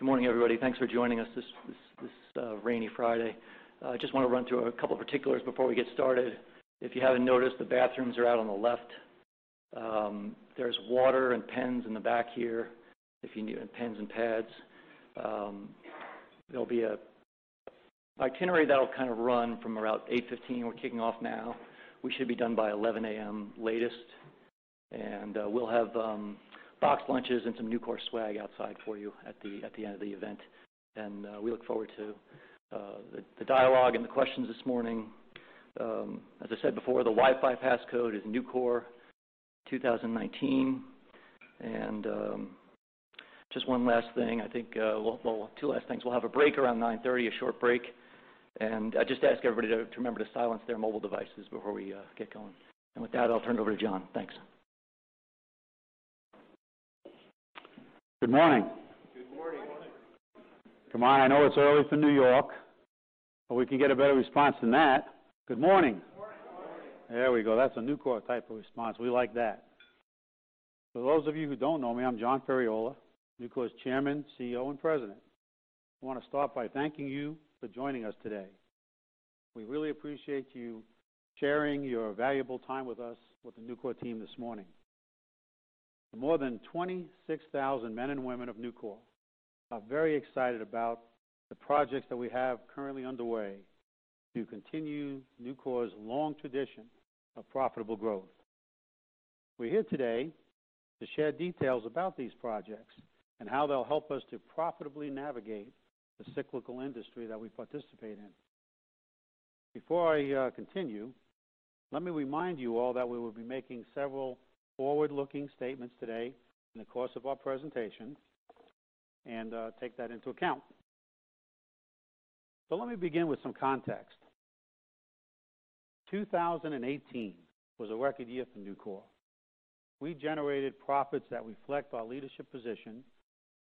Good morning, everybody. Thanks for joining us this rainy Friday. I just want to run through a couple particulars before we get started. If you haven't noticed, the bathrooms are out on the left. There's water and pens in the back here if you need pens and pads. There'll be an itinerary that'll kind of run from around 8:15. We're kicking off now. We should be done by 11:00 A.M. latest. We'll have box lunches and some Nucor swag outside for you at the end of the event. We look forward to the dialogue and the questions this morning. As I said before, the Wi-Fi passcode is Nucor2019. Just one last thing. Well, two last things. We'll have a break around 9:30, a short break. I just ask everybody to remember to silence their mobile devices before we get going. With that, I'll turn it over to John. Thanks. Good morning. Good morning. Come on, I know it's early for New York. We can get a better response than that. Good morning. Good morning. There we go. That's a Nucor type of response. We like that. For those of you who don't know me, I'm John Ferriola, Nucor's Chairman, CEO, and President. I want to start by thanking you for joining us today. We really appreciate you sharing your valuable time with us, with the Nucor team this morning. The more than 26,000 men and women of Nucor are very excited about the projects that we have currently underway to continue Nucor's long tradition of profitable growth. We're here today to share details about these projects and how they'll help us to profitably navigate the cyclical industry that we participate in. Before I continue, let me remind you all that we will be making several forward-looking statements today in the course of our presentation, and take that into account. Let me begin with some context. 2018 was a record year for Nucor. We generated profits that reflect our leadership position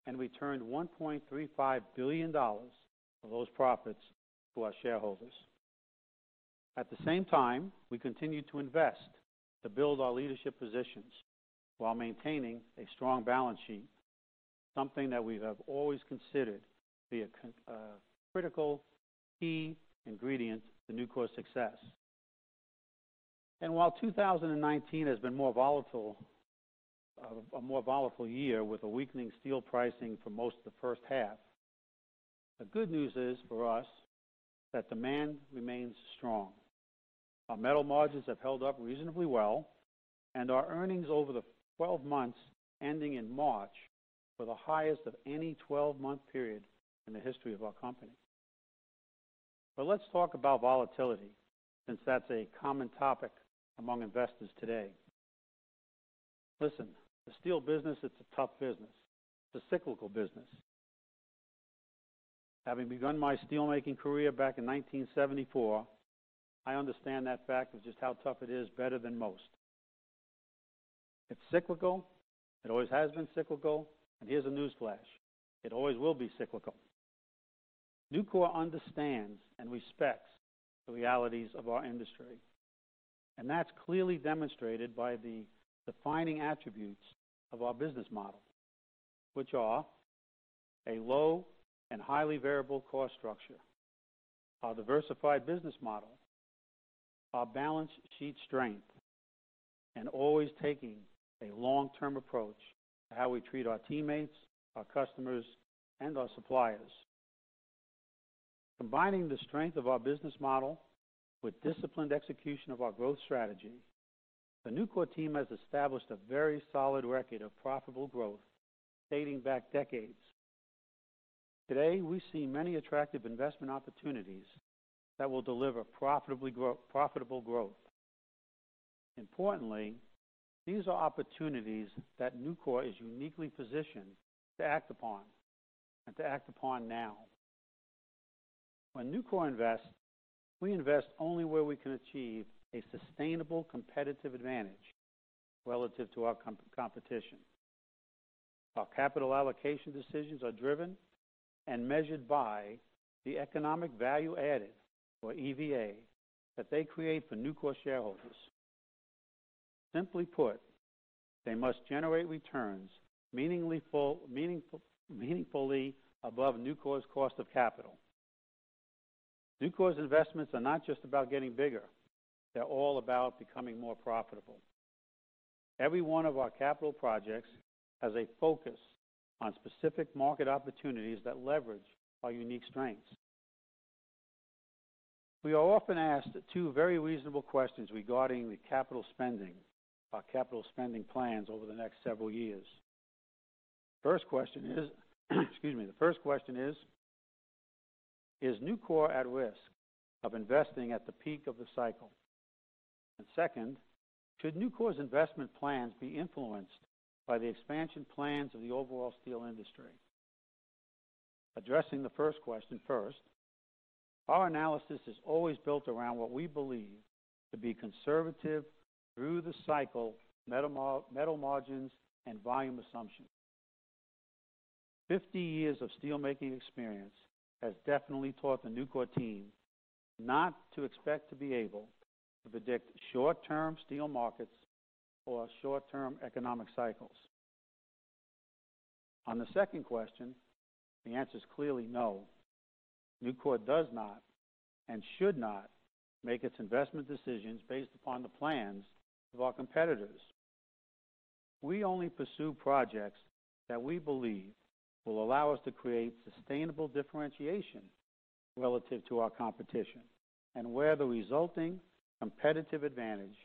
and returned $1.35 billion of those profits to our shareholders. At the same time, we continued to invest to build our leadership positions while maintaining a strong balance sheet, something that we have always considered to be a critical key ingredient to Nucor's success. While 2019 has been a more volatile year with a weakening steel pricing for most of the first half, the good news is, for us, that demand remains strong. Our metal margins have held up reasonably well, and our earnings over the 12 months ending in March, were the highest of any 12-month period in the history of our company. Let's talk about volatility, since that's a common topic among investors today. Listen, the steel business, it's a tough business. It's a cyclical business. Having begun my steel-making career back in 1974, I understand that fact of just how tough it is better than most. It's cyclical, it always has been cyclical. Here's a newsflash, it always will be cyclical. Nucor understands and respects the realities of our industry, and that's clearly demonstrated by the defining attributes of our business model, which are a low and highly variable cost structure, our diversified business model, our balance sheet strength, and always taking a long-term approach to how we treat our teammates, our customers, and our suppliers. Combining the strength of our business model with disciplined execution of our growth strategy, the Nucor team has established a very solid record of profitable growth dating back decades. Today, we see many attractive investment opportunities that will deliver profitable growth. Importantly, these are opportunities that Nucor is uniquely positioned to act upon, and to act upon now. When Nucor invests, we invest only where we can achieve a sustainable competitive advantage relative to our competition. Our capital allocation decisions are driven and measured by the economic value added, or EVA, that they create for Nucor shareholders. Simply put, they must generate returns meaningfully above Nucor's cost of capital. Nucor's investments are not just about getting bigger. They're all about becoming more profitable. Every one of our capital projects has a focus on specific market opportunities that leverage our unique strengths. We are often asked two very reasonable questions regarding the capital spending, our capital spending plans over the next several years. First question is: Is Nucor at risk of investing at the peak of the cycle? Second, should Nucor's investment plans be influenced by the expansion plans of the overall steel industry? Addressing the first question first. Our analysis is always built around what we believe to be conservative through-the-cycle metal margins and volume assumptions. 50 years of steel-making experience has definitely taught the Nucor team not to expect to be able to predict short-term steel markets or short-term economic cycles. On the second question, the answer is clearly no. Nucor does not and should not make its investment decisions based upon the plans of our competitors. We only pursue projects that we believe will allow us to create sustainable differentiation relative to our competition, and where the resulting competitive advantage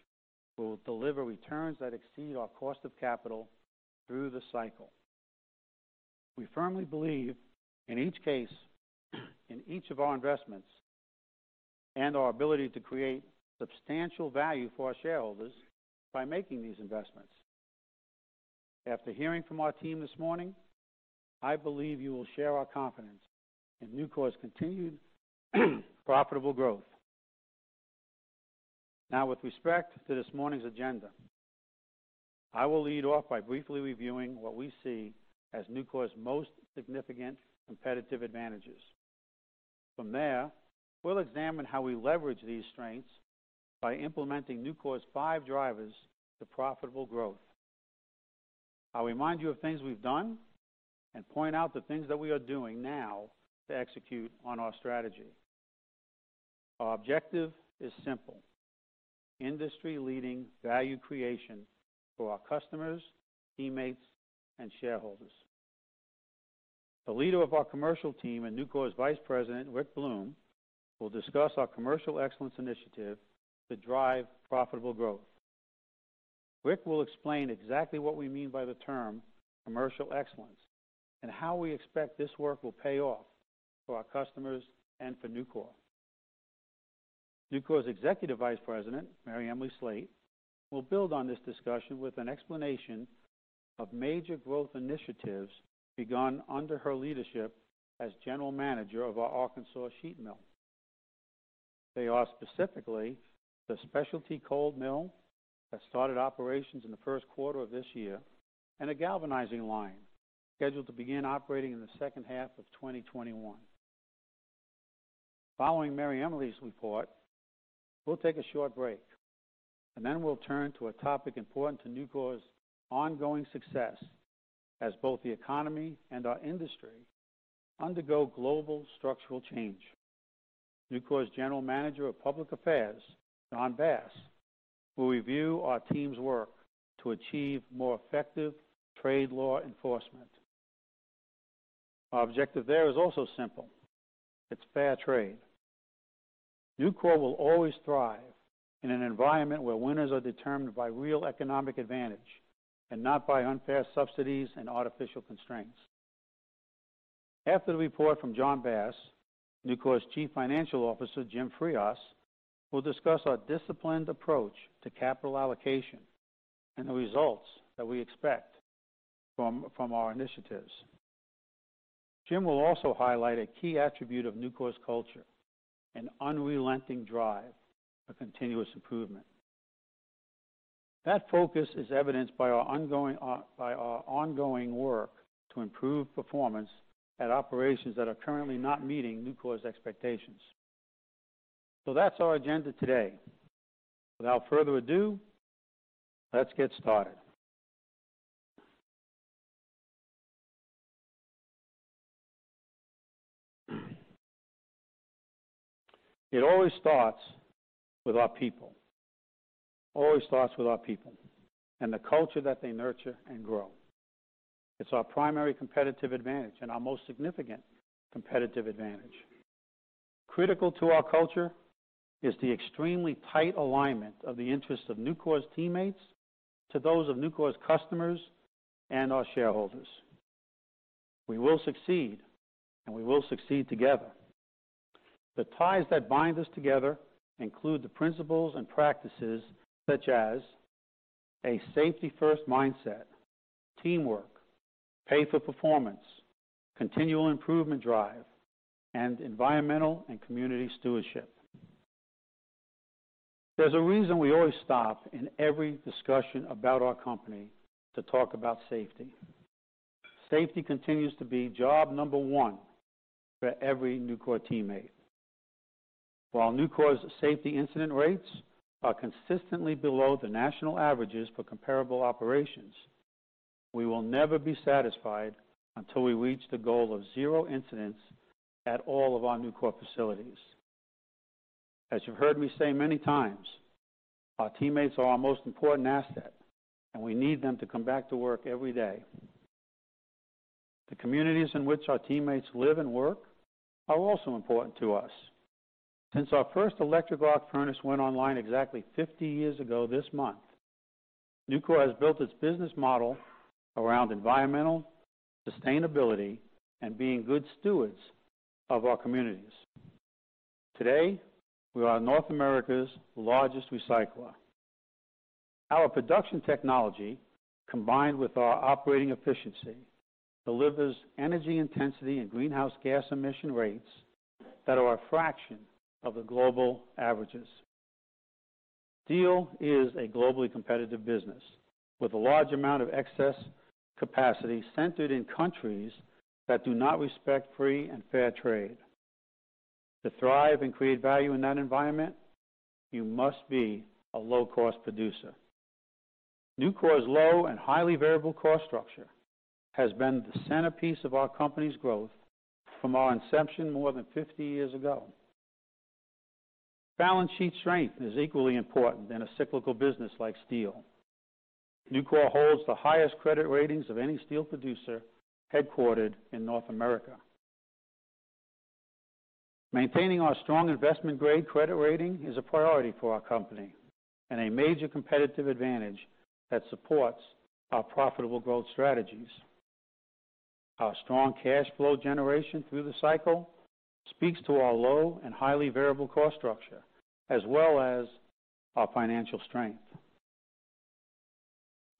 will deliver returns that exceed our cost of capital through the cycle. We firmly believe in each case, in each of our investments, and our ability to create substantial value for our shareholders by making these investments. After hearing from our team this morning, I believe you will share our confidence in Nucor's continued profitable growth. With respect to this morning's agenda, I will lead off by briefly reviewing what we see as Nucor's most significant competitive advantages. From there, we'll examine how we leverage these strengths by implementing Nucor's five drivers to profitable growth. I'll remind you of things we've done and point out the things that we are doing now to execute on our strategy. Our objective is simple: industry-leading value creation for our customers, teammates, and shareholders. The leader of our commercial team and Nucor's Vice President, Rick Blume, will discuss our commercial excellence initiative to drive profitable growth. Rick will explain exactly what we mean by the term commercial excellence and how we expect this work will pay off for our customers and for Nucor. Nucor's Executive Vice President, MaryEmily Slate, will build on this discussion with an explanation of major growth initiatives begun under her leadership as General Manager of our Arkansas sheet mill. They are specifically the specialty cold mill that started operations in the first quarter of this year and a galvanizing line scheduled to begin operating in the second half of 2021. Following MaryEmily's report, we'll take a short break, and then we'll turn to a topic important to Nucor's ongoing success as both the economy and our industry undergo global structural change. Nucor's General Manager of Public Affairs, John Bass, will review our team's work to achieve more effective trade law enforcement. Our objective there is also simple. It's fair trade. Nucor will always thrive in an environment where winners are determined by real economic advantage and not by unfair subsidies and artificial constraints. After the report from John Bass, Nucor's Chief Financial Officer, Jim Frias, will discuss our disciplined approach to capital allocation and the results that we expect from our initiatives. Jim will also highlight a key attribute of Nucor's culture: an unrelenting drive for continuous improvement. That focus is evidenced by our ongoing work to improve performance at operations that are currently not meeting Nucor's expectations. So that's our agenda today. Without further ado, let's get started. It always starts with our people. Always starts with our people and the culture that they nurture and grow. It's our primary competitive advantage and our most significant competitive advantage. Critical to our culture is the extremely tight alignment of the interest of Nucor's teammates to those of Nucor's customers and our shareholders. We will succeed, and we will succeed together. The ties that bind us together include the principles and practices such as a safety-first mindset, teamwork, pay for performance, continual improvement drive, and environmental and community stewardship. There's a reason we always stop in every discussion about our company to talk about safety. Safety continues to be job number one for every Nucor teammate. While Nucor's safety incident rates are consistently below the national averages for comparable operations, we will never be satisfied until we reach the goal of zero incidents at all of our Nucor facilities. As you've heard me say many times, our teammates are our most important asset, and we need them to come back to work every day. The communities in which our teammates live and work are also important to us. Since our first electric arc furnace went online exactly 50 years ago this month, Nucor has built its business model around environmental sustainability and being good stewards of our communities. Today, we are North America's largest recycler. Our production technology, combined with our operating efficiency, delivers energy intensity and greenhouse gas emission rates that are a fraction of the global averages. Steel is a globally competitive business with a large amount of excess capacity centered in countries that do not respect free and fair trade. To thrive and create value in that environment, you must be a low-cost producer. Nucor's low and highly variable cost structure has been the centerpiece of our company's growth from our inception more than 50 years ago. Balance sheet strength is equally important in a cyclical business like steel. Nucor holds the highest credit ratings of any steel producer headquartered in North America. Maintaining our strong investment-grade credit rating is a priority for our company and a major competitive advantage that supports our profitable growth strategies. Our strong cash flow generation through the cycle speaks to our low and highly variable cost structure, as well as our financial strength.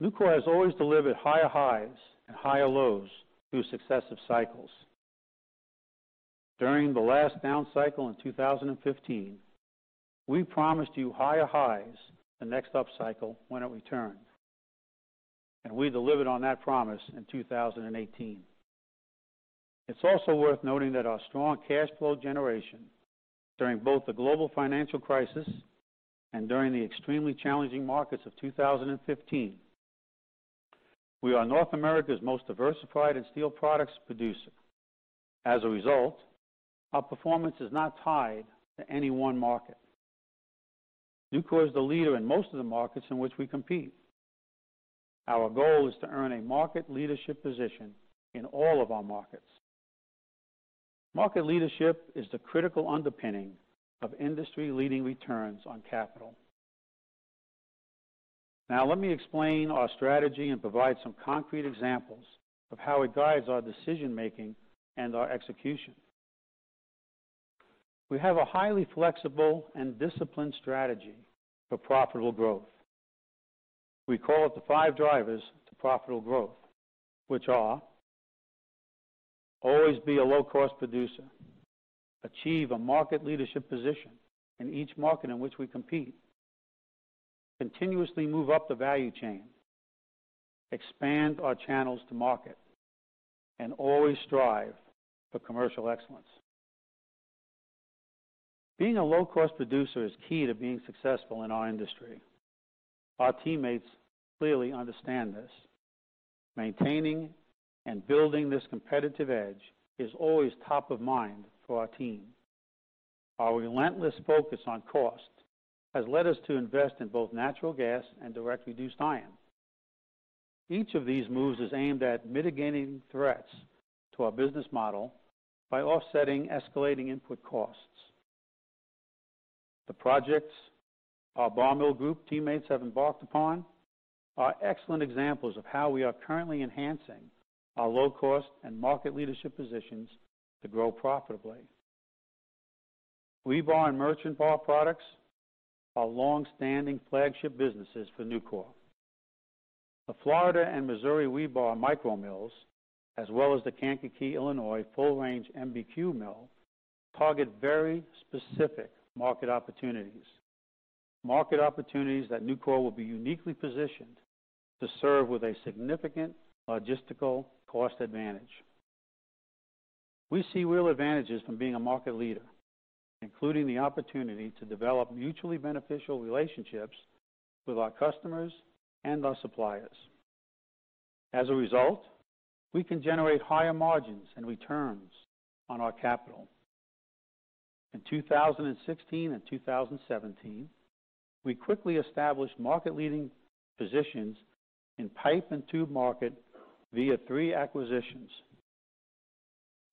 Nucor has always delivered higher highs and higher lows through successive cycles. During the last down cycle in 2015, we promised you higher highs the next up cycle when it returned, and we delivered on that promise in 2018. It is also worth noting that our strong cash flow generation during both the global financial crisis and during the extremely challenging markets of 2015. We are North America's most diversified steel products producer. As a result, our performance is not tied to any one market. Nucor is the leader in most of the markets in which we compete. Our goal is to earn a market leadership position in all of our markets. Market leadership is the critical underpinning of industry-leading returns on capital. Let me explain our strategy and provide some concrete examples of how it guides our decision-making and our execution. We have a highly flexible and disciplined strategy for profitable growth. We call it the five drivers to profitable growth, which are: always be a low-cost producer, achieve a market leadership position in each market in which we compete, continuously move up the value chain, expand our channels to market, and always strive for commercial excellence. Being a low-cost producer is key to being successful in our industry. Our teammates clearly understand this. Maintaining and building this competitive edge is always top of mind for our team. Our relentless focus on cost has led us to invest in both natural gas and direct reduced iron. Each of these moves is aimed at mitigating threats to our business model by offsetting escalating input costs. The projects our bar mill group teammates have embarked upon are excellent examples of how we are currently enhancing our low-cost and market leadership positions to grow profitably. Rebar and merchant bar products are long-standing flagship businesses for Nucor. The Florida and Missouri rebar micro mills, as well as the Kankakee, Illinois, full-range MBQ mill, target very specific market opportunities. Market opportunities that Nucor will be uniquely positioned to serve with a significant logistical cost advantage. We see real advantages from being a market leader, including the opportunity to develop mutually beneficial relationships with our customers and our suppliers. As a result, we can generate higher margins and returns on our capital. In 2016 and 2017, we quickly established market-leading positions in pipe and tube market via three acquisitions.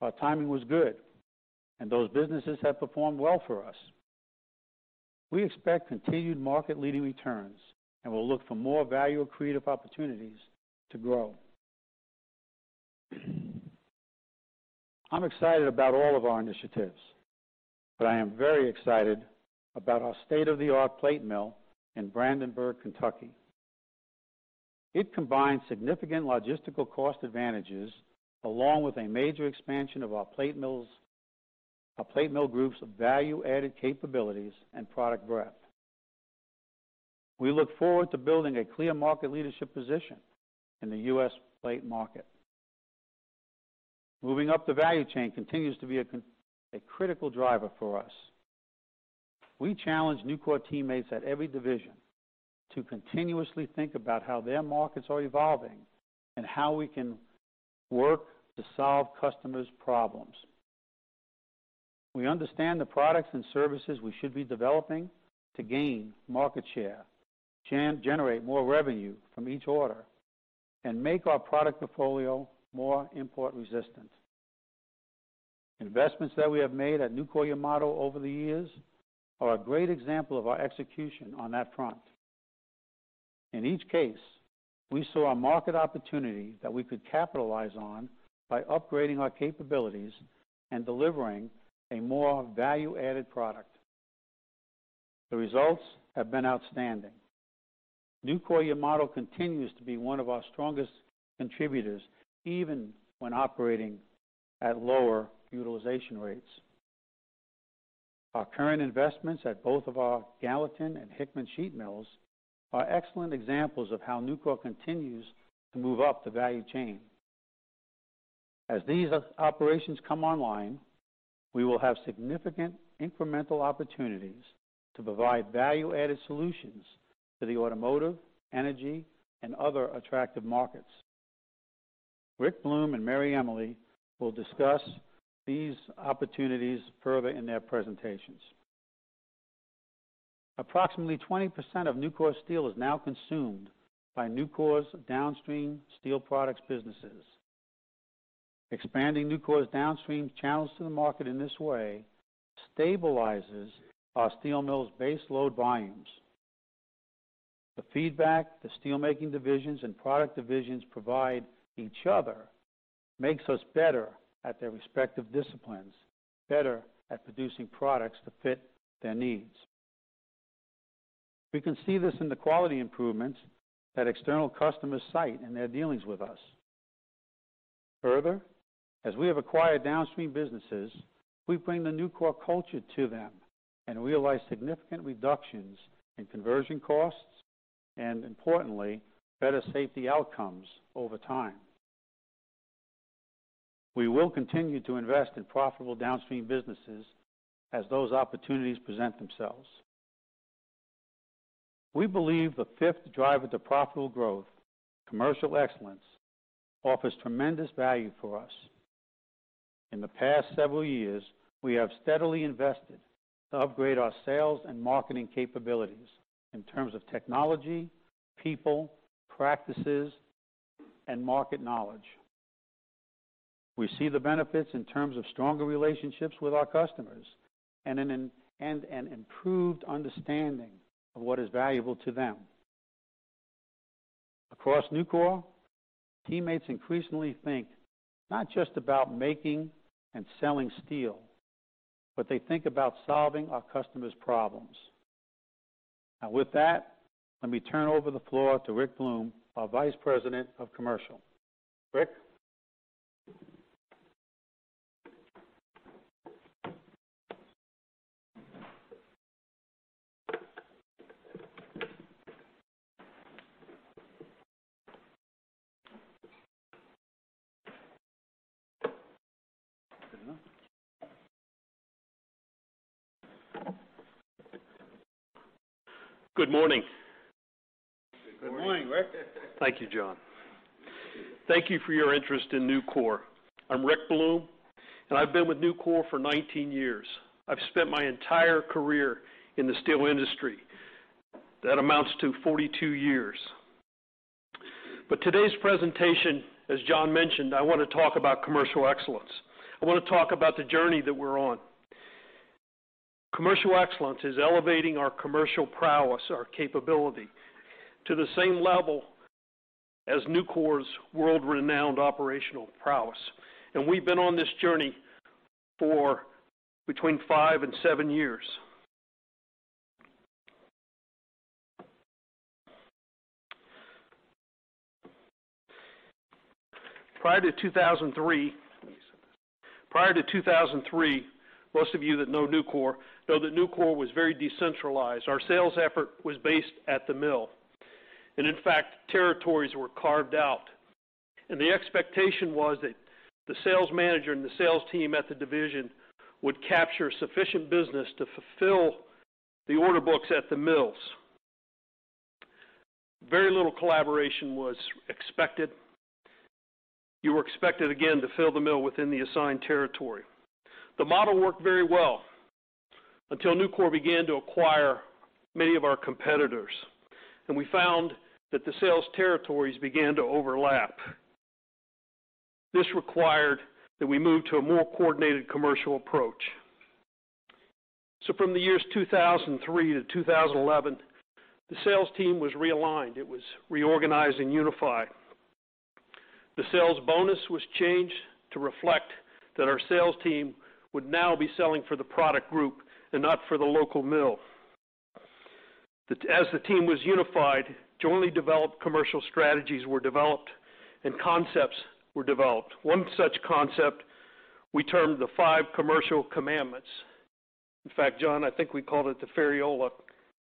Our timing was good, and those businesses have performed well for us. We expect continued market-leading returns and will look for more value-creative opportunities to grow. I am excited about all of our initiatives, but I am very excited about our state-of-the-art plate mill in Brandenburg, Kentucky. It combines significant logistical cost advantages along with a major expansion of our plate mill group's value-added capabilities and product breadth. We look forward to building a clear market leadership position in the U.S. plate market. Moving up the value chain continues to be a critical driver for us. We challenge Nucor teammates at every division to continuously think about how their markets are evolving and how we can work to solve customers' problems. We understand the products and services we should be developing to gain market share, generate more revenue from each order, and make our product portfolio more import-resistant. Investments that we have made at Nucor-Yamato over the years are a great example of our execution on that front. In each case, we saw a market opportunity that we could capitalize on by upgrading our capabilities and delivering a more value-added product. The results have been outstanding. Nucor-Yamato continues to be one of our strongest contributors, even when operating at lower utilization rates. Our current investments at both of our Gallatin and Hickman sheet mills are excellent examples of how Nucor continues to move up the value chain. As these operations come online, we will have significant incremental opportunities to provide value-added solutions to the automotive, energy, and other attractive markets. Rick Blume and Mary Emily will discuss these opportunities further in their presentations. Approximately 20% of Nucor steel is now consumed by Nucor's downstream steel products businesses. Expanding Nucor's downstream channels to the market in this way stabilizes our steel mills' base load volumes. The feedback the steelmaking divisions and product divisions provide each other makes us better at their respective disciplines, better at producing products to fit their needs. We can see this in the quality improvements that external customers cite in their dealings with us. Further, as we have acquired downstream businesses, we bring the Nucor culture to them and realize significant reductions in conversion costs and, importantly, better safety outcomes over time. We will continue to invest in profitable downstream businesses as those opportunities present themselves. We believe the fifth driver to profitable growth, commercial excellence, offers tremendous value for us. In the past several years, we have steadily invested to upgrade our sales and marketing capabilities in terms of technology, people, practices, and market knowledge. We see the benefits in terms of stronger relationships with our customers and an improved understanding of what is valuable to them. Across Nucor, teammates increasingly think not just about making and selling steel, but they think about solving our customers' problems. Now, with that, let me turn over the floor to Rick Blume, our Vice President of Commercial. Rick? Good morning. Good morning. Good morning, Rick. Thank you, John. Thank you for your interest in Nucor. I'm Rick Blume, and I've been with Nucor for 19 years. I've spent my entire career in the steel industry. That amounts to 42 years. Today's presentation, as John mentioned, I want to talk about commercial excellence. I want to talk about the journey that we're on. Commercial excellence is elevating our commercial prowess, our capability, to the same level as Nucor's world-renowned operational prowess. We've been on this journey for between five and seven years. Prior to 2003, most of you that know Nucor know that Nucor was very decentralized. Our sales effort was based at the mill. In fact, territories were carved out, and the expectation was that the sales manager and the sales team at the division would capture sufficient business to fulfill the order books at the mills. Very little collaboration was expected. You were expected, again, to fill the mill within the assigned territory. The model worked very well until Nucor began to acquire many of our competitors, and we found that the sales territories began to overlap. This required that we move to a more coordinated commercial approach. From the years 2003 to 2011, the sales team was realigned. It was reorganized and unified. The sales bonus was changed to reflect that our sales team would now be selling for the product group and not for the local mill. As the team was unified, jointly developed commercial strategies were developed and concepts were developed. One such concept we termed the Commercial Five Commandments. In fact, John, I think we called it the Ferriola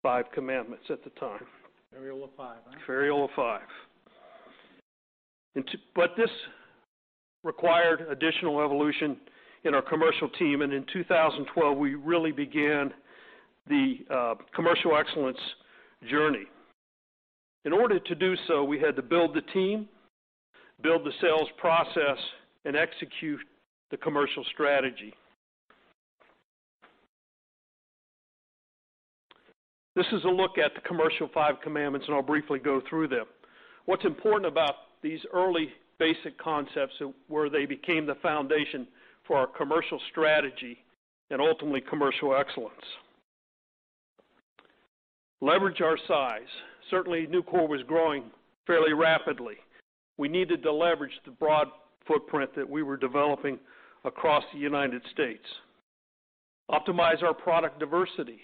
Five Commandments at the time. Ferriola five, huh? Ferriola five. This required additional evolution in our commercial team, and in 2012, we really began the commercial excellence journey. In order to do so, we had to build the team, build the sales process, and execute the commercial strategy. This is a look at the Commercial Five Commandments, and I'll briefly go through them. What's important about these early basic concepts were they became the foundation for our commercial strategy and ultimately commercial excellence. Leverage our size. Certainly, Nucor was growing fairly rapidly. We needed to leverage the broad footprint that we were developing across the United States. Optimize our product diversity.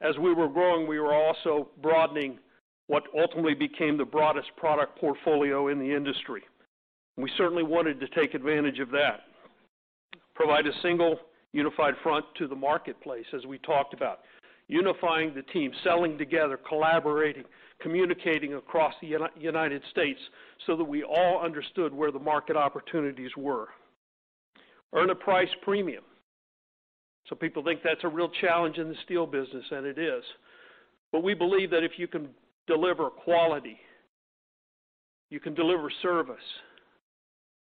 As we were growing, we were also broadening what ultimately became the broadest product portfolio in the industry. We certainly wanted to take advantage of that. Provide a single unified front to the marketplace, as we talked about. Unifying the team, selling together, collaborating, communicating across the United States so that we all understood where the market opportunities were. Earn a price premium. People think that's a real challenge in the steel business, and it is. We believe that if you can deliver quality, you can deliver service,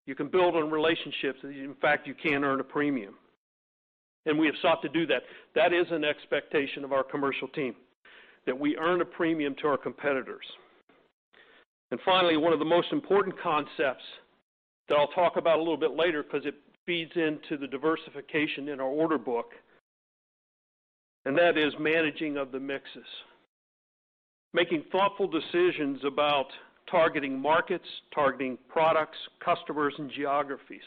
you can build on relationships, and in fact, you can earn a premium. We have sought to do that. That is an expectation of our commercial team, that we earn a premium to our competitors. Finally, one of the most important concepts that I'll talk about a little bit later because it feeds into the diversification in our order book, and that is managing of the mixes. Making thoughtful decisions about targeting markets, targeting products, customers, and geographies,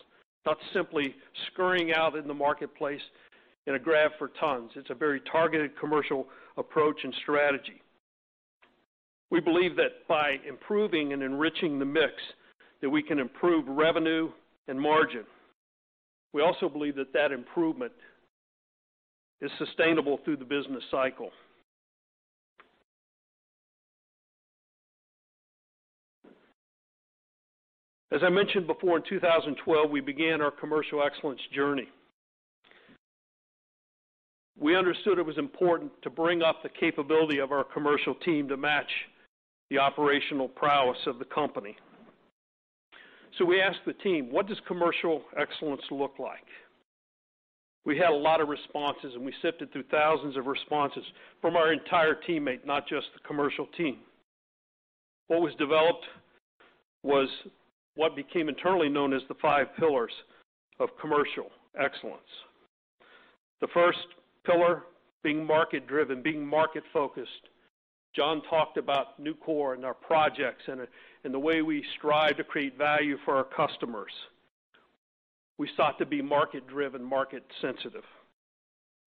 not simply scurrying out in the marketplace in a grab for tons. It's a very targeted commercial approach and strategy. We believe that by improving and enriching the mix, that we can improve revenue and margin. We also believe that that improvement is sustainable through the business cycle. As I mentioned before, in 2012, we began our commercial excellence journey. We understood it was important to bring up the capability of our commercial team to match the operational prowess of the company. We asked the team, what does commercial excellence look like? We had a lot of responses, and we sifted through thousands of responses from our entire teammate, not just the commercial team. What was developed was what became internally known as the five pillars of commercial excellence. The first pillar, being market-driven, being market-focused. John talked about Nucor and our projects and the way we strive to create value for our customers. We sought to be market-driven, market-sensitive,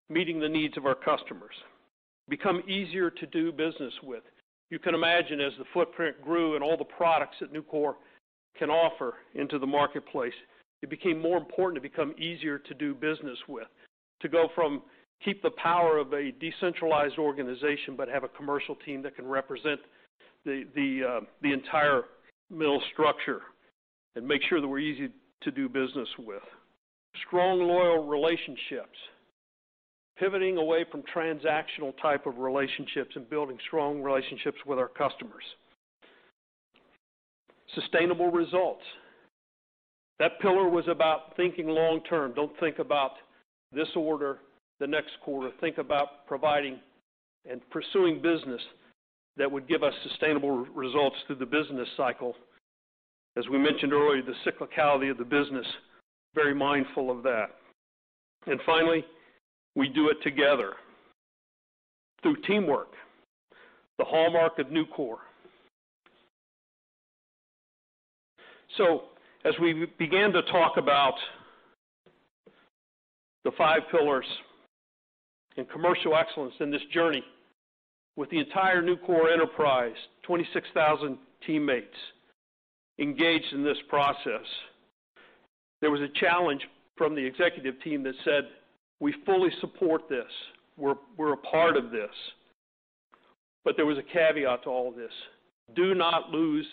meeting the needs of our customers. Become easier to do business with. You can imagine as the footprint grew and all the products that Nucor can offer into the marketplace, it became more important to become easier to do business with. To go from keep the power of a decentralized organization, but have a commercial team that can represent the entire middle structure and make sure that we're easy to do business with. Strong, loyal relationships. Pivoting away from transactional type of relationships and building strong relationships with our customers. Sustainable results. That pillar was about thinking long-term. Don't think about this order the next quarter. Think about providing and pursuing business that would give us sustainable results through the business cycle. As we mentioned earlier, the cyclicality of the business, very mindful of that. Finally, we do it together through teamwork, the hallmark of Nucor. As we began to talk about the five pillars and commercial excellence in this journey with the entire Nucor enterprise, 26,000 teammates engaged in this process. There was a challenge from the executive team that said, "We fully support this. We're a part of this." There was a caveat to all of this. Do not lose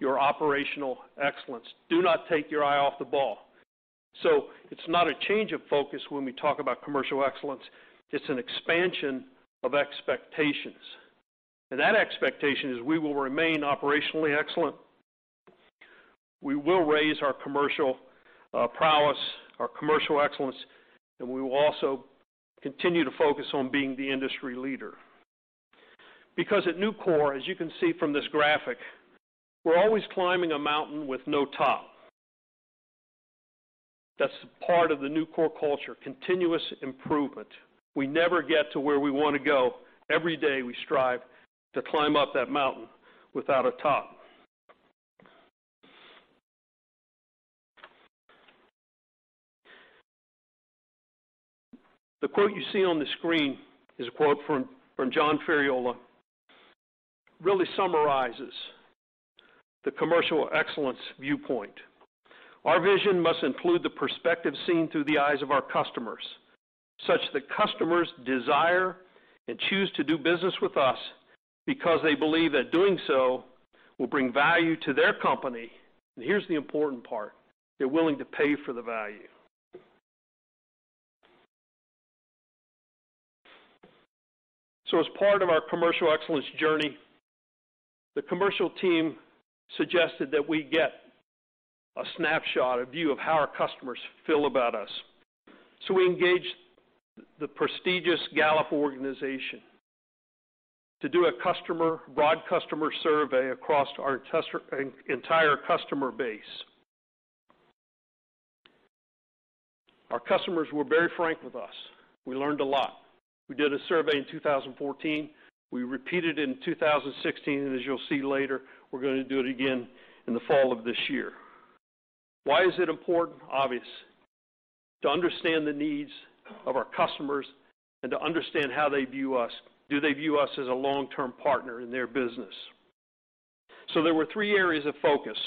your operational excellence. Do not take your eye off the ball. It's not a change of focus when we talk about commercial excellence. It's an expansion of expectations. That expectation is we will remain operationally excellent. We will raise our commercial prowess, our commercial excellence, and we will also continue to focus on being the industry leader. Because at Nucor, as you can see from this graphic, we're always climbing a mountain with no top. That's part of the Nucor culture, continuous improvement. We never get to where we want to go. Every day, we strive to climb up that mountain without a top. The quote you see on the screen is a quote from John Ferriola, really summarizes the commercial excellence viewpoint. "Our vision must include the perspective seen through the eyes of our customers, such that customers desire and choose to do business with us because they believe that doing so will bring value to their company." Here's the important part. "They're willing to pay for the value." As part of our commercial excellence journey, the commercial team suggested that we get a snapshot, a view of how our customers feel about us. We engaged the prestigious Gallup organization to do a broad customer survey across our entire customer base. Our customers were very frank with us. We learned a lot. We did a survey in 2014. We repeated in 2016, and as you'll see later, we're going to do it again in the fall of this year. Why is it important? Obvious. To understand the needs of our customers and to understand how they view us. Do they view us as a long-term partner in their business? There were three areas of focus.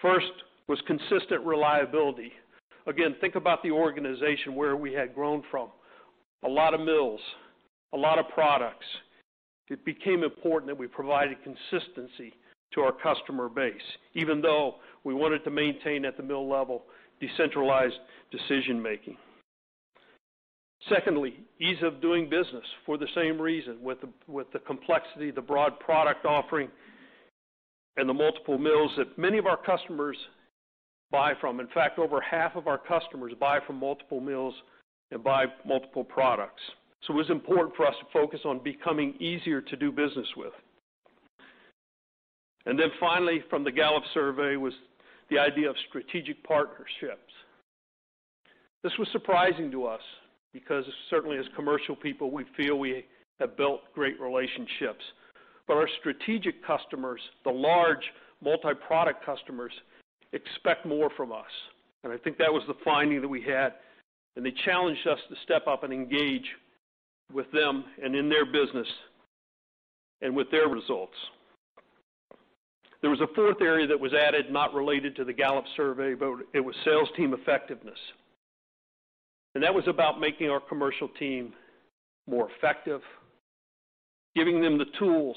First was consistent reliability. Again, think about the organization, where we had grown from. A lot of mills, a lot of products. It became important that we provided consistency to our customer base, even though we wanted to maintain at the mill level decentralized decision-making. Secondly, ease of doing business for the same reason, with the complexity, the broad product offering, and the multiple mills that many of our customers buy from. In fact, over half of our customers buy from multiple mills and buy multiple products. It was important for us to focus on becoming easier to do business with. Finally, from the Gallup survey, was the idea of strategic partnerships. This was surprising to us because certainly as commercial people, we feel we have built great relationships. Our strategic customers, the large multi-product customers, expect more from us, and I think that was the finding that we had, and they challenged us to step up and engage with them and in their business and with their results. There was a fourth area that was added, not related to the Gallup survey, but it was sales team effectiveness. That was about making our commercial team more effective, giving them the tools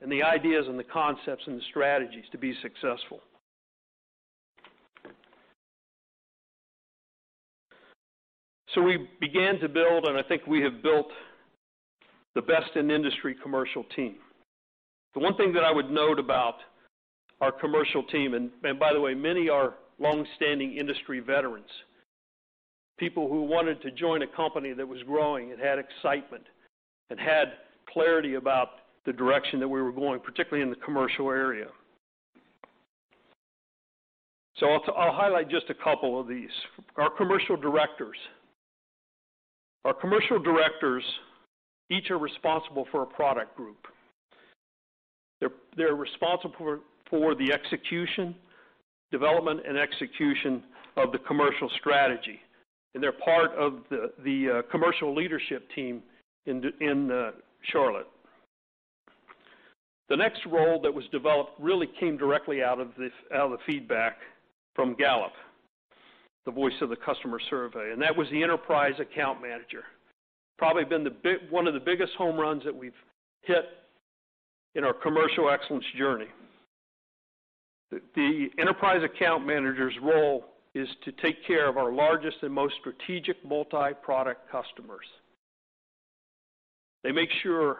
and the ideas and the concepts and the strategies to be successful. We began to build, and I think we have built the best in-industry commercial team. The one thing that I would note about our commercial team, and by the way, many are longstanding industry veterans. People who wanted to join a company that was growing and had excitement and had clarity about the direction that we were going, particularly in the commercial area. I'll highlight just a couple of these. Our commercial directors. Our commercial directors each are responsible for a product group. They're responsible for the development and execution of the commercial strategy, and they're part of the commercial leadership team in Charlotte. The next role that was developed really came directly out of the feedback from Gallup, the voice of the customer survey, and that was the enterprise account manager. Probably been one of the biggest home runs that we've hit in our commercial excellence journey. The enterprise account manager's role is to take care of our largest and most strategic multi-product customers. They make sure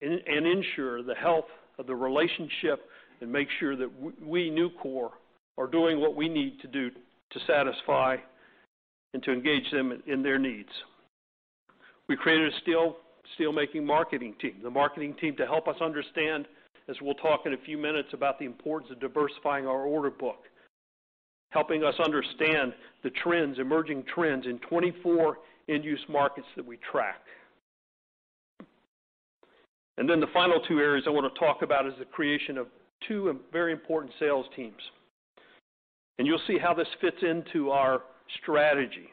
and ensure the health of the relationship and make sure that we, Nucor, are doing what we need to do to satisfy and to engage them in their needs. We created a steel-making marketing team, the marketing team to help us understand, as we'll talk in a few minutes about the importance of diversifying our order book, helping us understand the emerging trends in 24 end-use markets that we track. The final two areas I want to talk about is the creation of two very important sales teams, and you'll see how this fits into our strategy.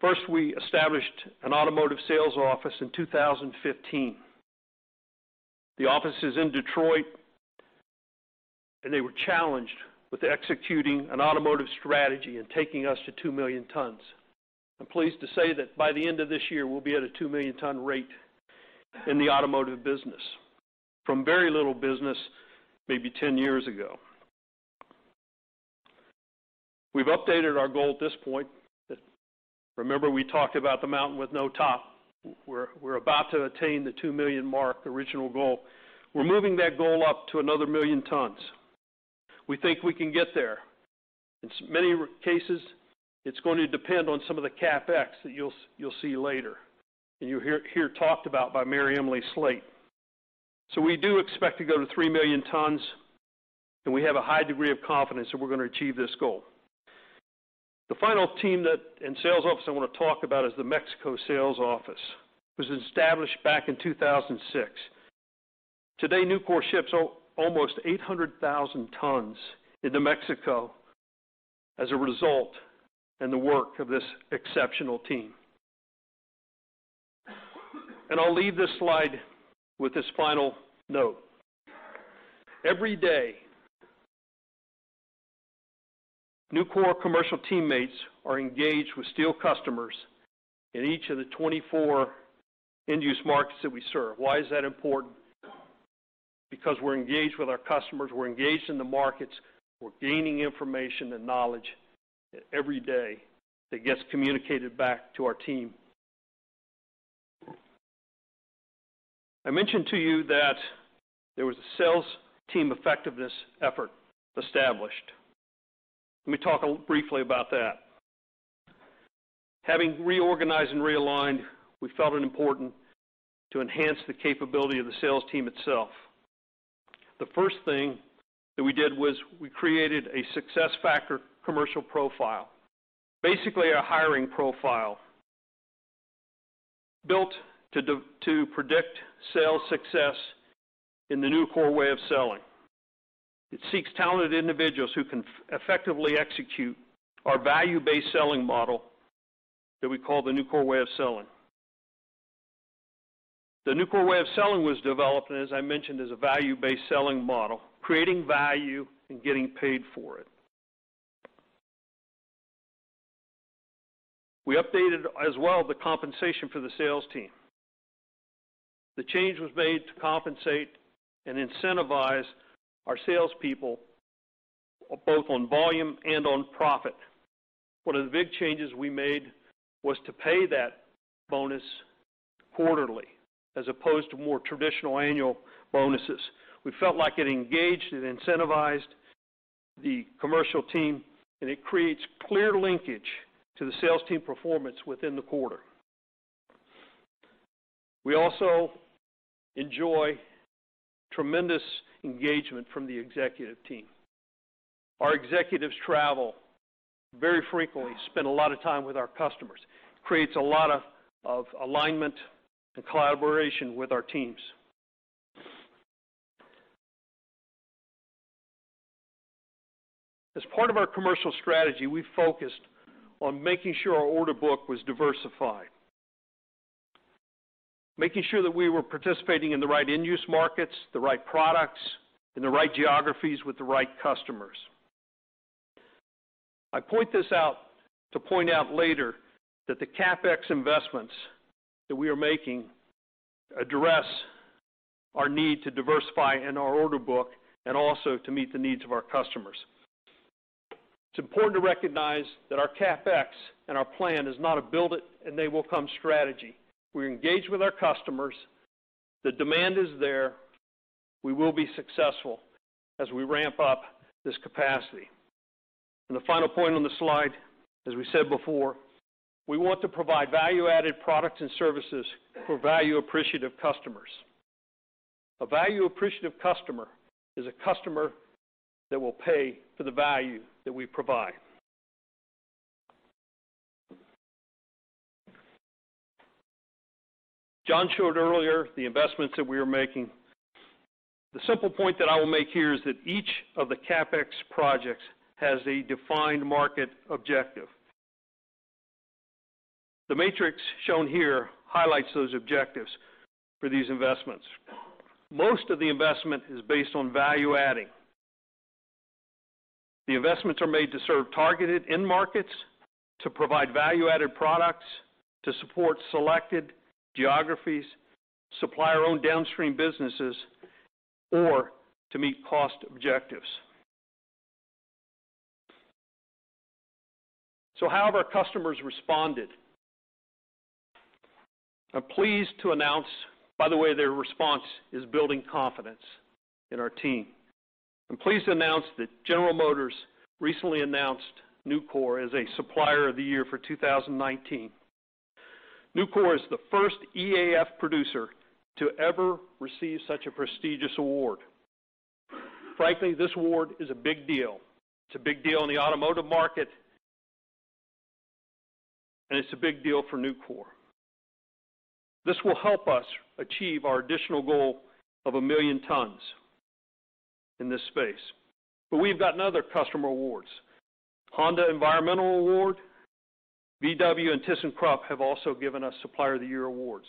First, we established an automotive sales office in 2015. The office is in Detroit, and they were challenged with executing an automotive strategy and taking us to two million tons. I'm pleased to say that by the end of this year, we'll be at a two-million-ton rate in the automotive business from very little business maybe 10 years ago. We've updated our goal at this point. Remember we talked about the mountain with no top. We're about to attain the two million mark, the original goal. We're moving that goal up to another million tons. We think we can get there. In many cases, it's going to depend on some of the CapEx that you'll see later, and you'll hear talked about by Mary Emily Slate. We do expect to go to three million tons, and we have a high degree of confidence that we're going to achieve this goal. The final team and sales office I want to talk about is the Mexico sales office. It was established back in 2006. Today, Nucor ships almost 800,000 tons into Mexico as a result in the work of this exceptional team. I'll leave this slide with this final note. Every day, Nucor commercial teammates are engaged with steel customers in each of the 24 end-use markets that we serve. Why is that important? We're engaged with our customers, we're engaged in the markets, we're gaining information and knowledge every day that gets communicated back to our team. I mentioned to you that there was a sales team effectiveness effort established. Let me talk briefly about that. Having reorganized and realigned, we felt it important to enhance the capability of the sales team itself. The first thing that we did was we created a success factor commercial profile. Basically, a hiring profile built to predict sales success in the Nucor Way of Selling. It seeks talented individuals who can effectively execute our value-based selling model that we call the Nucor Way of Selling. The Nucor Way of Selling was developed, as I mentioned, is a value-based selling model, creating value and getting paid for it. We updated as well the compensation for the sales team. The change was made to compensate and incentivize our salespeople both on volume and on profit. One of the big changes we made was to pay that bonus quarterly, as opposed to more traditional annual bonuses. We felt like it engaged and incentivized the commercial team, it creates clear linkage to the sales team performance within the quarter. We also enjoy tremendous engagement from the executive team. Our executives travel very frequently, spend a lot of time with our customers. Creates a lot of alignment and collaboration with our teams. As part of our commercial strategy, we focused on making sure our order book was diversified. Making sure that we were participating in the right end-use markets, the right products, and the right geographies with the right customers. I point this out to point out later that the CapEx investments that we are making address our need to diversify in our order book, and also to meet the needs of our customers. It's important to recognize that our CapEx and our plan is not a build it and they will come strategy. We're engaged with our customers. The demand is there. We will be successful as we ramp up this capacity. The final point on the slide, as we said before, we want to provide value-added products and services for value-appreciative customers. A value-appreciative customer is a customer that will pay for the value that we provide. John showed earlier the investments that we are making. The simple point that I will make here is that each of the CapEx projects has a defined market objective. The matrix shown here highlights those objectives for these investments. Most of the investment is based on value-adding. The investments are made to serve targeted end markets, to provide value-added products, to support selected geographies, supply our own downstream businesses, or to meet cost objectives. How have our customers responded? By the way, their response is building confidence in our team. I'm pleased to announce that General Motors recently announced Nucor as a Supplier of the Year for 2019. Nucor is the first EAF producer to ever receive such a prestigious award. Frankly, this award is a big deal. It's a big deal in the automotive market, and it's a big deal for Nucor. This will help us achieve our additional goal of 1 million tons in this space. We've gotten other customer awards. Honda Environmental Award, VW, and ThyssenKrupp have also given us Supplier of the Year awards.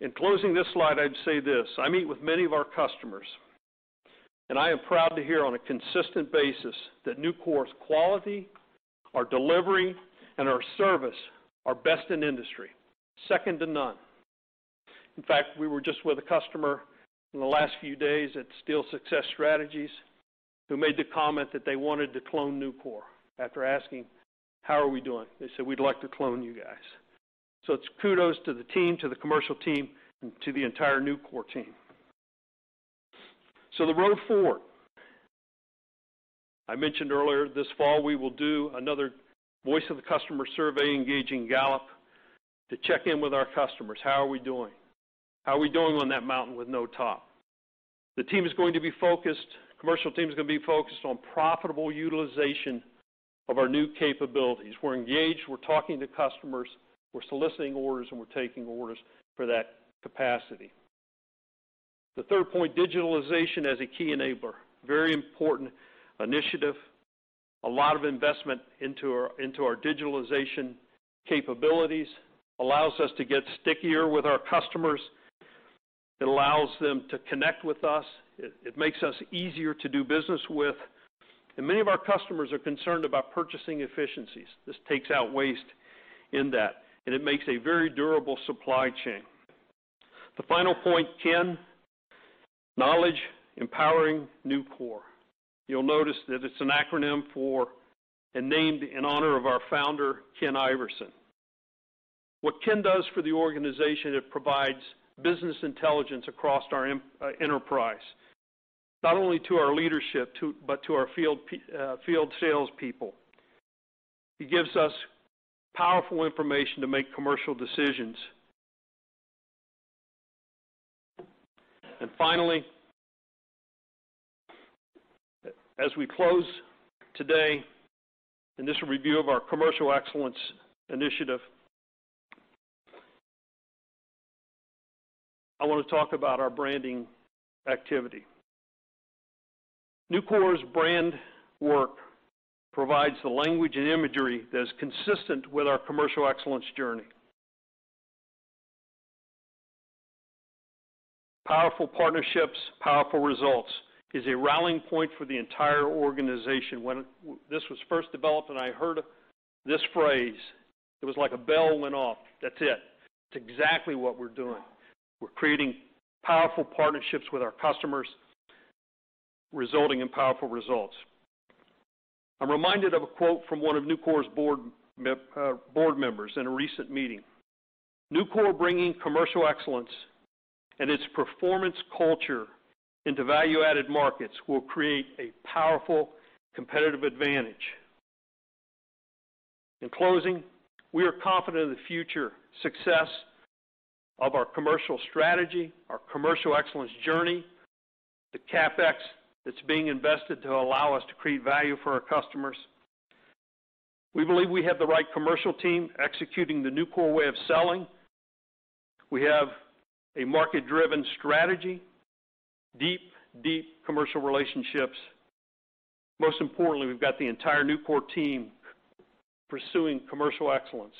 In closing this slide, I'd say this: I meet with many of our customers, and I am proud to hear on a consistent basis that Nucor's quality, our delivery, and our service are best-in-industry, second to none. In fact, we were just with a customer in the last few days at Steel Success Strategies who made the comment that they wanted to clone Nucor after asking, "How are we doing?" They said, "We'd like to clone you guys." It's kudos to the team, to the commercial team, and to the entire Nucor team. The road forward. I mentioned earlier this fall we will do another Voice of the Customer survey, engaging Gallup to check in with our customers. How are we doing? How are we doing on that mountain with no top? The team is going to be focused. Commercial team is going to be focused on profitable utilization of our new capabilities. We're engaged. We're talking to customers. We're soliciting orders, and we're taking orders for that capacity. The third point, digitalization as a key enabler. Very important initiative. A lot of investment into our digitalization capabilities. Allows us to get stickier with our customers. It allows them to connect with us. It makes us easier to do business with. Many of our customers are concerned about purchasing efficiencies. This takes out waste in that, and it makes a very durable supply chain. The final point, KEN: Knowledge Empowering Nucor. You'll notice that it's an acronym for and named in honor of our founder, Ken Iverson. What KEN does for the organization, it provides business intelligence across our enterprise, not only to our leadership, but to our field salespeople. It gives us powerful information to make commercial decisions. Finally, as we close today, in this review of our Commercial Excellence initiative, I want to talk about our branding activity. Nucor's brand work provides the language and imagery that is consistent with our Commercial Excellence journey. Powerful Partnerships, Powerful Results is a rallying point for the entire organization. When this was first developed and I heard this phrase, it was like a bell went off. That's it. It's exactly what we're doing. We're creating Powerful Partnerships with our customers, resulting in Powerful Results. I'm reminded of a quote from one of Nucor's board members in a recent meeting. Nucor bringing Commercial Excellence and its performance culture into value-added markets will create a powerful competitive advantage. In closing, we are confident in the future success of our commercial strategy, our Commercial Excellence journey, the CapEx that's being invested to allow us to create value for our customers. We believe we have the right commercial team executing the Nucor Way of Selling. We have a market-driven strategy, deep commercial relationships. Most importantly, we've got the entire Nucor team pursuing Commercial Excellence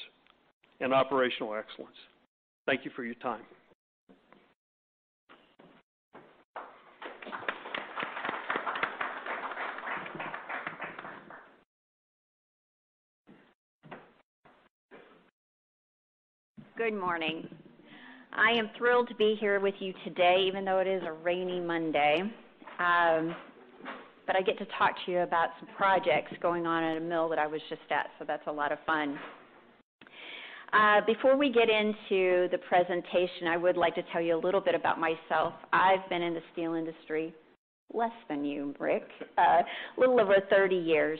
and Operational Excellence. Thank you for your time. Good morning. I am thrilled to be here with you today, even though it is a rainy Monday. I get to talk to you about some projects going on at a mill that I was just at, so that's a lot of fun. Before we get into the presentation, I would like to tell you a little bit about myself. I've been in the steel industry less than you, Rick, a little over 30 years.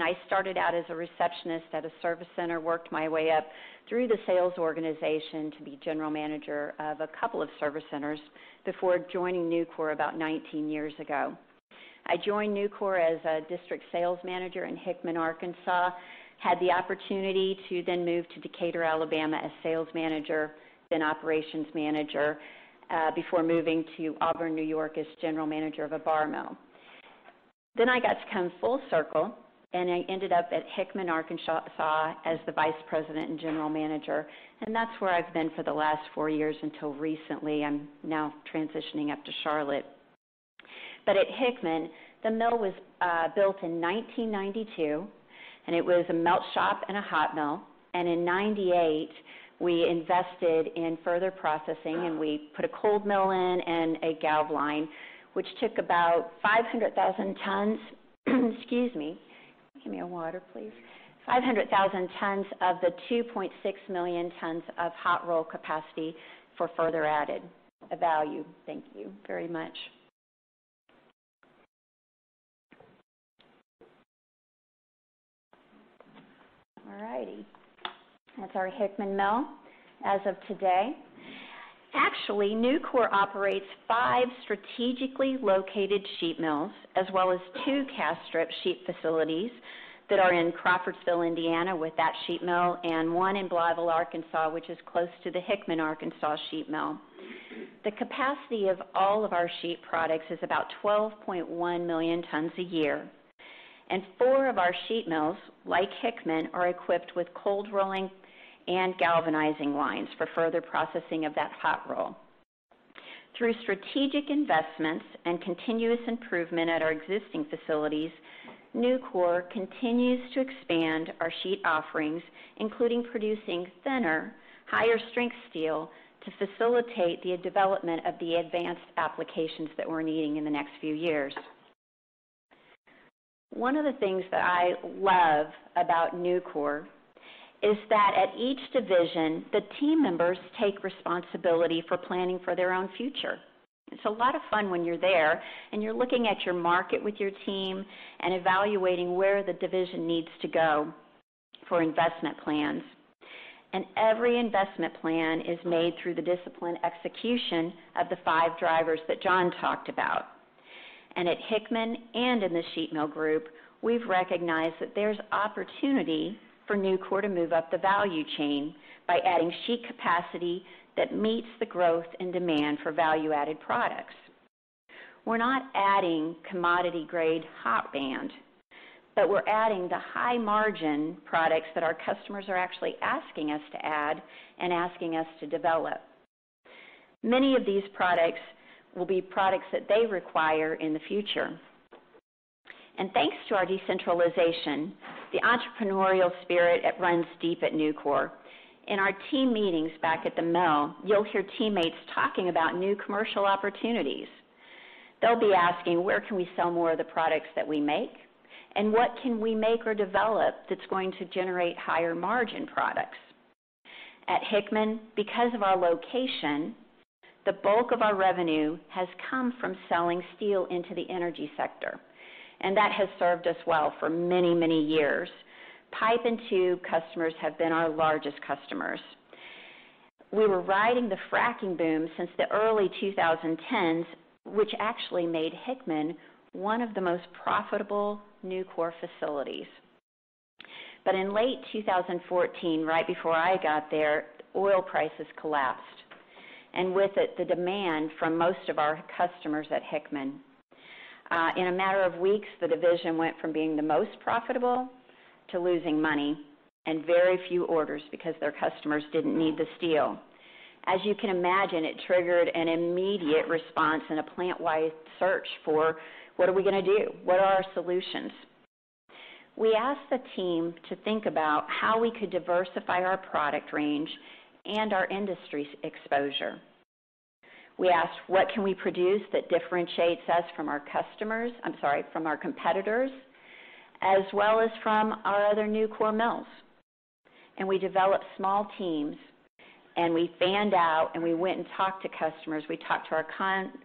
I started out as a receptionist at a service center, worked my way up through the sales organization to be general manager of a couple of service centers before joining Nucor about 19 years ago. I joined Nucor as a district sales manager in Hickman, Arkansas, had the opportunity to then move to Decatur, Alabama, as sales manager, then operations manager, before moving to Auburn, New York, as general manager of a bar mill. I got to come full circle, and I ended up at Hickman, Arkansas, as the vice president and general manager, and that's where I've been for the last four years until recently. I'm now transitioning up to Charlotte. At Hickman, the mill was built in 1992, and it was a melt shop and a hot mill. In 1998, we invested in further processing, and we put a cold mill in and a galv line, which took about 500,000 tons. Excuse me. Can you get me a water, please? 500,000 tons of the 2.6 million tons of hot roll capacity for further added value. Thank you very much. All righty. That's our Hickman mill as of today. Actually, Nucor operates five strategically located sheet mills, as well as two cast strip sheet facilities that are in Crawfordsville, Indiana, with that sheet mill and one in Blytheville, Arkansas, which is close to the Hickman, Arkansas, sheet mill. The capacity of all of our sheet products is about 12.1 million tons a year, and four of our sheet mills, like Hickman, are equipped with cold rolling and galvanizing lines for further processing of that hot roll. Through strategic investments and continuous improvement at our existing facilities, Nucor continues to expand our sheet offerings, including producing thinner, higher-strength steel to facilitate the development of the advanced applications that we're needing in the next few years. One of the things that I love about Nucor is that at each division, the team members take responsibility for planning for their own future. It's a lot of fun when you're there and you're looking at your market with your team and evaluating where the division needs to go for investment plans. Every investment plan is made through the disciplined execution of the five drivers that John talked about. At Hickman and in the sheet mill group, we've recognized that there's opportunity for Nucor to move up the value chain by adding sheet capacity that meets the growth and demand for value-added products. We're not adding commodity-grade hot band, but we're adding the high-margin products that our customers are actually asking us to add and asking us to develop. Many of these products will be products that they require in the future. Thanks to our decentralization, the entrepreneurial spirit, it runs deep at Nucor. In our team meetings back at the mill, you'll hear teammates talking about new commercial opportunities. They'll be asking, "Where can we sell more of the products that we make? What can we make or develop that's going to generate higher-margin products?" At Hickman, because of our location, the bulk of our revenue has come from selling steel into the energy sector, and that has served us well for many years. Pipe and tube customers have been our largest customers. We were riding the fracking boom since the early 2010s, which actually made Hickman one of the most profitable Nucor facilities. In late 2014, right before I got there, oil prices collapsed, and with it, the demand from most of our customers at Hickman. In a matter of weeks, the division went from being the most profitable to losing money and very few orders because their customers didn't need the steel. As you can imagine, it triggered an immediate response and a plant-wide search for what are we going to do? What are our solutions? We asked the team to think about how we could diversify our product range and our industry's exposure. We asked what can we produce that differentiates us from our competitors, as well as from our other Nucor mills. We developed small teams, and we fanned out, and we went and talked to customers. We talked to our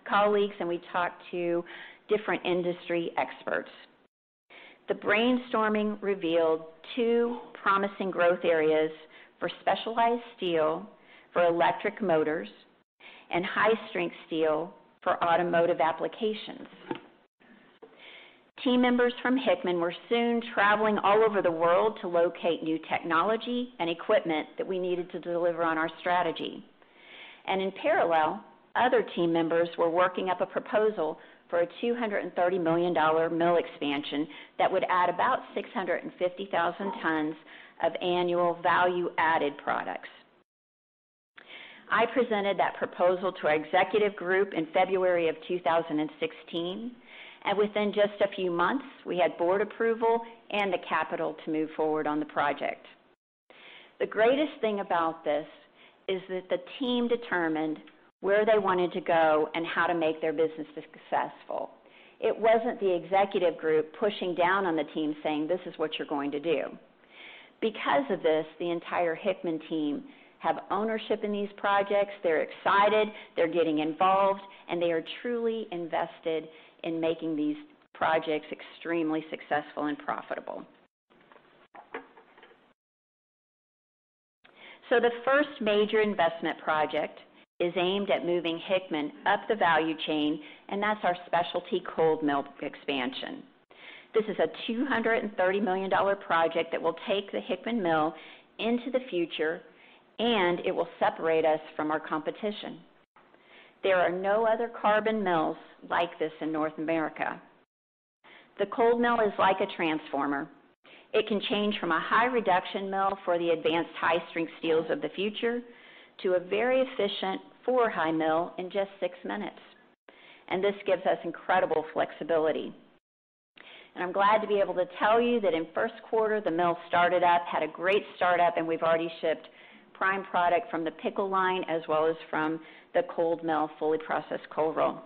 colleagues, and we talked to different industry experts. The brainstorming revealed two promising growth areas for specialized steel for electric motors and high-strength steel for automotive applications. Team members from Hickman were soon traveling all over the world to locate new technology and equipment that we needed to deliver on our strategy. In parallel, other team members were working up a proposal for a $230 million mill expansion that would add about 650,000 tons of annual value-added products. I presented that proposal to our executive group in February of 2016, and within just a few months, we had board approval and the capital to move forward on the project. The greatest thing about this is that the team determined where they wanted to go and how to make their business successful. It wasn't the executive group pushing down on the team saying, "This is what you're going to do." Because of this, the entire Hickman team have ownership in these projects. They're excited. They're getting involved, and they are truly invested in making these projects extremely successful and profitable. The first major investment project is aimed at moving Hickman up the value chain, and that's our specialty cold mill expansion. This is a $230 million project that will take the Hickman Mill into the future, and it will separate us from our competition. There are no other carbon mills like this in North America. The cold mill is like a transformer. It can change from a high reduction mill for the advanced high-strength steels of the future to a very efficient four-high mill in just six minutes, and this gives us incredible flexibility. I'm glad to be able to tell you that in the first quarter, the mill started up, had a great startup, and we've already shipped prime product from the pickle line as well as from the cold mill, fully processed cold roll.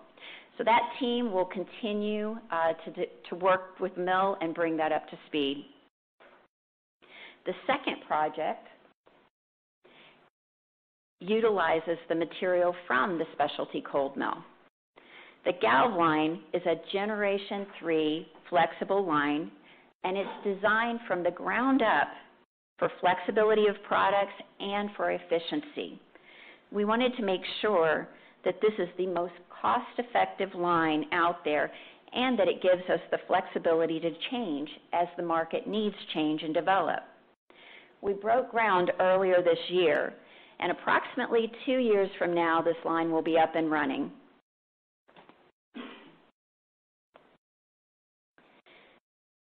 That team will continue to work with the mill and bring that up to speed. The second project utilizes the material from the specialty cold mill. The gal line is a generation 3 flexible line, and it's designed from the ground up for flexibility of products and for efficiency. We wanted to make sure that this is the most cost-effective line out there and that it gives us the flexibility to change as the market needs change and develop. We broke ground earlier this year, and approximately two years from now, this line will be up and running.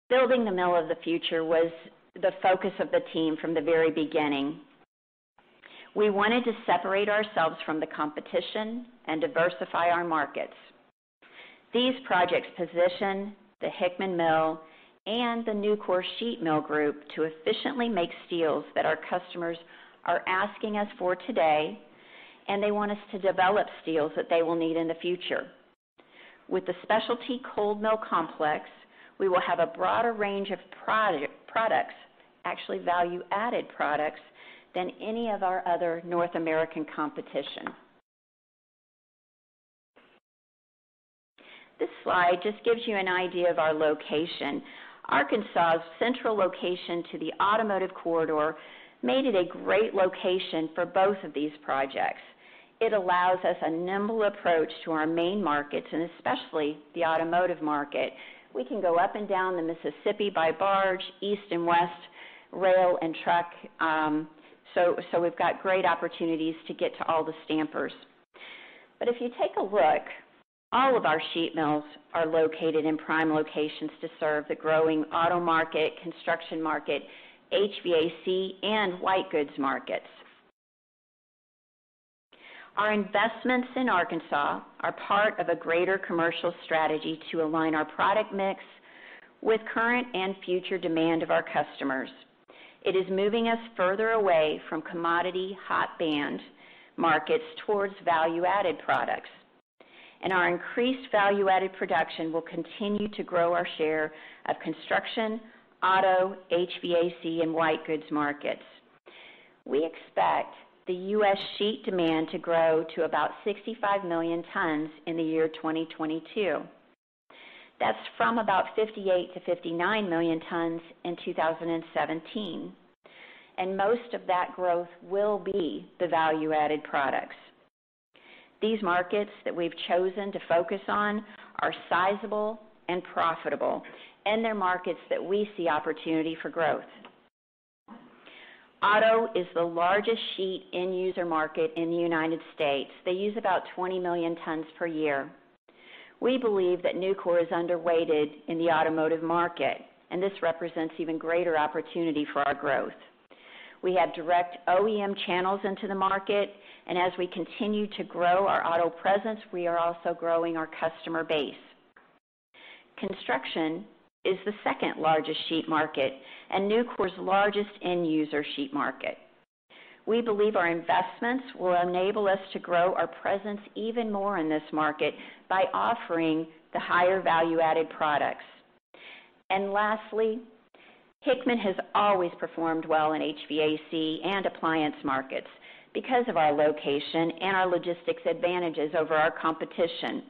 Building the mill of the future was the focus of the team from the very beginning. We wanted to separate ourselves from the competition and diversify our markets. These projects position the Hickman Mill and the Nucor Sheet Mill Group to efficiently make steels that our customers are asking us for today, and they want us to develop steels that they will need in the future. With the specialty cold mill complex, we will have a broader range of products, actually value-added products, than any of our other North American competition. This slide just gives you an idea of our location. Arkansas' central location to the automotive corridor made it a great location for both of these projects. It allows us a nimble approach to our main markets, and especially the automotive market. We can go up and down the Mississippi by barge, east and west, rail, and truck. We've got great opportunities to get to all the stampers. If you take a look, all of our sheet mills are located in prime locations to serve the growing auto market, construction market, HVAC, and white goods markets. Our investments in Arkansas are part of a greater commercial strategy to align our product mix with current and future demand of our customers. It is moving us further away from commodity hot band markets towards value-added products. Our increased value-added production will continue to grow our share of construction, auto, HVAC, and white goods markets. We expect the U.S. sheet demand to grow to about 65 million tons in the year 2022. That's from about 58 million-59 million tons in 2017. Most of that growth will be the value-added products. These markets that we've chosen to focus on are sizable and profitable. They're markets that we see opportunity for growth. Auto is the largest sheet end-user market in the United States. They use about 20 million tons per year. We believe that Nucor is underweighted in the automotive market. This represents even greater opportunity for our growth. We have direct OEM channels into the market. As we continue to grow our auto presence, we are also growing our customer base. Construction is the second-largest sheet market and Nucor's largest end-user sheet market. We believe our investments will enable us to grow our presence even more in this market by offering the higher value-added products. Lastly, Hickman has always performed well in HVAC and appliance markets because of our location and our logistics advantages over our competition.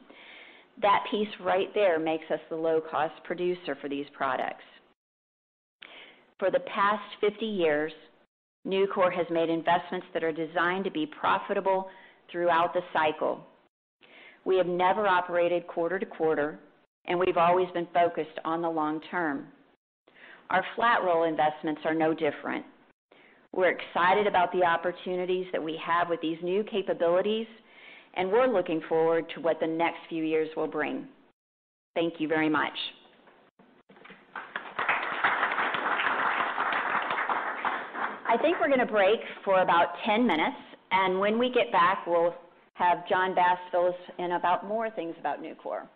That piece right there makes us the low-cost producer for these products. For the past 50 years, Nucor has made investments that are designed to be profitable throughout the cycle. We have never operated quarter-to-quarter, and we've always been focused on the long term. Our flat roll investments are no different. We're excited about the opportunities that we have with these new capabilities, and we're looking forward to what the next few years will bring. Thank you very much. I think we're going to break for about 10 minutes, and when we get back, we'll have John Bass in about more things about Nucor.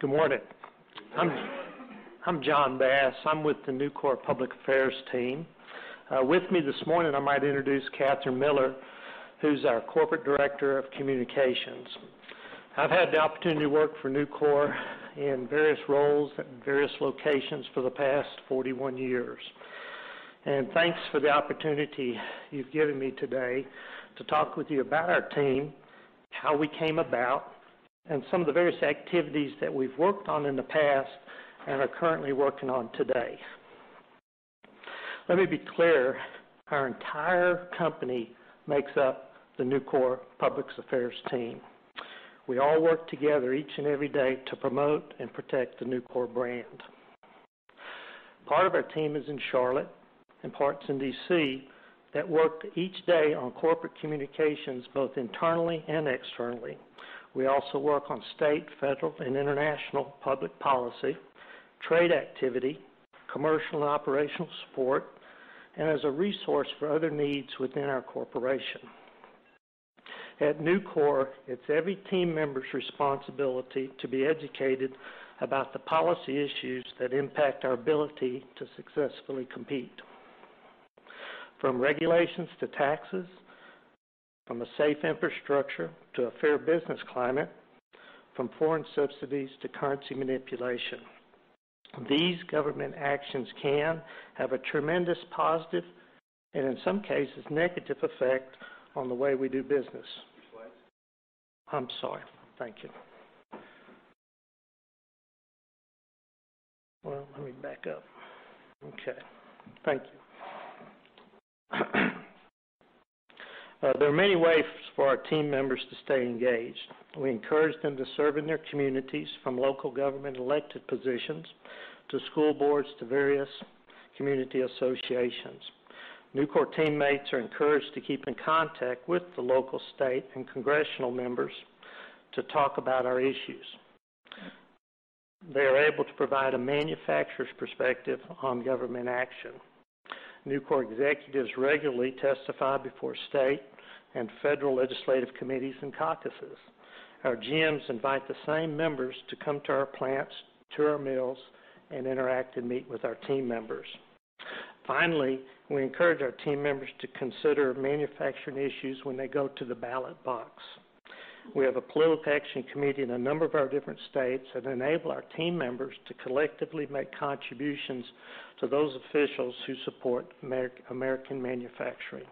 Good morning. I'm John Bass. I'm with the Nucor Public Affairs team. With me this morning, I might introduce Katherine Miller, who's our corporate director of communications. I've had the opportunity to work for Nucor in various roles and various locations for the past 41 years. Thanks for the opportunity you've given me today to talk with you about our team, how we came about, and some of the various activities that we've worked on in the past and are currently working on today. Let me be clear, our entire company makes up the Nucor Public Affairs team. We all work together each and every day to promote and protect the Nucor brand. Part of our team is in Charlotte and parts in D.C. that work each day on corporate communications, both internally and externally. We also work on state, federal, and international public policy, trade activity, commercial and operational support, and as a resource for other needs within our corporation. At Nucor, it's every team member's responsibility to be educated about the policy issues that impact our ability to successfully compete. From regulations to taxes, from a safe infrastructure to a fair business climate, from foreign subsidies to currency manipulation, these government actions can have a tremendous positive, and in some cases, negative effect on the way we do business. Switch slides. I'm sorry. Thank you. Let me back up. Okay. Thank you. There are many ways for our team members to stay engaged. We encourage them to serve in their communities, from local government elected positions to school boards to various community associations. Nucor teammates are encouraged to keep in contact with the local, state, and congressional members to talk about our issues. They are able to provide a manufacturer's perspective on government action. Nucor executives regularly testify before state and federal legislative committees and caucuses. Our GMs invite the same members to come to our plants, to our mills, and interact and meet with our team members. Finally, we encourage our team members to consider manufacturing issues when they go to the ballot box. We have a political action committee in a number of our different states that enable our team members to collectively make contributions to those officials who support American manufacturing.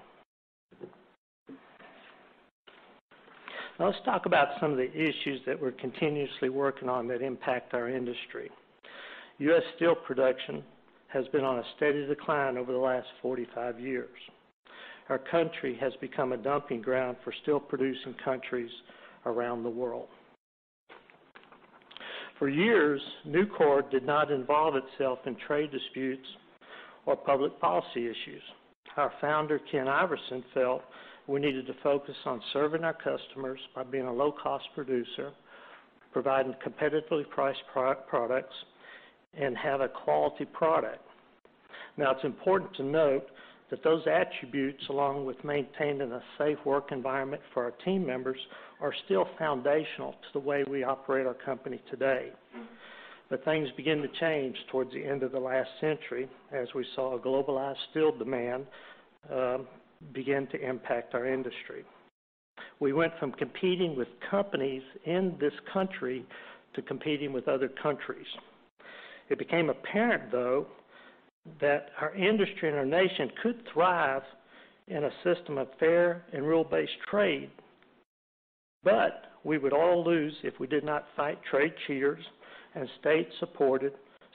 Let's talk about some of the issues that we're continuously working on that impact our industry. U.S. steel production has been on a steady decline over the last 45 years. Our country has become a dumping ground for steel-producing countries around the world. For years, Nucor did not involve itself in trade disputes or public policy issues. Our founder, Ken Iverson, felt we needed to focus on serving our customers by being a low-cost producer, providing competitively priced products, and have a quality product. It's important to note that those attributes, along with maintaining a safe work environment for our team members, are still foundational to the way we operate our company today. Things began to change towards the end of the last century as we saw a globalized steel demand begin to impact our industry. We went from competing with companies in this country to competing with other countries. It became apparent, though, that our industry and our nation could thrive in a system of fair and rule-based trade, but we would all lose if we did not fight trade cheaters and state-supported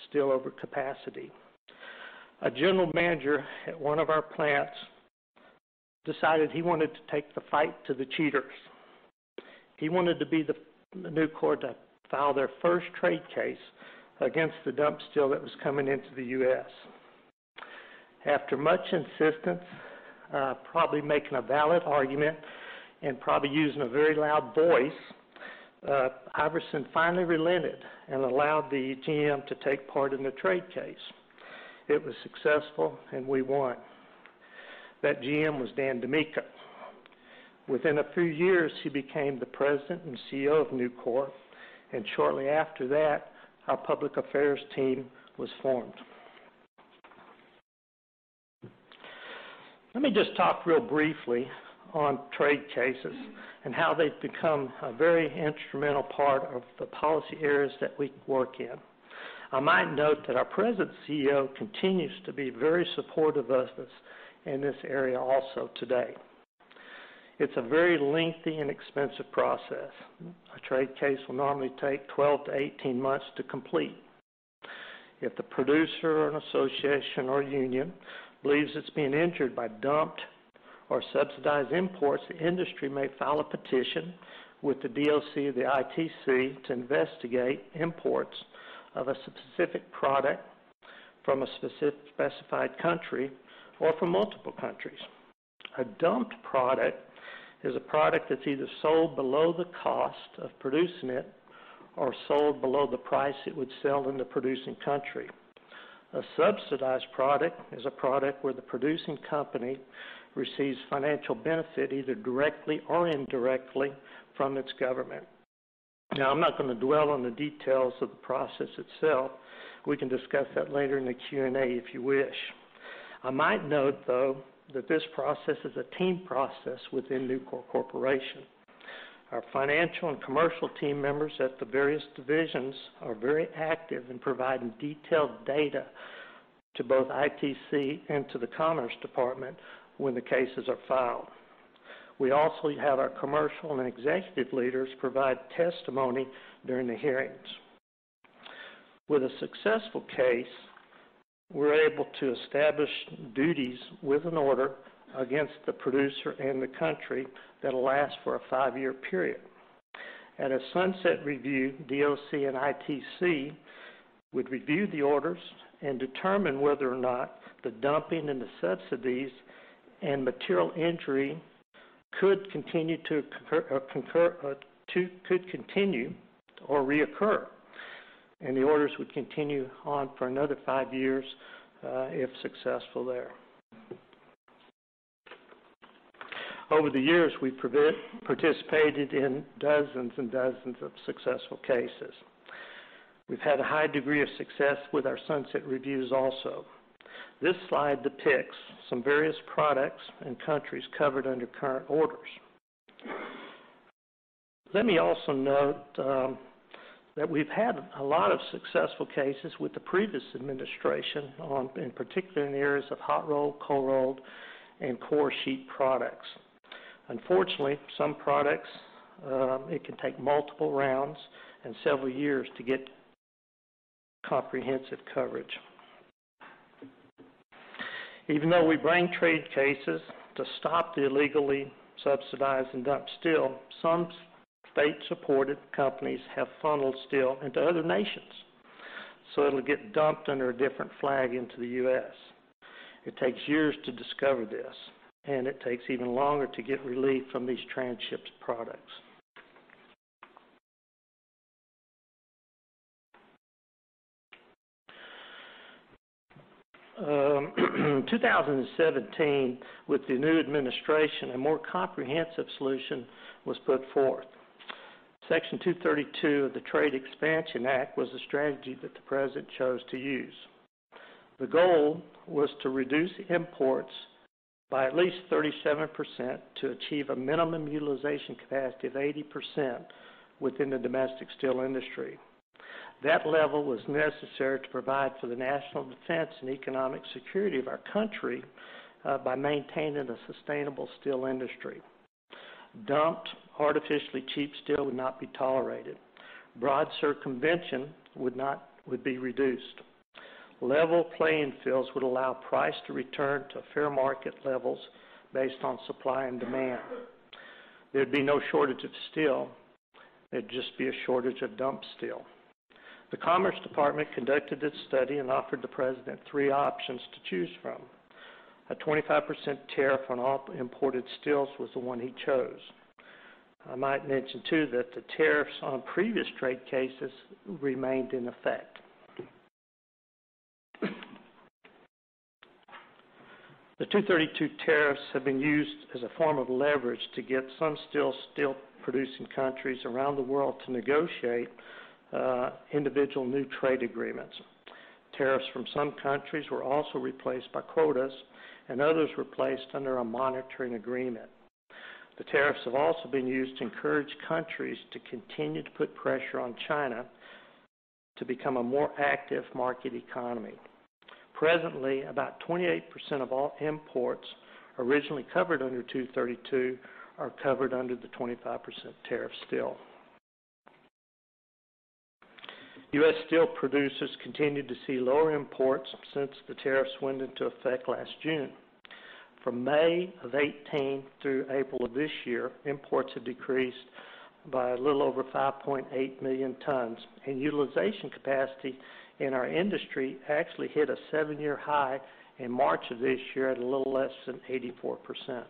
steel over capacity. A general manager at one of our plants decided he wanted to take the fight to the cheaters. He wanted to be the Nucor to file their first trade case against the dump steel that was coming into the U.S. After much insistence, probably making a valid argument, and probably using a very loud voice, Iverson finally relented and allowed the GM to take part in the trade case. It was successful, and we won. That GM was Dan DiMicco. Within a few years, he became the President and CEO of Nucor, and shortly after that, our public affairs team was formed. Let me just talk real briefly on trade cases and how they've become a very instrumental part of the policy areas that we work in. I might note that our present CEO continues to be very supportive of us in this area also today. It's a very lengthy and expensive process. A trade case will normally take 12 to 18 months to complete. If the producer, an association, or a union believes it's being injured by dumped or subsidized imports, the industry may file a petition with the DOC or the ITC to investigate imports of a specific product from a specified country or from multiple countries. A dumped product is a product that's either sold below the cost of producing it or sold below the price it would sell in the producing country. A subsidized product is a product where the producing company receives financial benefit, either directly or indirectly from its government. I'm not going to dwell on the details of the process itself. We can discuss that later in the Q&A, if you wish. I might note, though, that this process is a team process within Nucor Corporation. Our financial and commercial team members at the various divisions are very active in providing detailed data to both ITC and to the Commerce Department when the cases are filed. We also have our commercial and executive leaders provide testimony during the hearings. With a successful case, we're able to establish duties with an order against the producer and the country that'll last for a five-year period. At a sunset review, DOC and ITC would review the orders and determine whether or not the dumping and the subsidies and material injury could continue or reoccur, and the orders would continue on for another five years, if successful there. Over the years, we've participated in dozens and dozens of successful cases. We've had a high degree of success with our sunset reviews also. This slide depicts some various products and countries covered under current orders. Let me also note that we've had a lot of successful cases with the previous administration, in particular in the areas of hot-rolled, cold-rolled, and coated sheet products. Unfortunately, some products, it can take multiple rounds and several years to get comprehensive coverage. Even though we bring trade cases to stop the illegally subsidized and dumped steel, some state-supported companies have funneled steel into other nations, so it'll get dumped under a different flag into the U.S. It takes years to discover this, and it takes even longer to get relief from these trans-shipped products. 2017, with the new administration, a more comprehensive solution was put forth. Section 232 of the Trade Expansion Act was a strategy that the president chose to use. The goal was to reduce imports by at least 37% to achieve a minimum utilization capacity of 80% within the domestic steel industry. That level was necessary to provide for the national defense and economic security of our country by maintaining a sustainable steel industry. Dumped, artificially cheap steel would not be tolerated. Broad circumvention would be reduced. Level playing fields would allow price to return to fair market levels based on supply and demand. There'd be no shortage of steel. It'd just be a shortage of dump steel. The Commerce Department conducted its study and offered the president three options to choose from. A 25% tariff on all imported steels was the one he chose. I might mention, too, that the tariffs on previous trade cases remained in effect. The 232 tariffs have been used as a form of leverage to get some steel-producing countries around the world to negotiate individual new trade agreements. Tariffs from some countries were also replaced by quotas, and others were placed under a monitoring agreement. The tariffs have also been used to encourage countries to continue to put pressure on China to become a more active market economy. Presently, about 28% of all imports originally covered under 232 are covered under the 25% tariff still. U.S. steel producers continued to see lower imports since the tariffs went into effect last June. From May of 2018 through April of this year, imports have decreased by a little over 5.8 million tons, and utilization capacity in our industry actually hit a seven-year high in March of this year at a little less than 84%.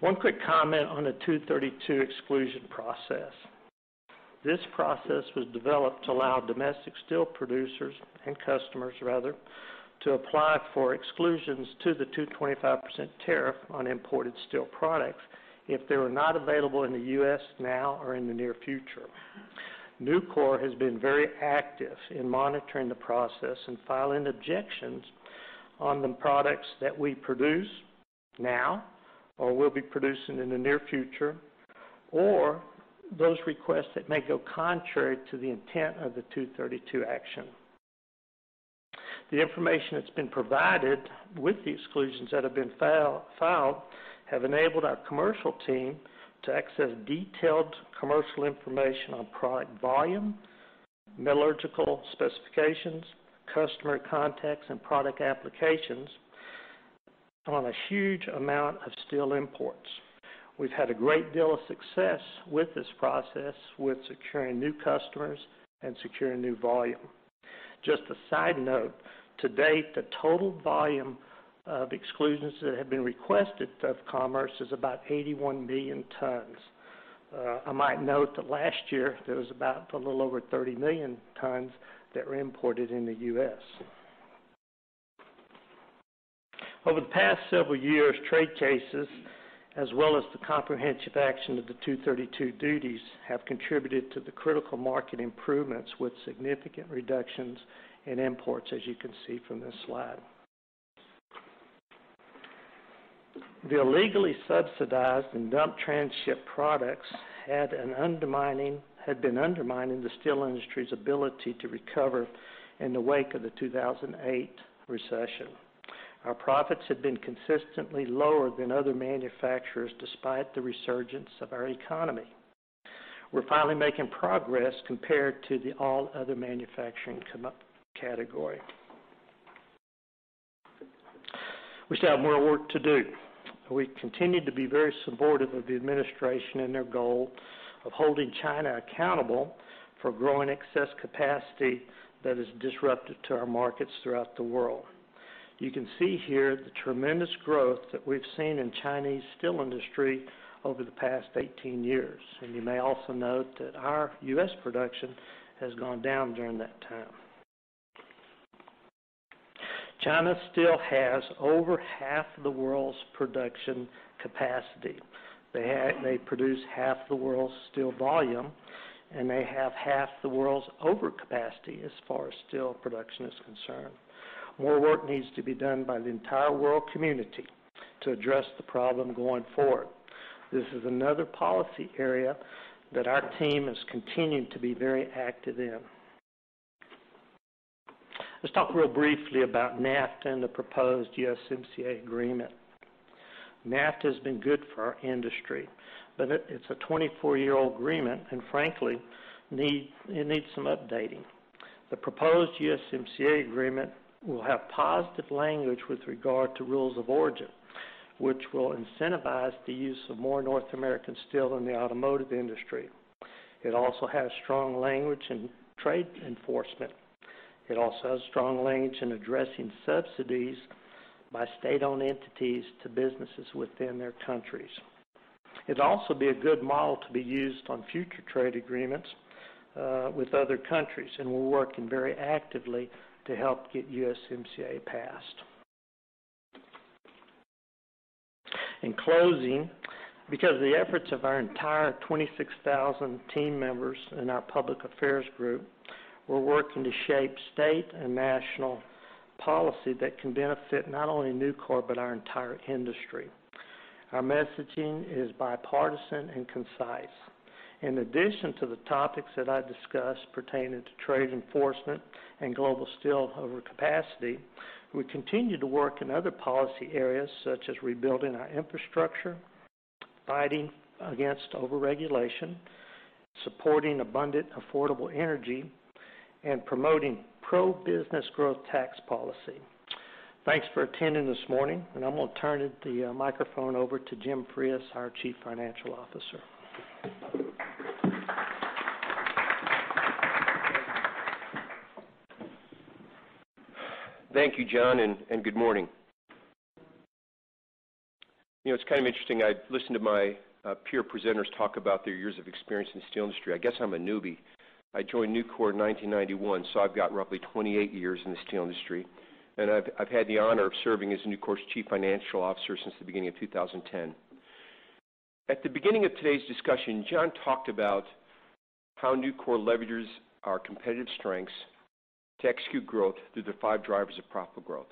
One quick comment on the 232 exclusion process. This process was developed to allow domestic steel producers and customers, rather, to apply for exclusions to the 225% tariff on imported steel products if they were not available in the U.S. now or in the near future. Nucor has been very active in monitoring the process and filing objections on the products that we produce now or will be producing in the near future, or those requests that may go contrary to the intent of the 232 action. The information that's been provided with the exclusions that have been filed have enabled our commercial team to access detailed commercial information on product volume, metallurgical specifications, customer contacts, and product applications on a huge amount of steel imports. We've had a great deal of success with this process with securing new customers and securing new volume. Just a side note, to date, the total volume of exclusions that have been requested of Commerce is about 81 million tons. I might note that last year, there was about a little over 30 million tons that were imported in the U.S. Over the past several years, trade cases, as well as the comprehensive action of the 232 duties, have contributed to the critical market improvements with significant reductions in imports, as you can see from this slide. The illegally subsidized and dump transship products had been undermining the steel industry's ability to recover in the wake of the 2008 recession. Our profits had been consistently lower than other manufacturers, despite the resurgence of our economy. We're finally making progress compared to the all other manufacturing category. We still have more work to do. We continue to be very supportive of the administration and their goal of holding China accountable for growing excess capacity that is disruptive to our markets throughout the world. You can see here the tremendous growth that we've seen in Chinese steel industry over the past 18 years. You may also note that our U.S. production has gone down during that time. China still has over half the world's production capacity. They produce half the world's steel volume, and they have half the world's overcapacity as far as steel production is concerned. More work needs to be done by the entire world community to address the problem going forward. This is another policy area that our team has continued to be very active in. Let's talk real briefly about NAFTA and the proposed USMCA agreement. NAFTA has been good for our industry, but it's a 24-year-old agreement, and frankly, it needs some updating. The proposed USMCA agreement will have positive language with regard to rules of origin, which will incentivize the use of more North American steel in the automotive industry. It also has strong language in trade enforcement. It also has strong language in addressing subsidies by state-owned entities to businesses within their countries. It would also be a good model to be used on future trade agreements with other countries, and we're working very actively to help get USMCA passed. In closing, because of the efforts of our entire 26,000 team members and our public affairs group, we're working to shape state and national policy that can benefit not only Nucor, but our entire industry. Our messaging is bipartisan and concise. In addition to the topics that I discussed pertaining to trade enforcement and global steel overcapacity, we continue to work in other policy areas such as rebuilding our infrastructure, fighting against over-regulation, supporting abundant, affordable energy, and promoting pro-business growth tax policy. Thanks for attending this morning. I'm going to turn the microphone over to Jim Frias, our Chief Financial Officer. Thank you, John. Good morning. It's kind of interesting. I listened to my peer presenters talk about their years of experience in the steel industry. I guess I'm a newbie. I joined Nucor in 1991, so I've got roughly 28 years in the steel industry, and I've had the honor of serving as Nucor's Chief Financial Officer since the beginning of 2010. At the beginning of today's discussion, John talked about how Nucor leverages our competitive strengths to execute growth through the five drivers of profitable growth.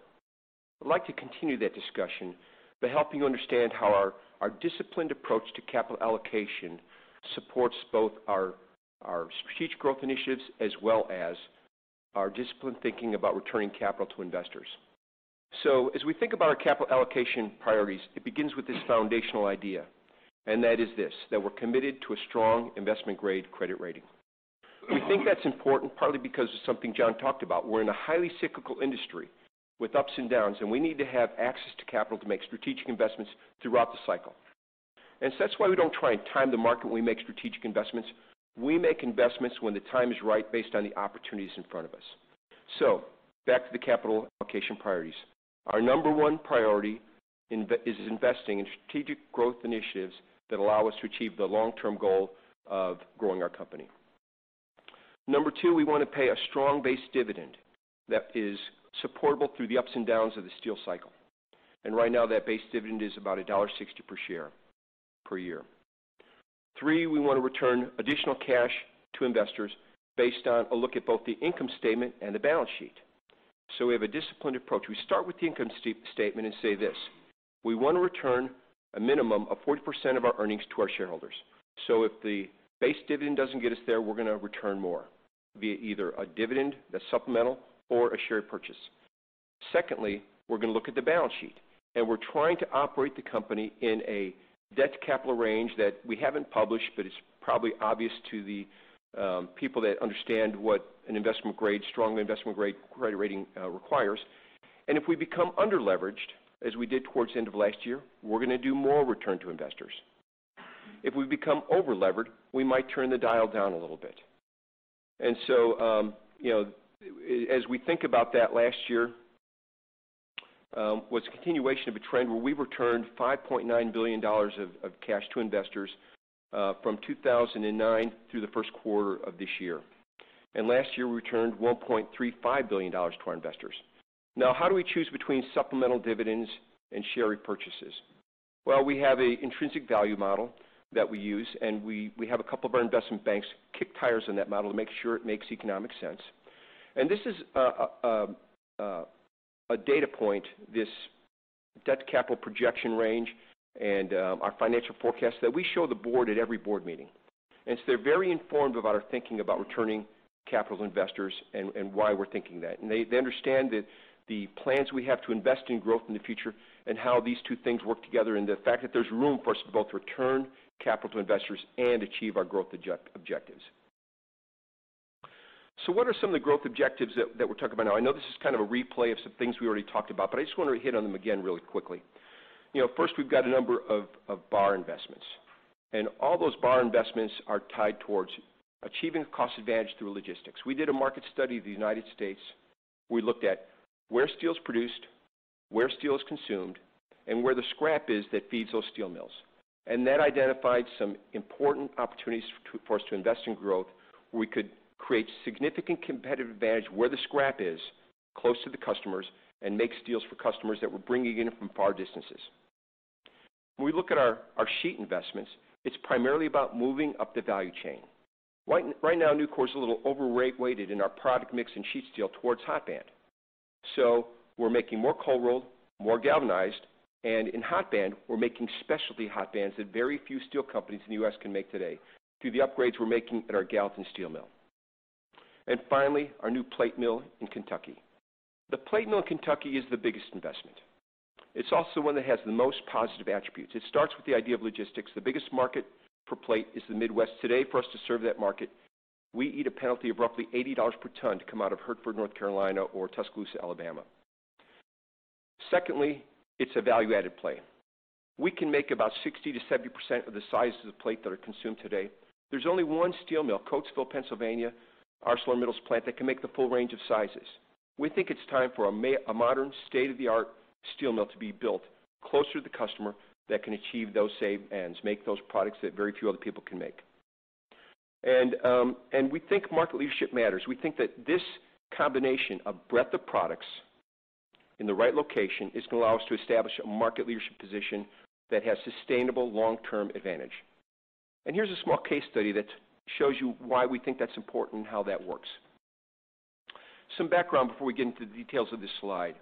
I'd like to continue that discussion by helping you understand how our disciplined approach to capital allocation supports both our strategic growth initiatives as well as our disciplined thinking about returning capital to investors. As we think about our capital allocation priorities, it begins with this foundational idea, and that is this: that we're committed to a strong investment-grade credit rating. We think that's important, partly because of something John talked about. We're in a highly cyclical industry with ups and downs, and we need to have access to capital to make strategic investments throughout the cycle. That's why we don't try and time the market when we make strategic investments. We make investments when the time is right based on the opportunities in front of us. Back to the capital allocation priorities. Our number 1 priority is investing in strategic growth initiatives that allow us to achieve the long-term goal of growing our company. Number 2, we want to pay a strong base dividend that is supportable through the ups and downs of the steel cycle. Right now, that base dividend is about $1.60 per share per year. 3, we want to return additional cash to investors based on a look at both the income statement and the balance sheet. We have a disciplined approach. We start with the income statement and say this: We want to return a minimum of 40% of our earnings to our shareholders. If the base dividend doesn't get us there, we're going to return more, via either a dividend that's supplemental or a share purchase. Secondly, we're going to look at the balance sheet, and we're trying to operate the company in a debt-to-capital range that we haven't published, but it's probably obvious to the people that understand what a strong investment-grade credit rating requires. If we become under-leveraged, as we did towards the end of last year, we're going to do more return to investors. If we become over-levered, we might turn the dial down a little bit. As we think about that, last year was a continuation of a trend where we returned $5.9 billion of cash to investors from 2009 through the first quarter of this year. Last year, we returned $1.35 billion to our investors. How do we choose between supplemental dividends and share repurchases? We have an intrinsic value model that we use, and we have a couple of our investment banks kick tires on that model to make sure it makes economic sense. This is a data point, this debt-to-capital projection range and our financial forecast that we show the board at every board meeting. They're very informed about our thinking about returning capital to investors and why we're thinking that. They understand that the plans we have to invest in growth in the future and how these two things work together and the fact that there's room for us to both return capital to investors and achieve our growth objectives. What are some of the growth objectives that we're talking about now? I know this is kind of a replay of some things we already talked about, but I just want to hit on them again really quickly. We've got a number of bar investments, and all those bar investments are tied towards achieving cost advantage through logistics. We did a market study of the U.S. We looked at where steel is produced, where steel is consumed, and where the scrap is that feeds those steel mills. That identified some important opportunities for us to invest in growth, where we could create significant competitive advantage where the scrap is, close to the customers, and make steels for customers that we're bringing in from far distances. When we look at our sheet investments, it's primarily about moving up the value chain. Right now, Nucor is a little over-weighted in our product mix in sheet steel towards hot band. We're making more cold-rolled, more galvanized, and in hot band, we're making specialty hot bands that very few steel companies in the U.S. can make today through the upgrades we're making at our Gallatin steel mill. Finally, our new plate mill in Kentucky. The plate mill in Kentucky is the biggest investment. It's also one that has the most positive attributes. It starts with the idea of logistics. The biggest market for plate is the Midwest. Today, for us to serve that market, we eat a penalty of roughly $80 per ton to come out of Hertford, North Carolina or Tuscaloosa, Alabama. It's a value-added play. We can make about 60%-70% of the sizes of plate that are consumed today. There's only one steel mill, Coatesville, Pennsylvania, ArcelorMittal's plant, that can make the full range of sizes. We think it's time for a modern state-of-the-art steel mill to be built closer to the customer that can achieve those same ends, make those products that very few other people can make. We think market leadership matters. We think that this combination of breadth of products in the right location is going to allow us to establish a market leadership position that has sustainable long-term advantage. Here's a small case study that shows you why we think that's important and how that works. Some background before we get into the details of this slide.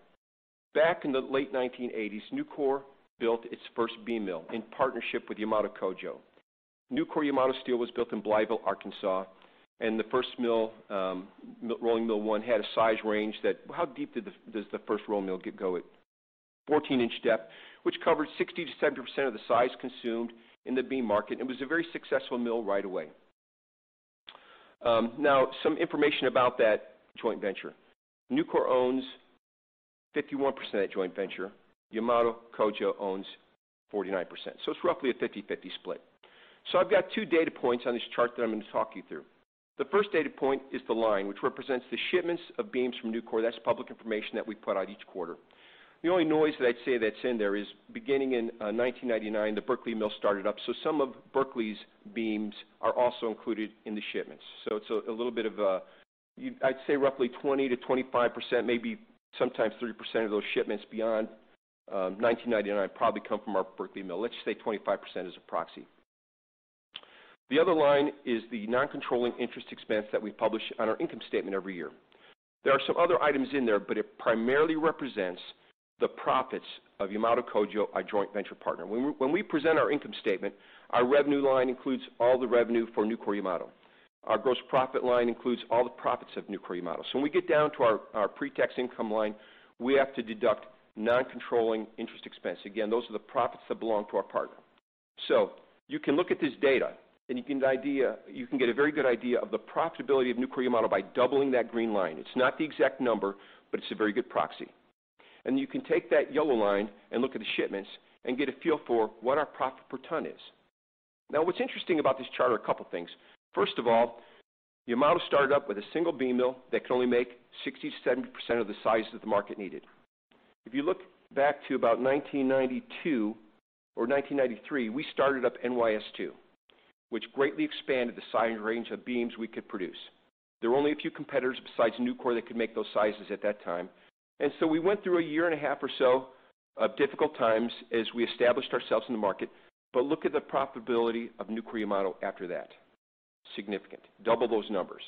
Back in the late 1980s, Nucor built its first beam mill in partnership with Yamato Kogyo. Nucor-Yamato Steel was built in Blytheville, Arkansas, and the first mill, rolling mill one, had a size range that. How deep does the first rolling mill go? 14-inch depth, which covered 60%-70% of the size consumed in the beam market, and was a very successful mill right away. Now, some information about that joint venture. Nucor owns 51% of that joint venture. Yamato Kogyo owns 49%. It's roughly a 50/50 split. I've got two data points on this chart that I'm going to talk you through. The first data point is the line, which represents the shipments of beams from Nucor. That's public information that we put out each quarter. The only noise that I'd say that's in there is beginning in 1999, the Berkeley mill started up, some of Berkeley's beams are also included in the shipments. It's a little bit of a, I'd say, roughly 20%-25%, maybe sometimes 30% of those shipments beyond 1999 probably come from our Berkeley mill. Let's say 25% as a proxy. The other line is the non-controlling interest expense that we publish on our income statement every year. There are some other items in there, but it primarily represents the profits of Yamato Kogyo, our joint venture partner. When we present our income statement, our revenue line includes all the revenue for Nucor-Yamato. Our gross profit line includes all the profits of Nucor-Yamato. When we get down to our pre-tax income line, we have to deduct non-controlling interest expense. Again, those are the profits that belong to our partner. You can look at this data, and you can get a very good idea of the profitability of Nucor-Yamato by doubling that green line. It's not the exact number, but it's a very good proxy. You can take that yellow line and look at the shipments and get a feel for what our profit per ton is. Now, what's interesting about this chart are a couple of things. First of all, Yamato started up with a single beam mill that can only make 60%-70% of the sizes that the market needed. If you look back to about 1992 or 1993, we started up NYS II, which greatly expanded the size range of beams we could produce. There were only a few competitors besides Nucor that could make those sizes at that time. We went through a year and a half or so of difficult times as we established ourselves in the market. Look at the profitability of Nucor-Yamato after that. Significant. Double those numbers.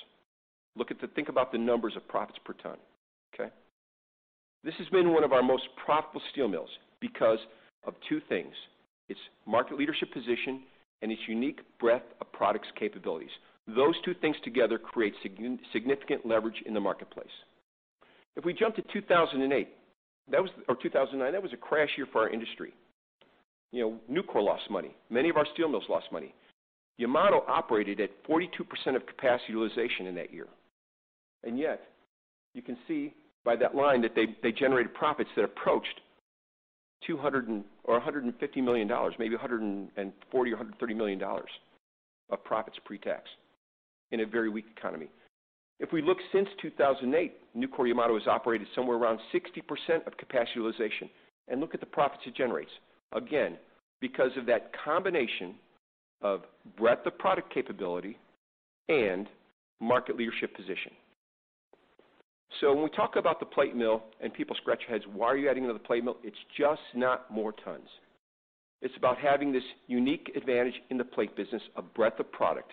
Think about the numbers of profits per ton. Okay. This has been one of our most profitable steel mills because of two things: its market leadership position and its unique breadth of products capabilities. Those two things together create significant leverage in the marketplace. If we jump to 2008 or 2009, that was a crash year for our industry. Nucor lost money. Many of our steel mills lost money. Yamato operated at 42% of capacity utilization in that year. Yet, you can see by that line that they generated profits that approached $150 million, maybe $140 million or $130 million of profits pre-tax in a very weak economy. If we look since 2008, Nucor-Yamato has operated somewhere around 60% of capacity utilization, and look at the profits it generates. Again, because of that combination of breadth of product capability and market leadership position. When we talk about the plate mill and people scratch their heads, "Why are you adding another plate mill?" It's just not more tons. It's about having this unique advantage in the plate business of breadth of product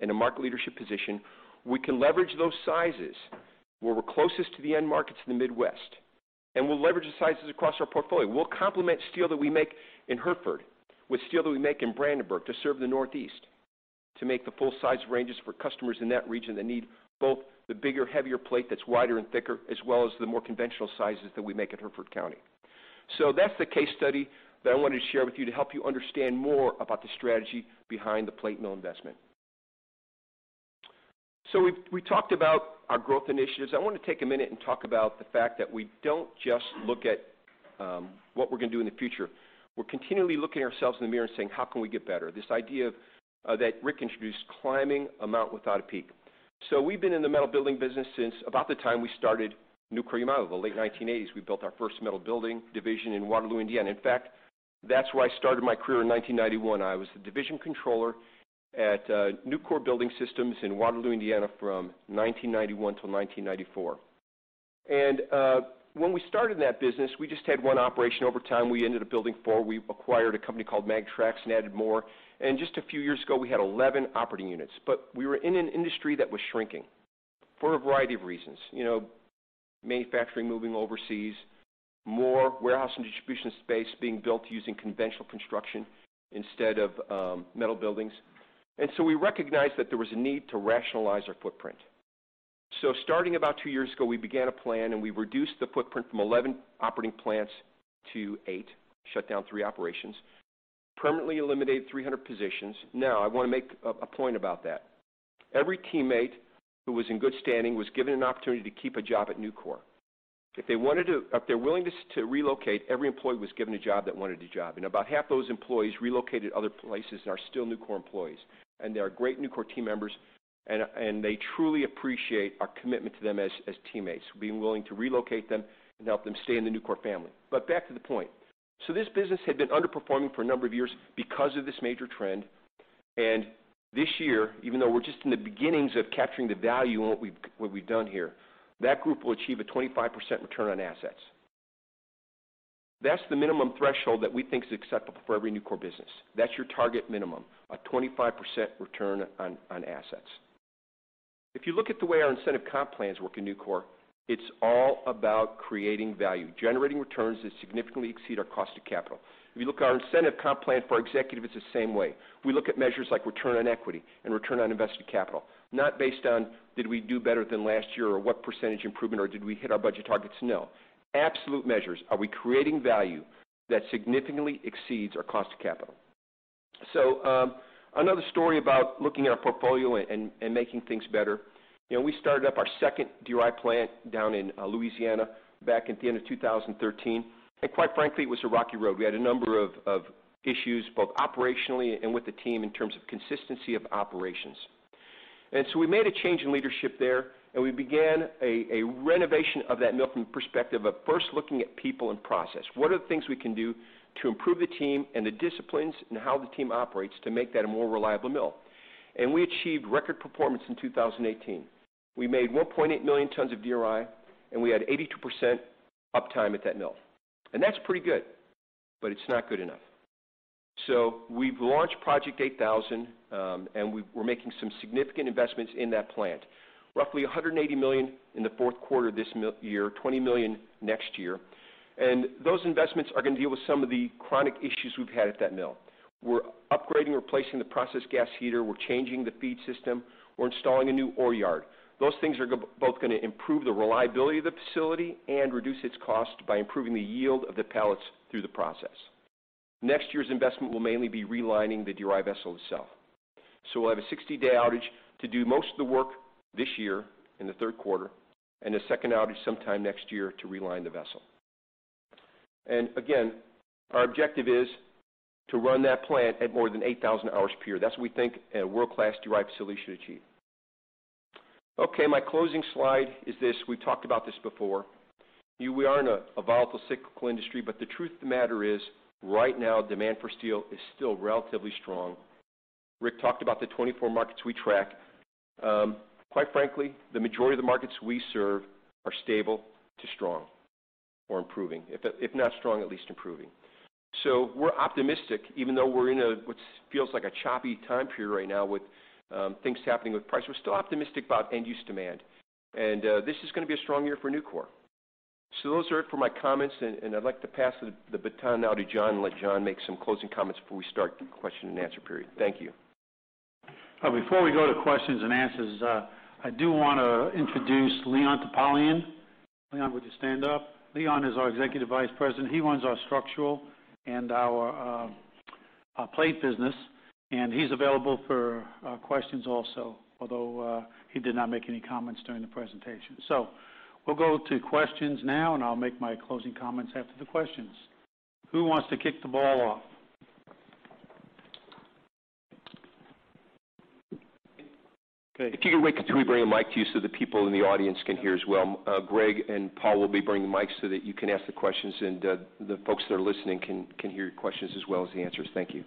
and a market leadership position. We can leverage those sizes where we're closest to the end markets in the Midwest, and we'll leverage the sizes across our portfolio. We'll complement steel that we make in Hertford with steel that we make in Brandenburg to serve the Northeast, to make the full size ranges for customers in that region that need both the bigger, heavier plate that's wider and thicker, as well as the more conventional sizes that we make at Hertford County. That's the case study that I wanted to share with you to help you understand more about the strategy behind the plate mill investment. We talked about our growth initiatives. I want to take a minute and talk about the fact that we don't just look at what we're going to do in the future. We're continually looking ourselves in the mirror and saying, "How can we get better?" This idea that Rick introduced, climbing a mountain without a peak. We've been in the metal building business since about the time we started Nucor-Yamato, the late 1980s. We built our first metal building division in Waterloo, Indiana. That's where I started my career in 1991. I was the division controller at Nucor Building Systems in Waterloo, Indiana, from 1991 till 1994. When we started that business, we just had one operation. Over time, we ended up building four. We acquired a company called Magnatrax and added more. Just a few years ago, we had 11 operating units. But we were in an industry that was shrinking for a variety of reasons. Manufacturing moving overseas, more warehouse and distribution space being built using conventional construction instead of metal buildings. We recognized that there was a need to rationalize our footprint. Starting about two years ago, we began a plan, and we reduced the footprint from 11 operating plants to eight, shut down three operations, permanently eliminated 300 positions. I want to make a point about that. Every teammate who was in good standing was given an opportunity to keep a job at Nucor. If they're willing to relocate, every employee was given a job that wanted a job. About half those employees relocated other places and are still Nucor employees. They are great Nucor team members, and they truly appreciate our commitment to them as teammates, being willing to relocate them and help them stay in the Nucor family. Back to the point. This business had been underperforming for a number of years because of this major trend. This year, even though we're just in the beginnings of capturing the value in what we've done here, that group will achieve a 25% return on assets. That's the minimum threshold that we think is acceptable for every Nucor business. That's your target minimum, a 25% return on assets. If you look at the way our incentive comp plans work in Nucor, it's all about creating value, generating returns that significantly exceed our cost of capital. If you look at our incentive comp plan for our executive, it's the same way. We look at measures like return on equity and return on invested capital, not based on did we do better than last year or what % improvement or did we hit our budget targets? No. Absolute measures. Are we creating value that significantly exceeds our cost of capital? Another story about looking at our portfolio and making things better. We started up our second DRI plant down in Louisiana back at the end of 2013. Quite frankly, it was a rocky road. We had a number of issues, both operationally and with the team in terms of consistency of operations. We made a change in leadership there, and we began a renovation of that mill from the perspective of first looking at people and process. What are the things we can do to improve the team and the disciplines and how the team operates to make that a more reliable mill? We achieved record performance in 2018. We made 1.8 million tons of DRI, and we had 82% uptime at that mill. That's pretty good, but it's not good enough. We've launched Project 8,000, and we're making some significant investments in that plant. Roughly $180 million in the fourth quarter of this year, $20 million next year. Those investments are going to deal with some of the chronic issues we've had at that mill. We're upgrading, replacing the process gas heater. We're changing the feed system. We're installing a new ore yard. Those things are both going to improve the reliability of the facility and reduce its cost by improving the yield of the pellets through the process. Next year's investment will mainly be relining the DRI vessel itself. We'll have a 60-day outage to do most of the work this year in the third quarter and a second outage sometime next year to reline the vessel. Again, our objective is to run that plant at more than 8,000 hours per year. That's what we think a world-class DRI facility should achieve. Okay, my closing slide is this. We've talked about this before. We are in a volatile cyclical industry, but the truth of the matter is, right now, demand for steel is still relatively strong. Rick talked about the 24 markets we track. Quite frankly, the majority of the markets we serve are stable to strong or improving. If not strong, at least improving. We're optimistic, even though we're in what feels like a choppy time period right now with things happening with price. We're still optimistic about end-use demand. This is going to be a strong year for Nucor. Those are it for my comments, and I'd like to pass the baton now to John and let John make some closing comments before we start the question and answer period. Thank you. Before we go to questions and answers, I do want to introduce Leon Topalian. Leon, would you stand up? Leon is our Executive Vice President. He runs our structural and our plate business, and he's available for questions also, although he did not make any comments during the presentation. We'll go to questions now, and I'll make my closing comments after the questions. Who wants to kick the ball off? Okay. If you could wait until we bring a mic to you so the people in the audience can hear as well. Greg and Paul will be bringing mics so that you can ask the questions, and the folks that are listening can hear your questions as well as the answers. Thank you.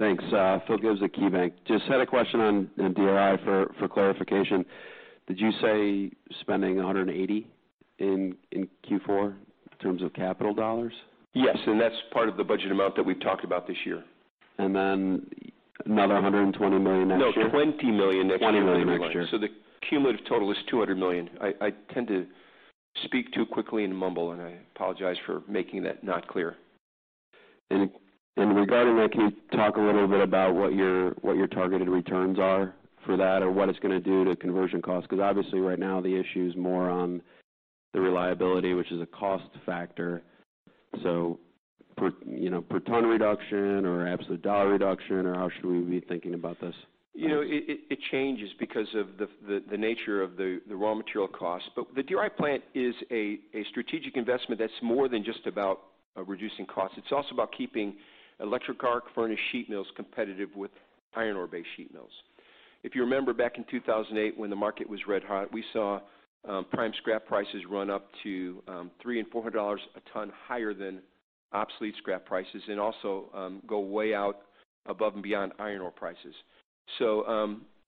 Thanks. Phil Gibbs at KeyBank. Just had a question on DRI for clarification. Did you say spending $180 in Q4 in terms of capital dollars? Yes, that's part of the budget amount that we've talked about this year. Another $120 million next year? No, $20 million next year. $20 million next year. The cumulative total is $200 million. I tend to speak too quickly and mumble, and I apologize for making that not clear. Regarding that, can you talk a little bit about what your targeted returns are for that or what it's going to do to conversion cost? Obviously right now the issue is more on the reliability, which is a cost factor. Per ton reduction or absolute $ reduction, or how should we be thinking about this? It changes because of the nature of the raw material cost. The DRI plant is a strategic investment that's more than just about reducing cost. It's also about keeping electric arc furnace sheet mills competitive with iron ore-based sheet mills. If you remember back in 2008 when the market was red hot, we saw prime scrap prices run up to $300 and $400 a ton higher than obsolete scrap prices and also go way out above and beyond iron ore prices.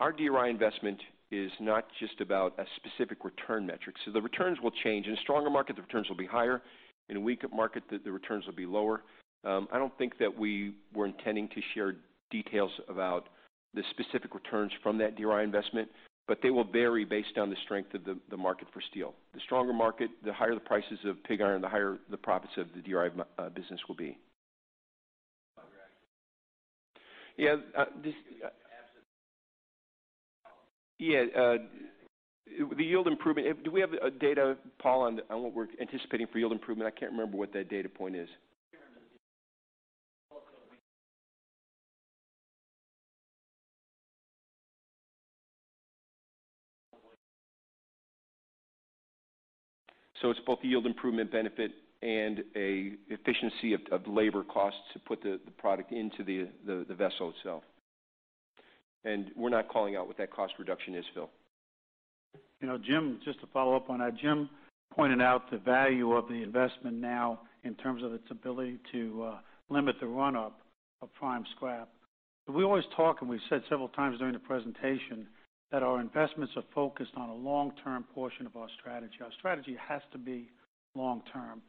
Our DRI investment is not just about a specific return metric. The returns will change. In a stronger market, the returns will be higher. In a weaker market, the returns will be lower. I don't think that we were intending to share details about the specific returns from that DRI investment, but they will vary based on the strength of the market for steel. The stronger market, the higher the prices of pig iron, the higher the profits of the DRI business will be. Correct. Yeah. Absent the yield improvement. Yeah. The yield improvement. Do we have data, Paul, on what we're anticipating for yield improvement? I can't remember what that data point is. It's both the yield improvement benefit and a efficiency of labor costs to put the product into the vessel itself. We're not calling out what that cost reduction is, Phil. Jim, just to follow up on that. Jim pointed out the value of the investment now in terms of its ability to limit the run-up of prime scrap. We always talk, and we've said several times during the presentation, that our investments are focused on a long-term portion of our strategy. Our strategy has to be long-term.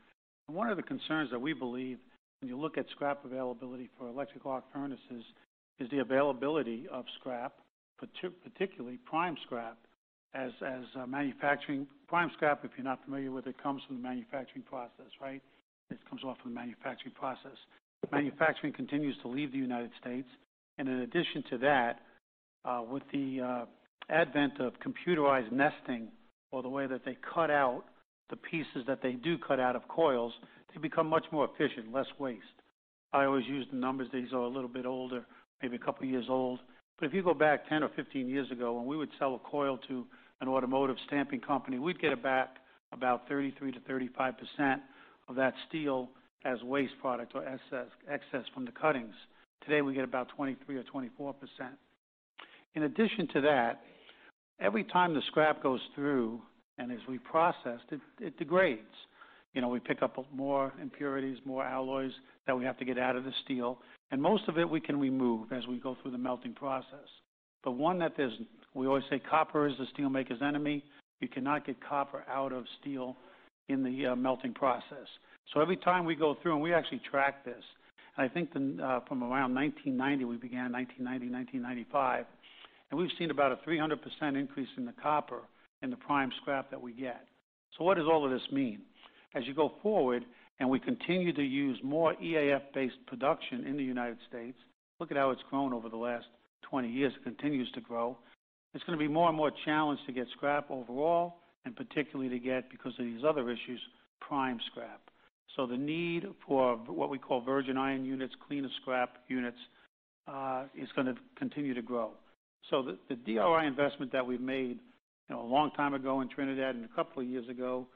One of the concerns that we believe when you look at scrap availability for electric arc furnaces is the availability of scrap, particularly prime scrap. Prime scrap, if you're not familiar with it, comes from the manufacturing process, right? It comes off of the manufacturing process. Manufacturing continues to leave the U.S. In addition to that, with the advent of computerized nesting or the way that they cut out the pieces that they do cut out of coils to become much more efficient, less waste. I always use the numbers. These are a little bit older. Maybe a couple of years old. If you go back 10 or 15 years ago, when we would sell a coil to an automotive stamping company, we'd get back about 33%-35% of that steel as waste product or excess from the cuttings. Today, we get about 23% or 24%. In addition to that, every time the scrap goes through and as we process it degrades. We pick up more impurities, more alloys that we have to get out of the steel. Most of it we can remove as we go through the melting process. One that isn't. We always say copper is the steel maker's enemy. You cannot get copper out of steel in the melting process. Every time we go through, and we actually track this. I think from around 1990, we began in 1990, 1995, and we've seen about a 300% increase in the copper in the prime scrap that we get. What does all of this mean? As you go forward and we continue to use more EAF-based production in the U.S., look at how it's grown over the last 20 years. It continues to grow. It's going to be more and more challenged to get scrap overall, and particularly to get, because of these other issues, prime scrap. The need for what we call virgin iron units, cleaner scrap units, is gonna continue to grow. The DRI investment that we've made a long time ago in Trinidad and a couple of years ago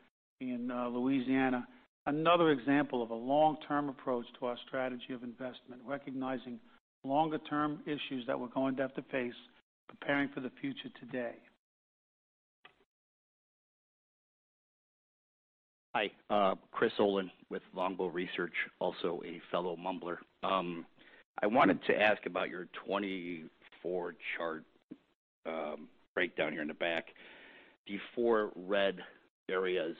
in Louisiana, another example of a long-term approach to our strategy of investment, recognizing longer-term issues that we're going to have to face, preparing for the future today. Hi. Chris Olin with Longbow Research, also a fellow Mumbler. I wanted to ask about your 24-chart breakdown here in the back. The four red areas,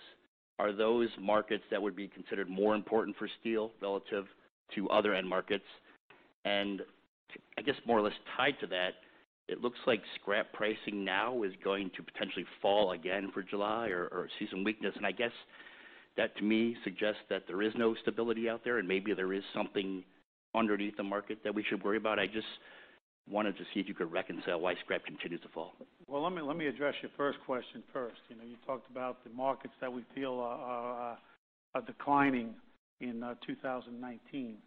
are those markets that would be considered more important for steel relative to other end markets? I guess more or less tied to that, it looks like scrap pricing now is going to potentially fall again for July or see some weakness. I guess that to me suggests that there is no stability out there and maybe there is something underneath the market that we should worry about. I just wanted to see if you could reconcile why scrap continues to fall. Well, let me address your first question first. You talked about the markets that we feel are declining in 2019.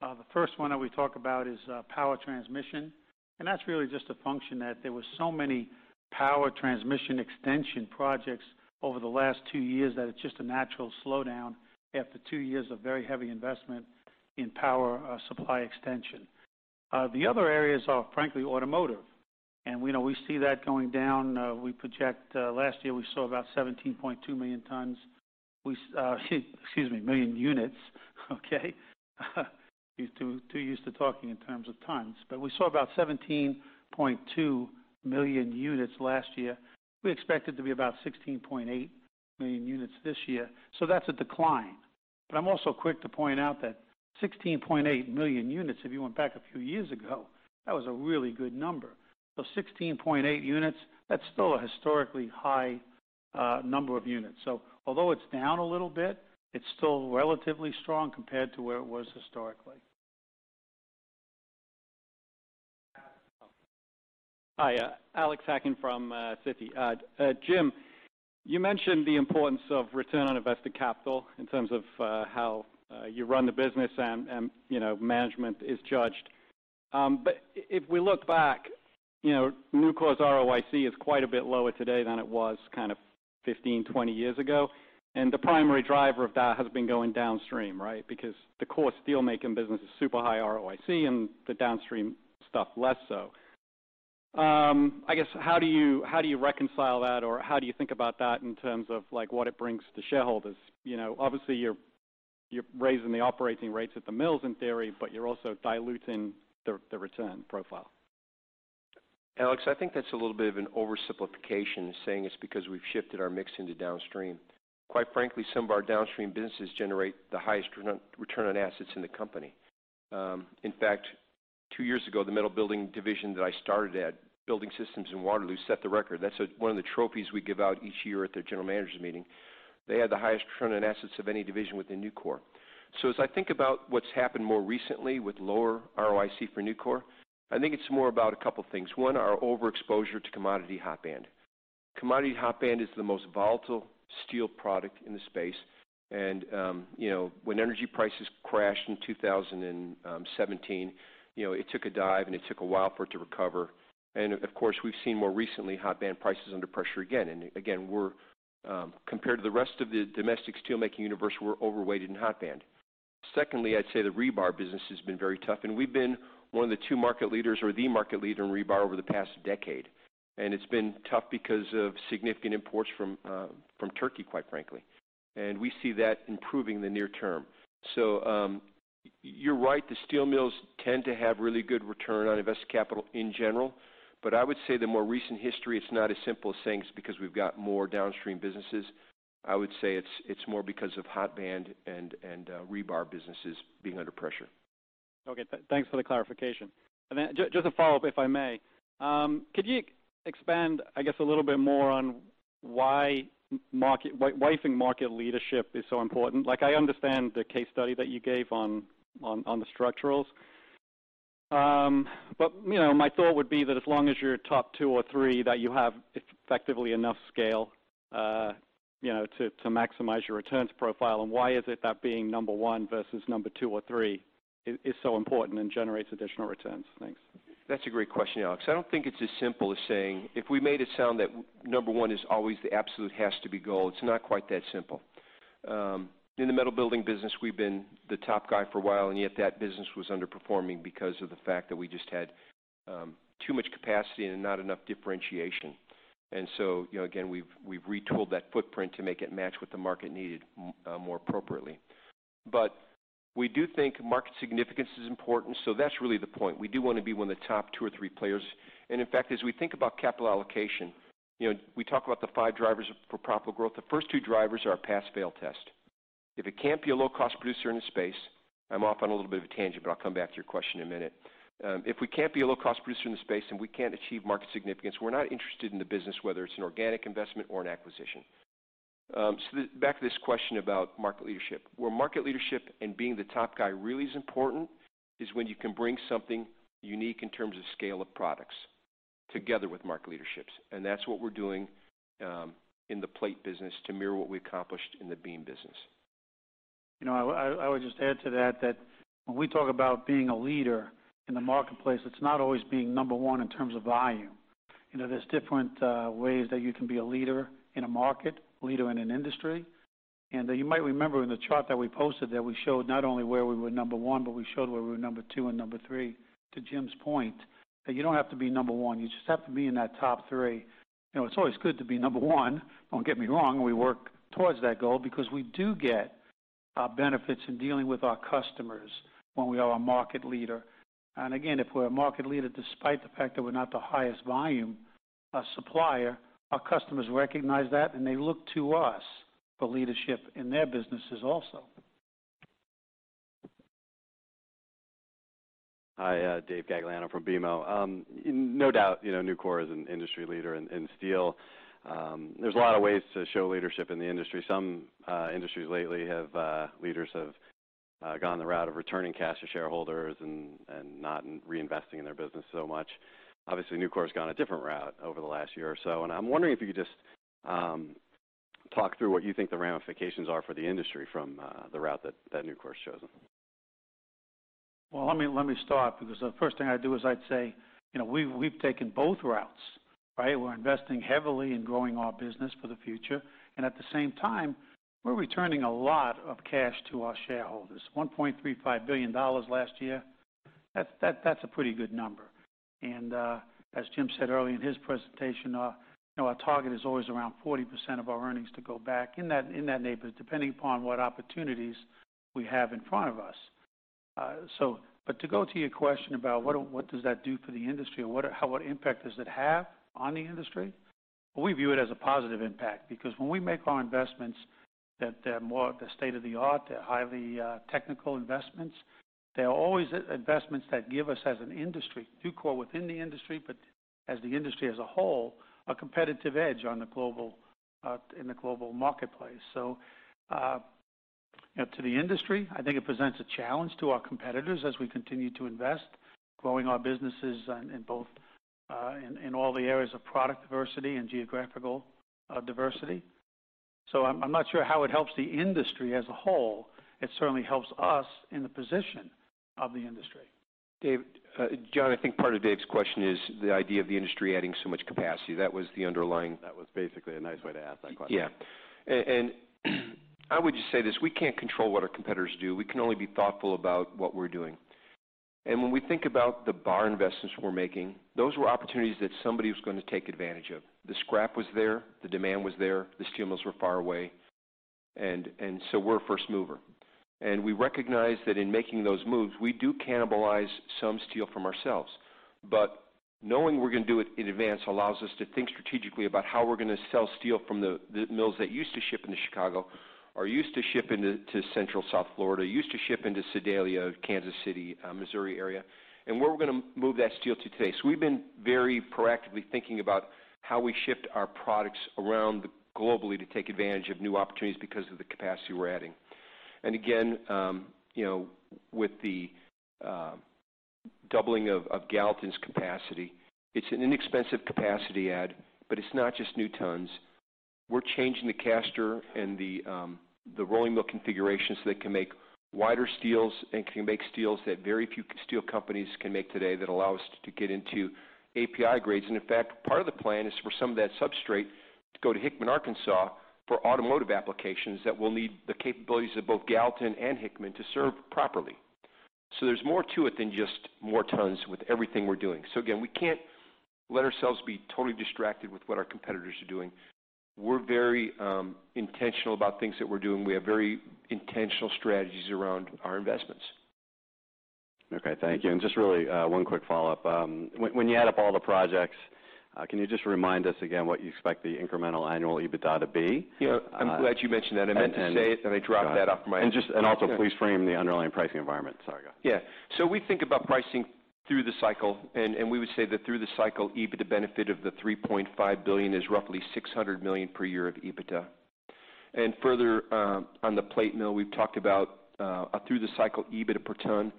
The first one that we talk about is power transmission. That's really just a function that there were so many power transmission extension projects over the last two years that it's just a natural slowdown after two years of very heavy investment in power supply extension. The other areas are, frankly, automotive. We see that going down. Last year, we saw about 17.2 million tons. Excuse me, million units. Okay. Too used to talking in terms of tons. We saw about 17.2 million units last year. We expect it to be about 16.8 million units this year. That's a decline. I'm also quick to point out that 16.8 million units, if you went back a few years ago, that was a really good number. 16.8 units, that's still a historically high number of units. Although it's down a little bit, it's still relatively strong compared to where it was historically. Hi. Alexander Hacking from Citi. Jim, you mentioned the importance of return on invested capital in terms of how you run the business and management is judged. If we look back, Nucor's ROIC is quite a bit lower today than it was kind of 15, 20 years ago. The primary driver of that has been going downstream, right? Because the core steelmaking business is super high ROIC and the downstream stuff less so. I guess, how do you reconcile that or how do you think about that in terms of what it brings to shareholders? Obviously, you're raising the operating rates at the mills in theory, but you're also diluting the return profile. Alex, I think that's a little bit of an oversimplification saying it's because we've shifted our mix into downstream. Quite frankly, some of our downstream businesses generate the highest return on assets in the company. In fact, 2 years ago, the metal building division that I started at, Building Systems in Waterloo, set the record. That's one of the trophies we give out each year at the general managers meeting. They had the highest return on assets of any division within Nucor. As I think about what's happened more recently with lower ROIC for Nucor, I think it's more about a couple of things. One, our overexposure to commodity hot band. Commodity hot band is the most volatile steel product in the space. When energy prices crashed in 2017, it took a dive, and it took a while for it to recover. Of course, we've seen more recently hot band prices under pressure again. Again, compared to the rest of the domestic steelmaking universe, we're overweighted in hot band. Secondly, I'd say the rebar business has been very tough, and we've been one of the 2 market leaders or the market leader in rebar over the past decade. It's been tough because of significant imports from Turkey, quite frankly. We see that improving in the near term. You're right, the steel mills tend to have really good return on invested capital in general. I would say the more recent history, it's not as simple as saying it's because we've got more downstream businesses. I would say it's more because of hot band and rebar businesses being under pressure. Just a follow-up, if I may. Could you expand, I guess, a little bit more on why you think market leadership is so important? I understand the case study that you gave on the structurals. My thought would be that as long as you're top 2 or 3, that you have effectively enough scale to maximize your returns profile. Why is it that being number 1 versus number 2 or 3 is so important and generates additional returns? Thanks. That's a great question, Alex. I don't think it's as simple as saying if we made it sound that number 1 is always the absolute has-to-be goal. It's not quite that simple. In the metal building business, we've been the top guy for a while, yet that business was underperforming because of the fact that we just had too much capacity and not enough differentiation. Again, we've retooled that footprint to make it match what the market needed more appropriately. We do think market significance is important, so that's really the point. We do want to be one of the top 2 or 3 players. In fact, as we think about capital allocation, we talk about the 5 drivers for profitable growth. The first 2 drivers are a pass-fail test. If it can't be a low-cost producer in the space, I'm off on a little bit of a tangent, I'll come back to your question in a minute. If we can't be a low-cost producer in the space and we can't achieve market significance, we're not interested in the business, whether it's an organic investment or an acquisition. Back to this question about market leadership. Where market leadership and being the top guy really is important is when you can bring something unique in terms of scale of products together with market leadership. That's what we're doing in the plate business to mirror what we accomplished in the beam business. I would just add to that, when we talk about being a leader in the marketplace, it's not always being number 1 in terms of volume. There's different ways that you can be a leader in a market, leader in an industry. You might remember in the chart that we posted that we showed not only where we were number 1, we showed where we were number 2 and number 3. To Jim's point, that you don't have to be number 1. You just have to be in that top 3. It's always good to be number 1, don't get me wrong. We work towards that goal because we do get benefits in dealing with our customers when we are a market leader. Again, if we're a market leader, despite the fact that we're not the highest volume supplier, our customers recognize that, and they look to us for leadership in their businesses also. Hi, Dave Gagliano from BMO. No doubt Nucor is an industry leader in steel. There's a lot of ways to show leadership in the industry. Some industries lately, leaders have gone the route of returning cash to shareholders and not reinvesting in their business so much. Obviously, Nucor's gone a different route over the last year or so. I'm wondering if you could just talk through what you think the ramifications are for the industry from the route that Nucor's chosen. Well, let me start, because the first thing I'd do is I'd say we've taken both routes, right? We're investing heavily in growing our business for the future, and at the same time, we're returning a lot of cash to our shareholders. $1.35 billion last year. That's a pretty good number. As Jim said earlier in his presentation, our target is always around 40% of our earnings to go back in that neighborhood, depending upon what opportunities we have in front of us. To go to your question about what does that do for the industry or what impact does it have on the industry? We view it as a positive impact because when we make our investments, they're more state-of-the-art. They're highly technical investments. They are always investments that give us as an industry, Nucor within the industry, but as the industry as a whole, a competitive edge in the global marketplace. To the industry, I think it presents a challenge to our competitors as we continue to invest, growing our businesses in all the areas of product diversity and geographical diversity. I'm not sure how it helps the industry as a whole. It certainly helps us in the position of the industry. John, I think part of Dave's question is the idea of the industry adding so much capacity. That was basically a nice way to ask that question. Yeah. I would just say this: We can't control what our competitors do. We can only be thoughtful about what we're doing. When we think about the bar investments we're making, those were opportunities that somebody was going to take advantage of. The scrap was there, the demand was there, the steel mills were far away, we're a first mover. We recognize that in making those moves, we do cannibalize some steel from ourselves. Knowing we're going to do it in advance allows us to think strategically about how we're going to sell steel from the mills that used to ship into Chicago or used to ship into Central South Florida, used to ship into Sedalia, Kansas City, Missouri area, where we're going to move that steel to today. We've been very proactively thinking about how we shift our products around globally to take advantage of new opportunities because of the capacity we're adding. Again, with the doubling of Gallatin's capacity, it's an inexpensive capacity add, but it's not just new tons. We're changing the caster and the rolling mill configuration so they can make wider steels and can make steels that very few steel companies can make today that allow us to get into API grades. In fact, part of the plan is for some of that substrate to go to Hickman, Arkansas, for automotive applications that will need the capabilities of both Gallatin and Hickman to serve properly. There's more to it than just more tons with everything we're doing. Again, we can't let ourselves be totally distracted with what our competitors are doing. We're very intentional about things that we're doing. We have very intentional strategies around our investments. Okay. Thank you. Just really one quick follow-up. When you add up all the projects, can you just remind us again what you expect the incremental annual EBITDA to be? I'm glad you mentioned that. I meant to say it. Just, and also please frame the underlying pricing environment. Sorry, go ahead. Yeah. We think about pricing through the cycle, and we would say that through the cycle, EBITDA benefit of the $3.5 billion is roughly $600 million per year of EBITDA. Further, on the plate mill, we've talked about, through the cycle, EBITDA per ton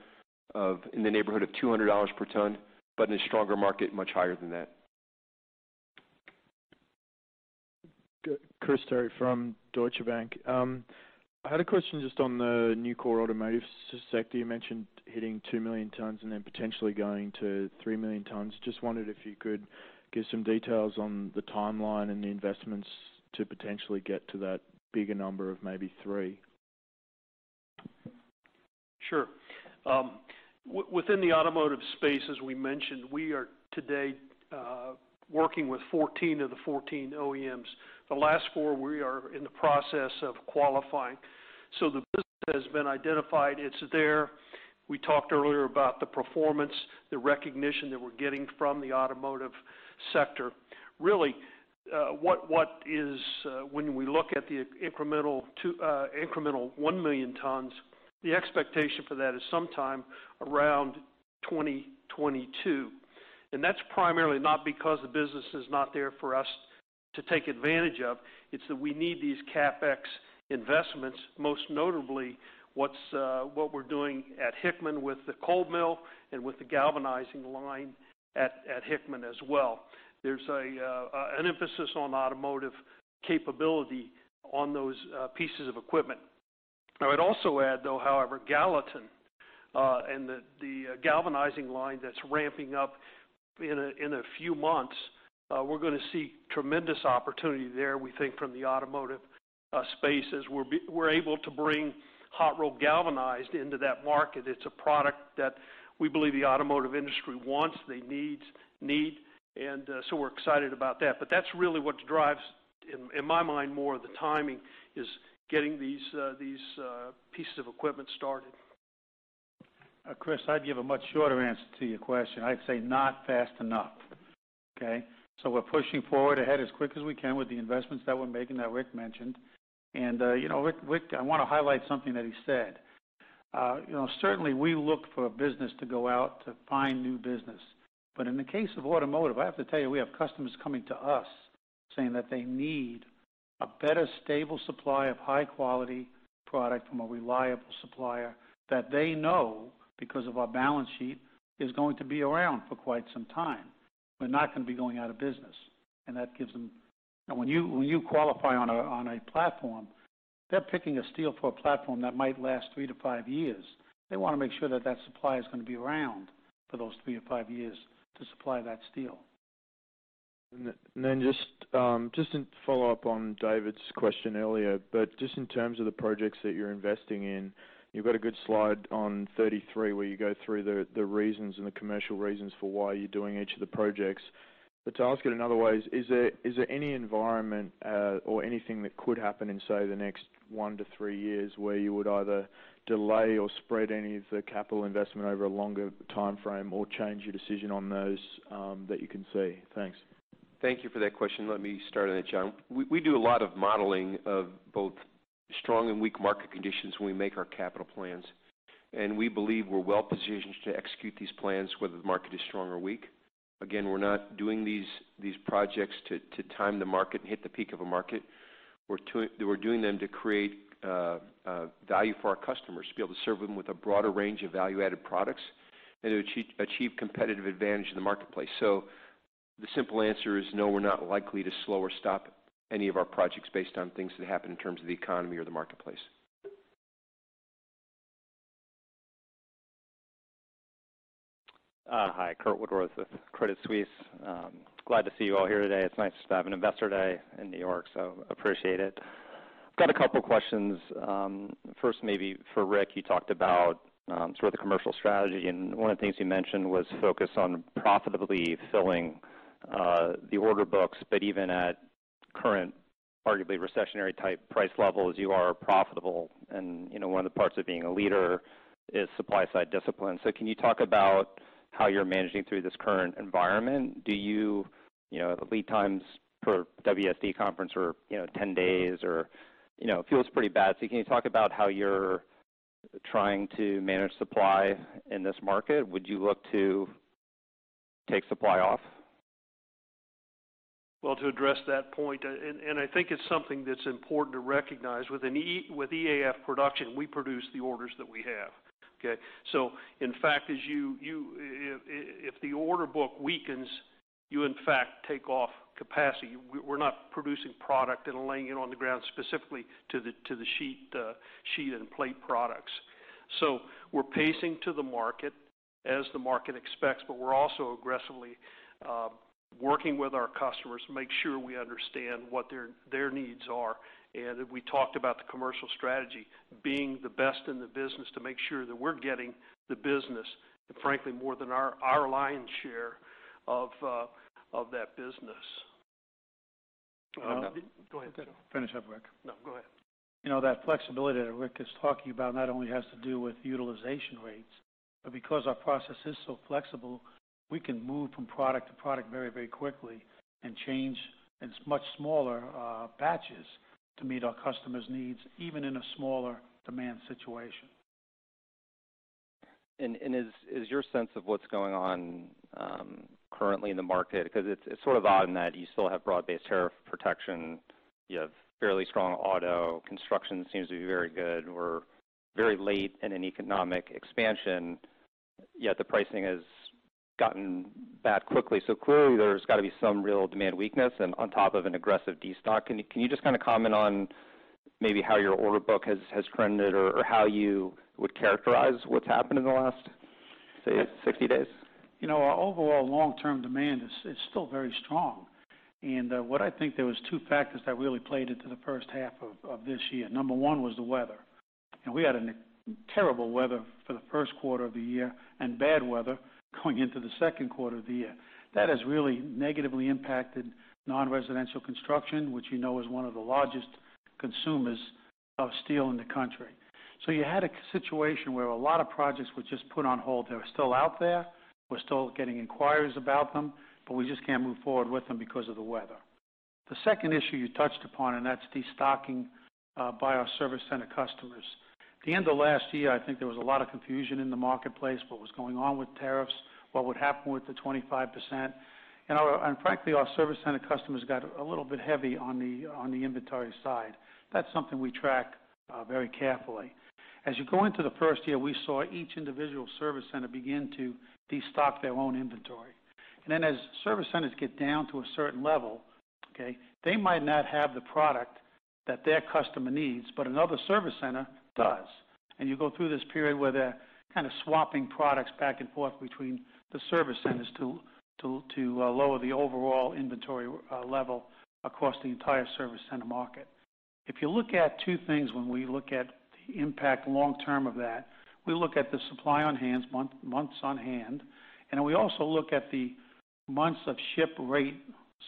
of, in the neighborhood of $200 per ton, but in a stronger market, much higher than that. Chris Terry from Deutsche Bank. I had a question just on the Nucor automotive sector. You mentioned hitting 2 million tons and then potentially going to 3 million tons. Just wondered if you could give some details on the timeline and the investments to potentially get to that bigger number of maybe 3. Sure. Within the automotive space, as we mentioned, we are today working with 14 of the 14 OEMs. The last 4 we are in the process of qualifying. The business has been identified. It's there. We talked earlier about the performance, the recognition that we're getting from the automotive sector. Really, when we look at the incremental 1 million tons, the expectation for that is sometime around 2022. That's primarily not because the business is not there for us to take advantage of. It's that we need these CapEx investments, most notably what we're doing at Hickman with the cold mill and with the galvanizing line at Hickman as well. There's an emphasis on automotive capability on those pieces of equipment. I would also add, though, however, Gallatin, and the galvanizing line that's ramping up in a few months, we're gonna see tremendous opportunity there, we think, from the automotive space as we're able to bring hot-roll galvanized into that market. It's a product that we believe the automotive industry wants, they need. We're excited about that. That's really what drives, in my mind, more of the timing is getting these pieces of equipment started. Chris, I'd give a much shorter answer to your question. I'd say not fast enough. Okay. We're pushing forward ahead as quick as we can with the investments that we're making that Rick mentioned. Rick, I want to highlight something that he said. Certainly, we look for business to go out to find new business. In the case of automotive, I have to tell you, we have customers coming to us saying that they need a better stable supply of high-quality product from a reliable supplier that they know, because of our balance sheet, is going to be around for quite some time. We're not gonna be going out of business. That gives them Now, when you qualify on a platform, they're picking a steel for a platform that might last three to five years. They wanna make sure that that supply is gonna be around for those three to five years to supply that steel. Just to follow up on Dave's question earlier, just in terms of the projects that you're investing in, you've got a good slide on 33 where you go through the reasons and the commercial reasons for why you're doing each of the projects. To ask it another way, is there any environment or anything that could happen in, say, the next one to three years where you would either delay or spread any of the capital investment over a longer timeframe or change your decision on those that you can see? Thanks. Thank you for that question. Let me start on that, John. We do a lot of modeling of both strong and weak market conditions when we make our capital plans. We believe we're well-positioned to execute these plans, whether the market is strong or weak. Again, we're not doing these projects to time the market and hit the peak of a market. We're doing them to create value for our customers, to be able to serve them with a broader range of value-added products and to achieve competitive advantage in the marketplace. The simple answer is no, we're not likely to slow or stop any of our projects based on things that happen in terms of the economy or the marketplace. Hi, Curt Woodworth with Credit Suisse. Glad to see you all here today. It's nice to have an investor day in New York, appreciate it. Got a couple questions. First maybe for Rick. You talked about sort of the commercial strategy, and one of the things you mentioned was focus on profitably filling the order books. Even at current, arguably recessionary-type price levels, you are profitable. One of the parts of being a leader is supply-side discipline. Can you talk about how you're managing through this current environment? Lead times per WSD Conference are 10 days or It feels pretty bad. Can you talk about how you're trying to manage supply in this market? Would you look to take supply off? To address that point, I think it's something that's important to recognize, with EAF production, we produce the orders that we have. Okay? In fact, if the order book weakens, you in fact take off capacity. We're not producing product and laying it on the ground specifically to the sheet and plate products. We're pacing to the market as the market expects, but we're also aggressively working with our customers to make sure we understand what their needs are. We talked about the commercial strategy, being the best in the business to make sure that we're getting the business, and frankly, more than our lion's share of that business. Go ahead. Finish up, Rick. No, go ahead. That flexibility that Rick is talking about not only has to do with utilization rates, but because our process is so flexible, we can move from product to product very quickly, and change in much smaller batches to meet our customers' needs, even in a smaller demand situation. Is your sense of what's going on currently in the market, because it's sort of odd in that you still have broad-based tariff protection, you have fairly strong auto, construction seems to be very good. We're very late in an economic expansion, yet the pricing has gotten bad quickly. Clearly, there's got to be some real demand weakness and on top of an aggressive destock. Can you just comment on maybe how your order book has trended or how you would characterize what's happened in the last, say, 60 days? Our overall long-term demand is still very strong. What I think there was two factors that really played into the first half of this year. Number 1 was the weather. We had terrible weather for the first quarter of the year and bad weather going into the second quarter of the year. That has really negatively impacted non-residential construction, which you know is one of the largest consumers of steel in the country. You had a situation where a lot of projects were just put on hold. They were still out there. We're still getting inquiries about them, but we just can't move forward with them because of the weather. The second issue you touched upon, and that's destocking by our service center customers. At the end of last year, I think there was a lot of confusion in the marketplace, what was going on with tariffs, what would happen with the 25%. Frankly, our service center customers got a little bit heavy on the inventory side. That's something we track very carefully. As you go into the first year, we saw each individual service center begin to destock their own inventory. Then as service centers get down to a certain level, okay, they might not have the product that their customer needs, but another service center does. You go through this period where they're kind of swapping products back and forth between the service centers to lower the overall inventory level across the entire service center market. If you look at two things when we look at the impact long-term of that, we look at the supply on hands, months on hand, and we also look at the months of ship rate.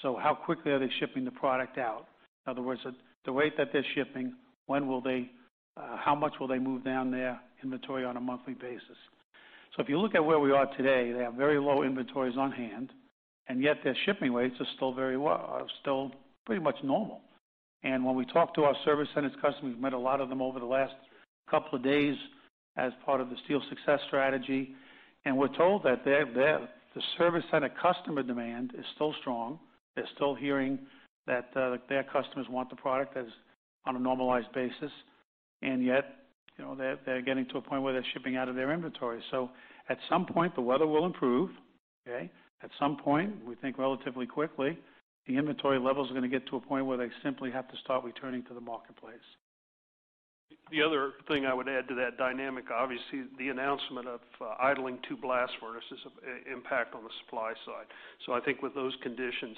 How quickly are they shipping the product out? In other words, the rate that they're shipping, how much will they move down their inventory on a monthly basis? If you look at where we are today, they have very low inventories on hand, yet their shipping rates are still pretty much normal. When we talk to our service centers customers, we've met a lot of them over the last couple of days as part of the Steel Success Strategies, we're told that the service center customer demand is still strong. They're still hearing that their customers want the product as on a normalized basis. Yet, they're getting to a point where they're shipping out of their inventory. At some point, the weather will improve, okay? At some point, we think relatively quickly, the inventory levels are going to get to a point where they simply have to start returning to the marketplace. The other thing I would add to that dynamic, obviously, the announcement of idling two blast furnaces impact on the supply side. I think with those conditions,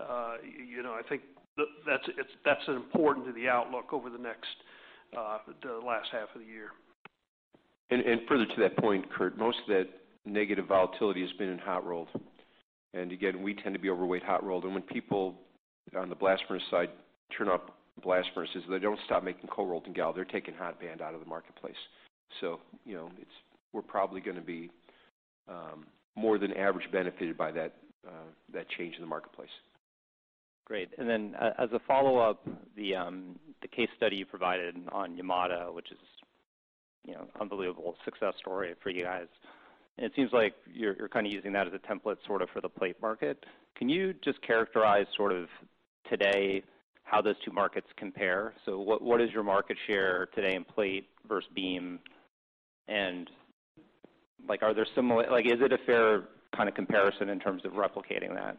I think that's important to the outlook over the last half of the year. Further to that point, Curt, most of that negative volatility has been in hot rolled. Again, we tend to be overweight hot rolled. When people on the blast furnace side turn off blast furnaces, they don't stop making cold rolled and gal, they're taking hot band out of the marketplace. We're probably going to be more than average benefited by that change in the marketplace. Then as a follow-up, the case study you provided on Nucor-Yamato, which is unbelievable success story for you guys, it seems like you're kind of using that as a template sort of for the plate market. Can you just characterize sort of today how those two markets compare? What is your market share today in plate versus beam? Is it a fair kind of comparison in terms of replicating that?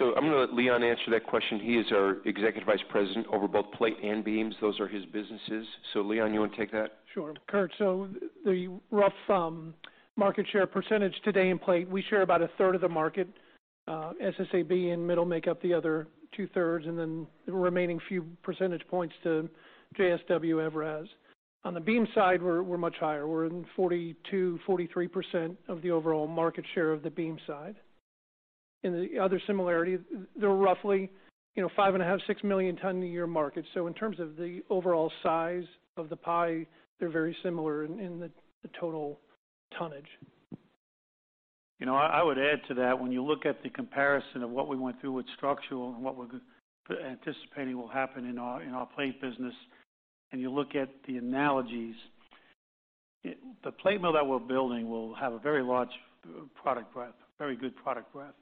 I'm going to let Leon answer that question. He is our Executive Vice President over both plate and beams. Those are his businesses. Leon, you want to take that? Sure. Curt, the rough market share percentage today in plate, we share about a third of the market. SSAB and ArcelorMittal make up the other two-thirds, then the remaining few percentage points JSW Steel has. On the beam side, we're much higher. We're in 42%, 43% of the overall market share of the beam side. The other similarity, they're roughly 5.5, 6-million-ton a year market. In terms of the overall size of the pie, they're very similar in the total tonnage. I would add to that, when you look at the comparison of what we went through with structural and what we're anticipating will happen in our plate business, you look at the analogies. The plate mill that we're building will have a very large product breadth, very good product breadth.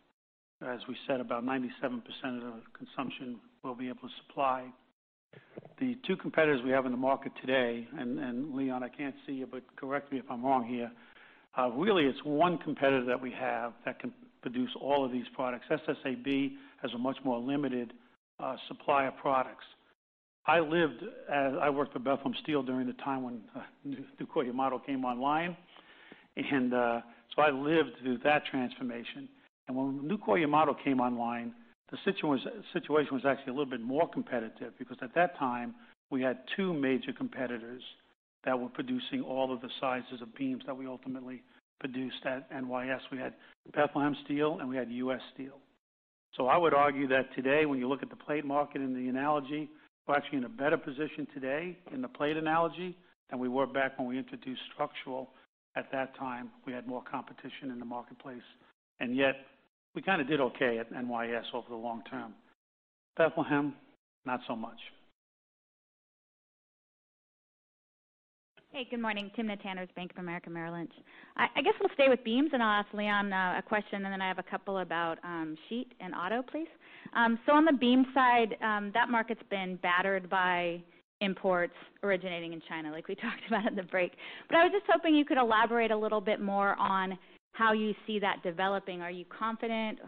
As we said, about 97% of the consumption we'll be able to supply. The two competitors we have in the market today, Leon, I can't see you, but correct me if I'm wrong here. Really, it's one competitor that we have that can produce all of these products. SSAB has a much more limited supply of products. I worked for Bethlehem Steel during the time when Nucor-Yamato came online, so I lived through that transformation. When Nucor-Yamato came online, the situation was actually a little bit more competitive because at that time, we had two major competitors that were producing all of the sizes of beams that we ultimately produced at NYS. We had Bethlehem Steel, and we had U.S. Steel. I would argue that today, when you look at the plate market and the analogy, we're actually in a better position today in the plate analogy than we were back when we introduced structural. At that time, we had more competition in the marketplace, and yet we kind of did okay at NYS over the long term. Bethlehem, not so much. Hey, good morning. Timna Tanners, Bank of America Merrill Lynch. I guess we'll stay with beams, and I'll ask Leon a question, then I have a couple about sheet and auto, please. On the beam side, that market's been battered by imports originating in China, like we talked about at the break. I was just hoping you could elaborate a little bit more on how you see that developing. Are you confident?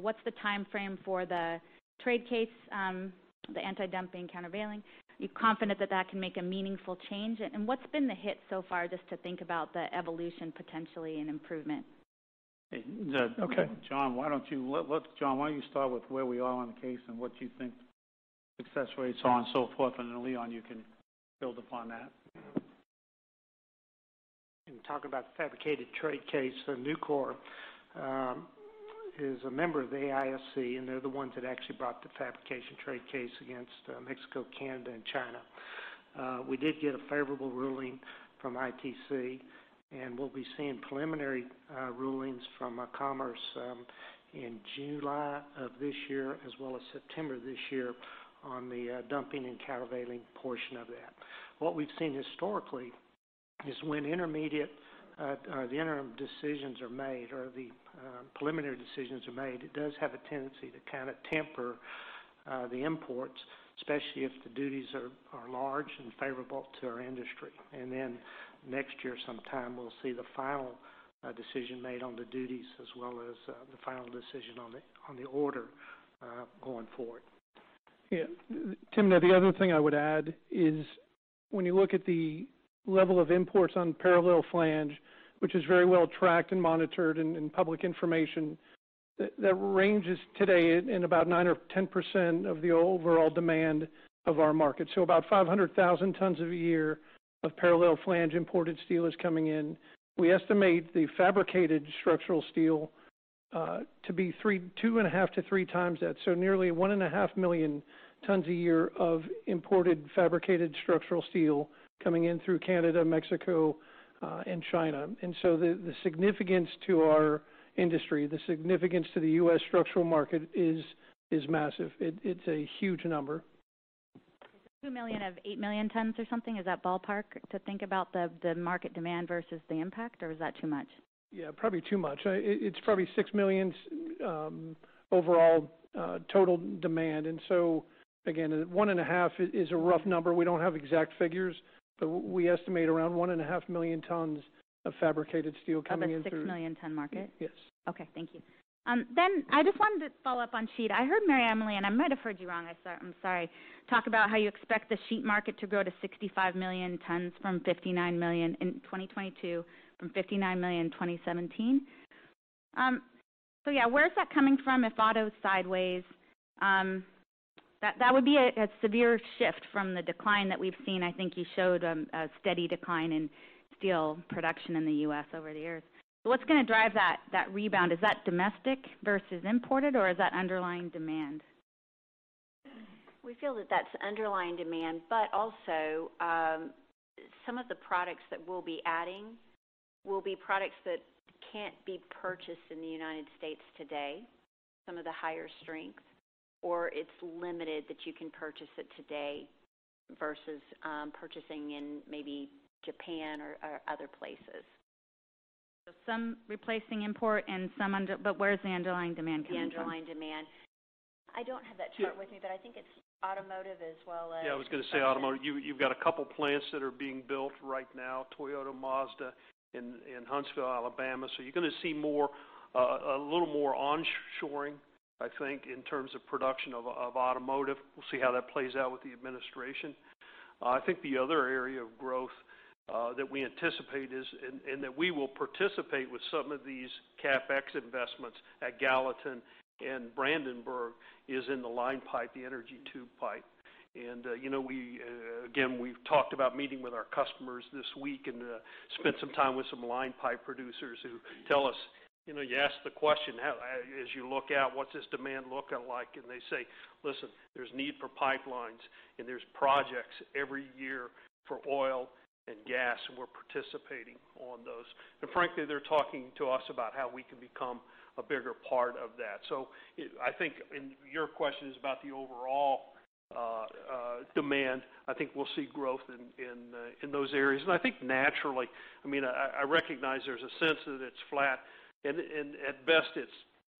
What's the timeframe for the trade case, the anti-dumping and countervailing? Are you confident that that can make a meaningful change? What's been the hit so far just to think about the evolution potentially and improvement? Okay. John, why don't you start with where we are on the case and what you think success rates are and so forth, then Leon, you can build upon that. Talk about the fabricated trade case. Nucor is a member of the AISC, and they're the ones that actually brought the fabrication trade case against Mexico, Canada, and China. We did get a favorable ruling from ITC, and we'll be seeing preliminary rulings from Commerce in July of this year as well as September this year on the dumping and countervailing portion of that. What we've seen historically is when the interim decisions are made or the preliminary decisions are made, it does have a tendency to kind of temper the imports, especially if the duties are large and favorable to our industry. Next year sometime, we'll see the final decision made on the duties as well as the final decision on the order going forward. Timna, the other thing I would add is when you look at the level of imports on parallel flange, which is very well tracked and monitored in public information, that ranges today in about nine or 10% of the overall demand of our market. About 500,000 tons of a year of parallel flange imported steel is coming in. We estimate the fabricated structural steel to be two and a half to three times that, so nearly one and a half million tons a year of imported fabricated structural steel coming in through Canada, Mexico, and China. The significance to our industry, the significance to the U.S. structural market is massive. It's a huge number. Two million of eight million tons or something? Is that ballpark to think about the market demand versus the impact, or is that too much? Yeah, probably too much. It's probably six million overall total demand, again, one and a half is a rough number. We don't have exact figures, but we estimate around one and a half million tons of fabricated steel coming in through- Of a six million ton market? Yes. Okay, thank you. I just wanted to follow up on sheet. I heard MaryEmily, and I might have heard you wrong, I'm sorry, talk about how you expect the sheet market to grow to 65 million tons from 59 million in 2022, from 59 million in 2017. Yeah, where is that coming from if auto is sideways? That would be a severe shift from the decline that we've seen. I think you showed a steady decline in steel production in the U.S. over the years. What's going to drive that rebound? Is that domestic versus imported, or is that underlying demand? We feel that that's underlying demand, but also some of the products that we'll be adding will be products that can't be purchased in the U.S. today, some of the higher strength, or it's limited that you can purchase it today versus purchasing in maybe Japan or other places. Some replacing import and some under, but where's the underlying demand coming from? The underlying demand. I don't have that chart with me, but I think it's automotive as well as- I was going to say automotive. You've got a couple plants that are being built right now, Toyota, Mazda in Huntsville, Alabama. You're going to see a little more onshoring, I think, in terms of production of automotive. We'll see how that plays out with the administration. I think the other area of growth that we anticipate is, and that we will participate with some of these CapEx investments at Gallatin and Brandenburg, is in the line pipe, the energy tube pipe. Again, we've talked about meeting with our customers this week and spent some time with some line pipe producers who tell us, you ask the question, as you look out, what's this demand looking like? And they say, "Listen, there's need for pipelines, and there's projects every year for oil and gas, and we're participating. on those. Frankly, they're talking to us about how we can become a bigger part of that. I think, your question is about the overall demand. I think we'll see growth in those areas. I think naturally, I recognize there's a sense that it's flat, and at best, it's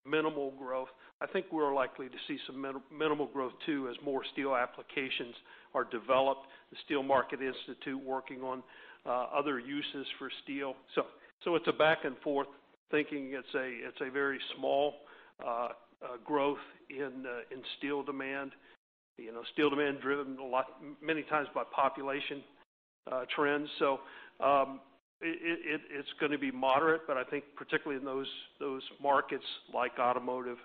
minimal growth. I think we're likely to see some minimal growth too as more steel applications are developed. The Steel Market Development Institute working on other uses for steel. It's a back-and-forth thinking. It's a very small growth in steel demand. Steel demand driven many times by population trends. It's going to be moderate, but I think particularly in those markets like automotive.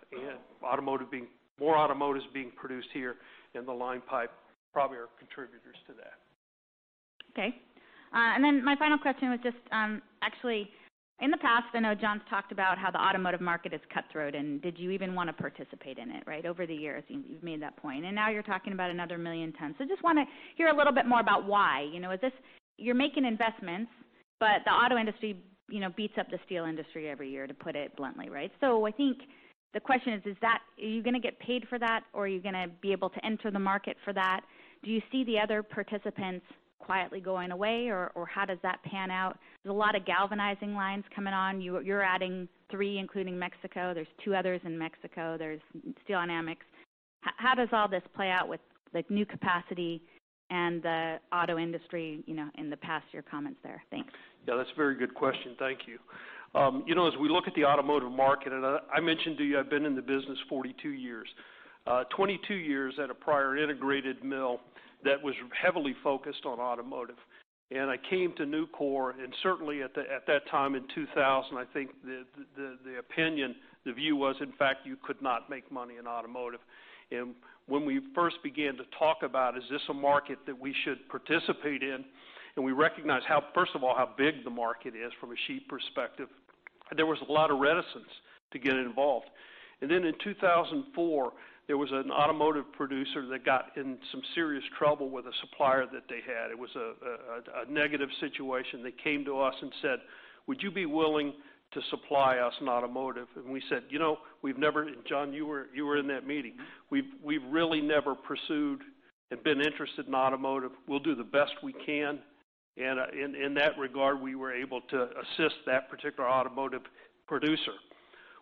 More automotive is being produced here, and the line pipe probably are contributors to that. Okay. My final question was just, actually, in the past, I know John's talked about how the automotive market is cutthroat, did you even want to participate in it, right? Over the years, you've made that point, now you're talking about another 1 million tons. Just want to hear a little bit more about why. You're making investments, but the auto industry beats up the steel industry every year, to put it bluntly, right? I think the question is, are you going to get paid for that, or are you going to be able to enter the market for that? Do you see the other participants quietly going away, or how does that pan out? There's a lot of galvanizing lines coming on. You're adding three, including Mexico. There's two others in Mexico. There's Steel Dynamics. How does all this play out with new capacity and the auto industry in the past, your comments there? Thanks. Yeah, that's a very good question. Thank you. As we look at the automotive market, I mentioned to you, I've been in the business 42 years. 22 years at a prior integrated mill that was heavily focused on automotive. I came to Nucor, certainly at that time in 2000, I think the opinion, the view was, in fact, you could not make money in automotive. When we first began to talk about, "Is this a market that we should participate in?" We recognized, first of all, how big the market is from a sheet perspective. There was a lot of reticence to get involved. Then in 2004, there was an automotive producer that got in some serious trouble with a supplier that they had. It was a negative situation. They came to us and said, "Would you be willing to supply us in automotive?" We said, John, you were in that meeting. "We've really never pursued and been interested in automotive. We'll do the best we can." In that regard, we were able to assist that particular automotive producer.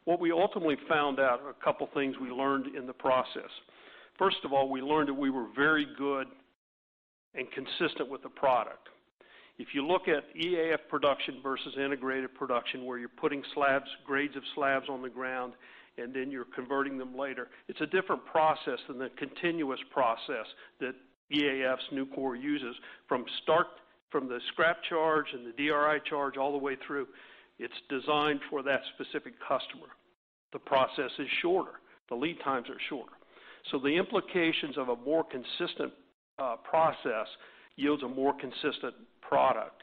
What we ultimately found out are a couple things we learned in the process. First of all, we learned that we were very good and consistent with the product. If you look at EAF production versus integrated production, where you're putting grades of slabs on the ground, then you're converting them later, it's a different process than the continuous process that EAF's Nucor uses from start, from the scrap charge and the DRI charge all the way through. It's designed for that specific customer. The process is shorter. The lead times are shorter. The implications of a more consistent process yields a more consistent product.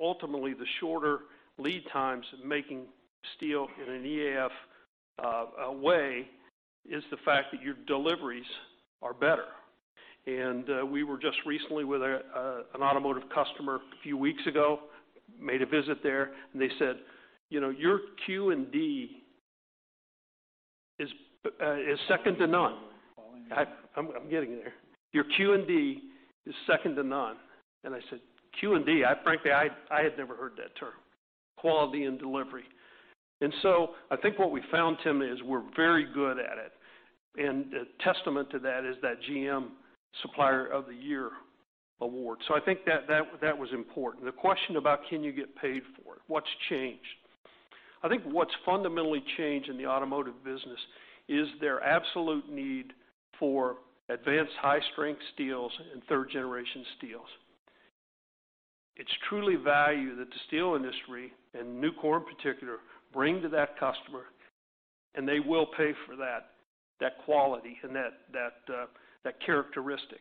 Ultimately, the shorter lead times in making steel in an EAF way is the fact that your deliveries are better. We were just recently with an automotive customer a few weeks ago, made a visit there, and they said, "Your Q&D is second to none. Quality and delivery. I'm getting there. "Your Q&D is second to none." I said, "Q&D?" Frankly, I had never heard that term, quality and delivery. I think what we found, Timna, is we're very good at it. A testament to that is that GM Supplier of the Year award. I think that was important. The question about can you get paid for it? What's changed? I think what's fundamentally changed in the automotive business is their absolute need for advanced high-strength steels and third-generation steels. It's truly value that the steel industry, and Nucor in particular, bring to that customer, and they will pay for that quality and that characteristic.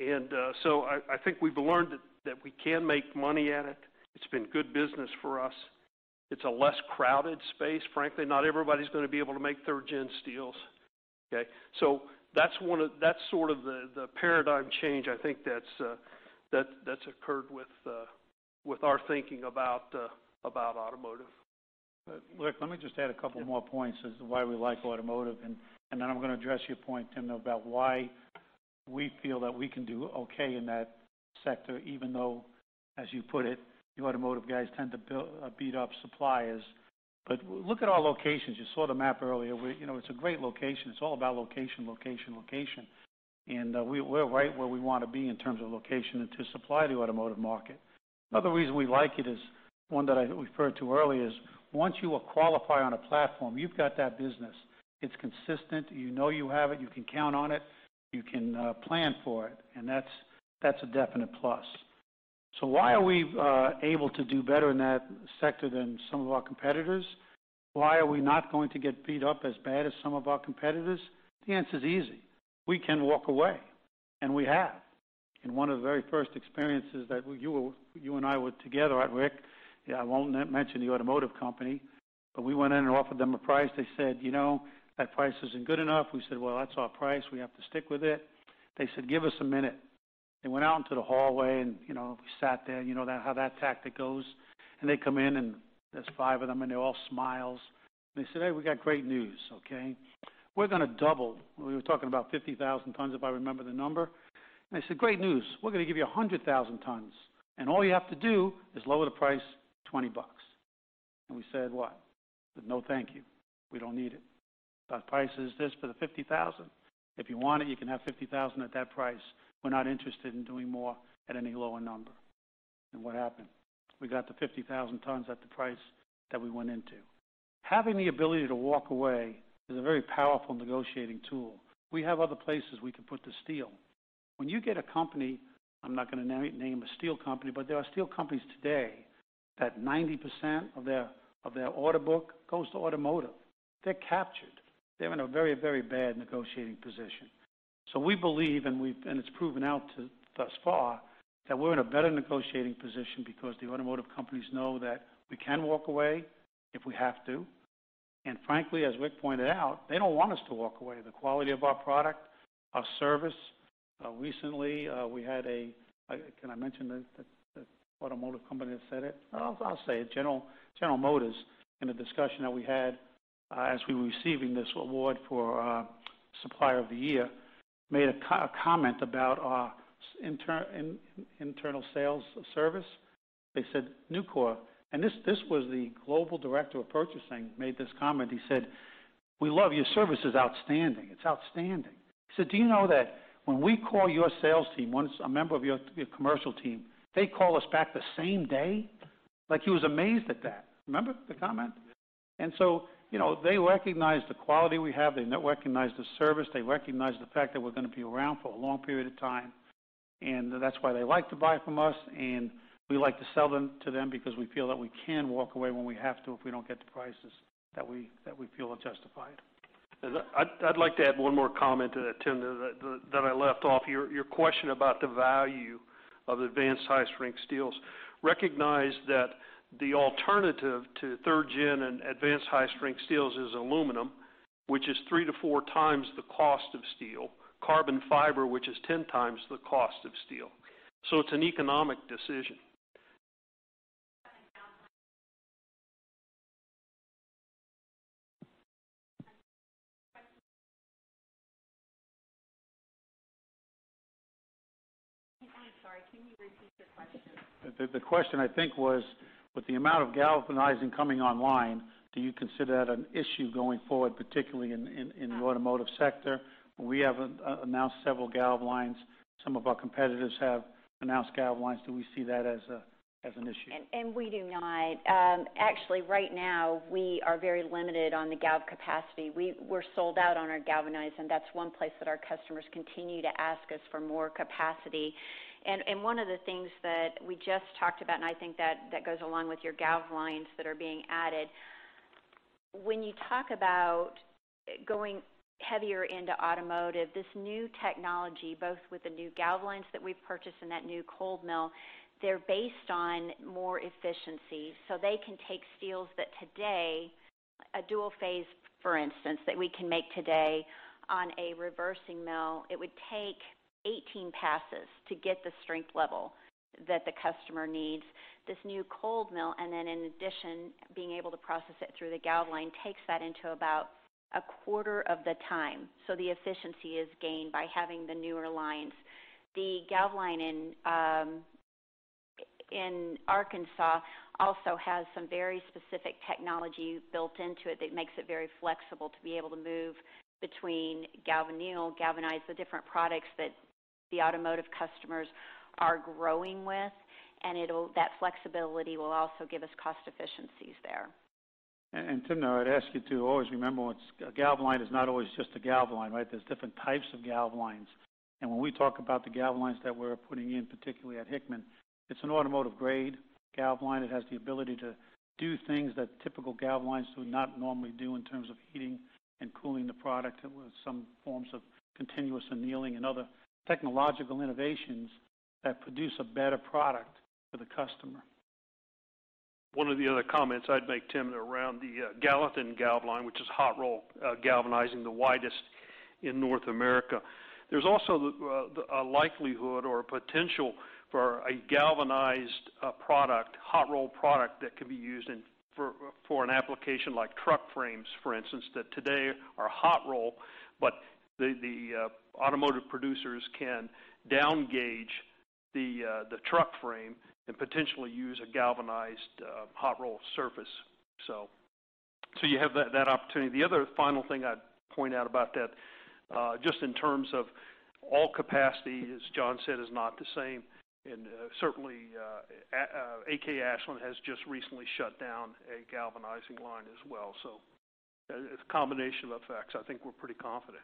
I think we've learned that we can make money at it. It's been good business for us. It's a less crowded space. Frankly, not everybody's going to be able to make third-gen steels. Okay? That's sort of the paradigm change, I think that's occurred with our thinking about automotive. Rick, let me just add a couple more points- Yeah as to why we like automotive, then I'm going to address your point, Timna, about why we feel that we can do okay in that sector, even though, as you put it, you automotive guys tend to beat up suppliers. Look at our locations. You saw the map earlier. It's a great location. It's all about location, location. We're right where we want to be in terms of location and to supply the automotive market. Another reason we like it is one that I referred to earlier, is once you qualify on a platform, you've got that business. It's consistent. You know you have it. You can count on it. You can plan for it, and that's a definite plus. Why are we able to do better in that sector than some of our competitors? Why are we not going to get beat up as bad as some of our competitors? The answer's easy. We can walk away, and we have. In one of the very first experiences that you and I were together at Rick, I won't mention the automotive company, but we went in and offered them a price. They said, "That price isn't good enough." We said, "Well, that's our price. We have to stick with it." They said, "Give us a minute." They went out into the hallway and we sat there, you know how that tactic goes. They come in, and there's five of them, and they're all smiles, and they say, "Hey, we got great news, okay. We're going to double." We were talking about 50,000 tons, if I remember the number. They said, "Great news. We're going to give you 100,000 tons, and all you have to do is lower the price $20." We said, "What?" We said, "No, thank you. We don't need it. Our price is this for the 50,000. If you want it, you can have 50,000 at that price. We're not interested in doing more at any lower number." What happened? We got the 50,000 tons at the price that we went into. Having the ability to walk away is a very powerful negotiating tool. We have other places we can put the steel. When you get a company, I'm not going to name a steel company, but there are steel companies today that 90% of their order book goes to automotive. They're captured. They're in a very bad negotiating position. We believe, and it's proven out thus far, that we're in a better negotiating position because the automotive companies know that we can walk away if we have to. Frankly, as Rick pointed out, they don't want us to walk away. The quality of our product, our service. Can I mention the automotive company that said it? I'll say it, General Motors, in a discussion that we had, as we were receiving this award for Supplier of the Year, made a comment about our internal sales service. They said, "Nucor" This was the global director of purchasing, made this comment. He said, "We love your service is outstanding." He said, "Do you know that when we call your sales team, a member of your commercial team, they call us back the same day?" Like, he was amazed at that. Remember the comment? Yeah. They recognize the quality we have. They recognize the service. They recognize the fact that we're going to be around for a long period of time. That's why they like to buy from us, and we like to sell to them because we feel that we can walk away when we have to if we don't get the prices that we feel are justified. I'd like to add one more comment to that, Timna, that I left off your question about the value of advanced high-strength steels. Recognize that the alternative to third gen and advanced high-strength steels is aluminum, which is three to four times the cost of steel. Carbon fiber, which is 10 times the cost of steel. It's an economic decision. I'm sorry, can you repeat the question? The question, I think, was, with the amount of galvanizing coming online, do you consider that an issue going forward, particularly in the automotive sector? We have announced several galv lines. Some of our competitors have announced galv lines. Do we see that as an issue? We do not. Actually, right now, we are very limited on the galv capacity. We're sold out on our galvanizing. That's one place that our customers continue to ask us for more capacity. One of the things that we just talked about, and I think that goes along with your galv lines that are being added. When you talk about going heavier into automotive, this new technology, both with the new galv lines that we've purchased and that new cold mill, they're based on more efficiency. They can take steels that today, a dual phase, for instance, that we can make today on a reversing mill, it would take 18 passes to get the strength level that the customer needs. This new cold mill, and then in addition, being able to process it through the galv line, takes that into about a quarter of the time. The efficiency is gained by having the newer lines. The galv line in Arkansas also has some very specific technology built into it that makes it very flexible to be able to move between galvanneal, galvanize the different products that the automotive customers are growing with. That flexibility will also give us cost efficiencies there. Timna, I'd ask you to always remember, a galv line is not always just a galv line, right? There's different types of galv lines. When we talk about the galv lines that we're putting in, particularly at Hickman, it's an automotive-grade galv line. It has the ability to do things that typical galv lines do not normally do in terms of heating and cooling the product with some forms of continuous annealing and other technological innovations that produce a better product for the customer. One of the other comments I'd make, Timna, around the Gallatin galv line, which is hot-roll galvanizing, the widest in North America. There's also a likelihood or a potential for a galvanized product, hot-roll product that can be used for an application like truck frames, for instance, that today are hot-roll, but the automotive producers can down-gauge the truck frame and potentially use a galvanized hot-roll surface. You have that opportunity. The other final thing I'd point out about that, just in terms of all capacity, as John said, is not the same. Certainly, AK Steel Ashland Works has just recently shut down a galvanizing line as well. It's a combination of effects. I think we're pretty confident.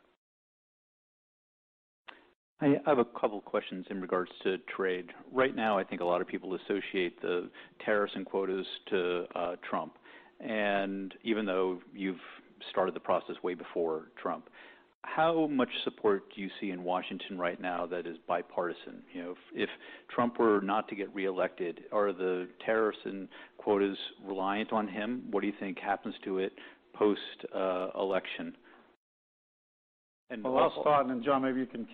I have a couple questions in regards to trade. Right now, I think a lot of people associate the tariffs and quotas to Trump. Even though you've started the process way before Trump, how much support do you see in Washington right now that is bipartisan? If Trump were not to get reelected, are the tariffs and quotas reliant on him? What do you think happens to it post-election? I'll start, and then, John, maybe you can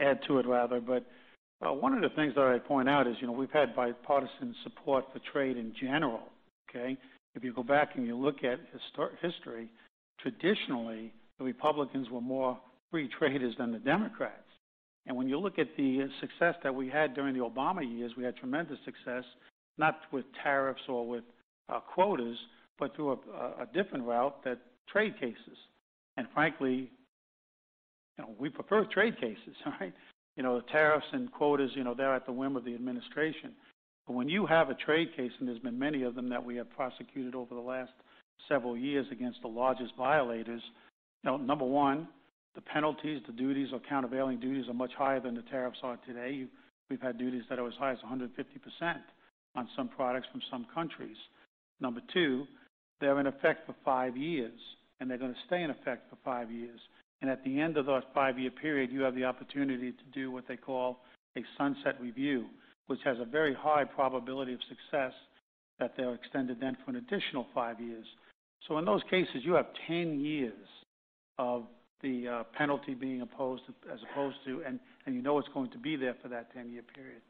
add to it. One of the things that I'd point out is we've had bipartisan support for trade in general. Okay? If you go back and you look at history, traditionally, the Republicans were more free traders than the Democrats. When you look at the success that we had during the Obama years, we had tremendous success not with tariffs or with quotas, but through a different route, trade cases. Frankly, we prefer trade cases. Right? The tariffs and quotas, they're at the whim of the administration. When you have a trade case, and there's been many of them that we have prosecuted over the last several years against the largest violators. Now, number one, the penalties, the duties or countervailing duties are much higher than the tariffs are today. We've had duties that are as high as 150% on some products from some countries. Number two, they're in effect for five years, and they're going to stay in effect for five years. At the end of those five-year period, you have the opportunity to do what they call a sunset review, which has a very high probability of success that they're extended then for an additional five years. In those cases, you have 10 years of the penalty being opposed. You know it's going to be there for that 10-year period.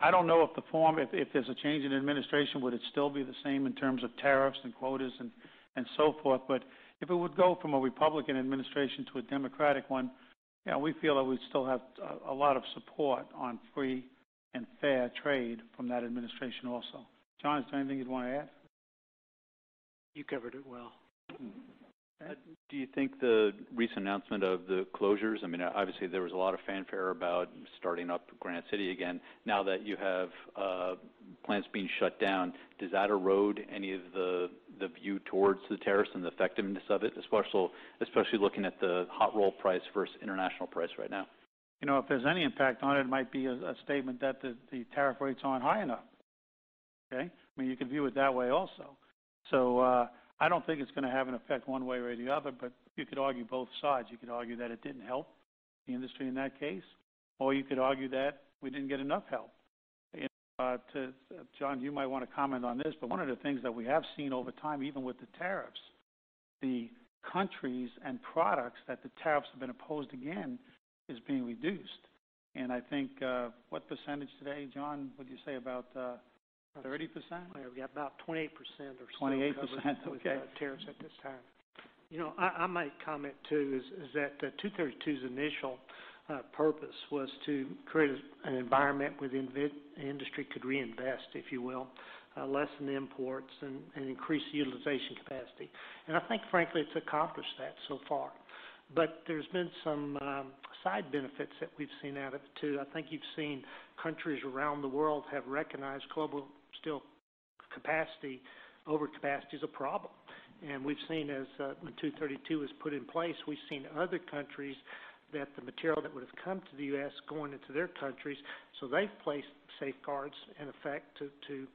I don't know if there's a change in administration, would it still be the same in terms of tariffs and quotas and so forth? If it would go from a Republican administration to a Democratic one, we feel that we'd still have a lot of support on free and fair trade from that administration also. John, is there anything you'd want to add? You covered it well. Ed? Do you think the recent announcement of the closures? Obviously, there was a lot of fanfare about starting up Granite City again. Now that you have plants being shut down, does that erode any of the view towards the tariffs and the effectiveness of it, especially looking at the hot roll price versus international price right now? If there's any impact on it might be a statement that the tariff rates aren't high enough. Okay? You could view it that way also. I don't think it's going to have an effect one way or the other, but you could argue both sides. You could argue that it didn't help the industry in that case, or you could argue that we didn't get enough help. John, you might want to comment on this, but one of the things that we have seen over time, even with the tariffs, the countries and products that the tariffs have been imposed again is being reduced. I think, what percentage today, John, would you say about 30%? Yeah, about 28% are still- 28%, okay covered with tariffs at this time. I might comment, too, is that 232's initial purpose was to create an environment where the industry could reinvest, if you will, lessen imports, and increase utilization capacity. I think, frankly, it's accomplished that so far. There's been some side benefits that we've seen out of it, too. I think you've seen countries around the world have recognized global steel capacity, overcapacity is a problem. We've seen as when 232 was put in place, we've seen other countries that the material that would've come to the U.S. going into their countries. They've placed safeguards in effect to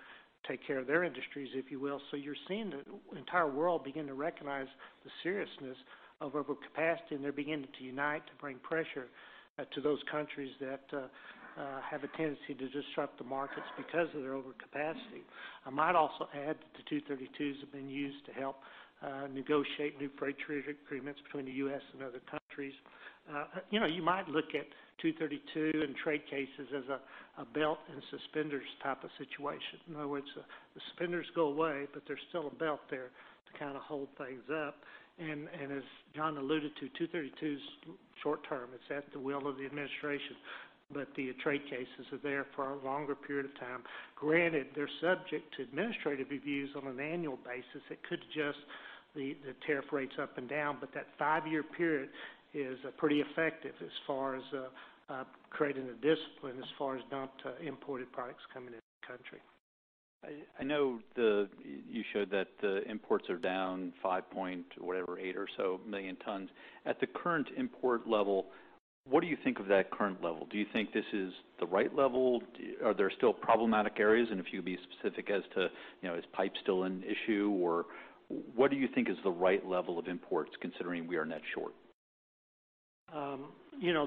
take care of their industries, if you will. You're seeing the entire world begin to recognize the seriousness of overcapacity, and they're beginning to unite to bring pressure to those countries that have a tendency to disrupt the markets because of their overcapacity. I might also add that the 232s have been used to help negotiate new free trade agreements between the U.S. and other countries. You might look at 232 and trade cases as a belt and suspenders type of situation. In other words, the suspenders go away, but there's still a belt there to hold things up. As John alluded to, 232's short-term. It's at the will of the administration. The trade cases are there for a longer period of time. Granted, they're subject to administrative reviews on an annual basis that could adjust the tariff rates up and down. That five-year period is pretty effective as far as creating a discipline as far as dumped imported products coming into the country. I know you showed that the imports are down five-point-whatever, eight or so million tons. At the current import level, what do you think of that current level? Do you think this is the right level? Are there still problematic areas? If you'd be specific as to, is pipe still an issue? What do you think is the right level of imports considering we are net short?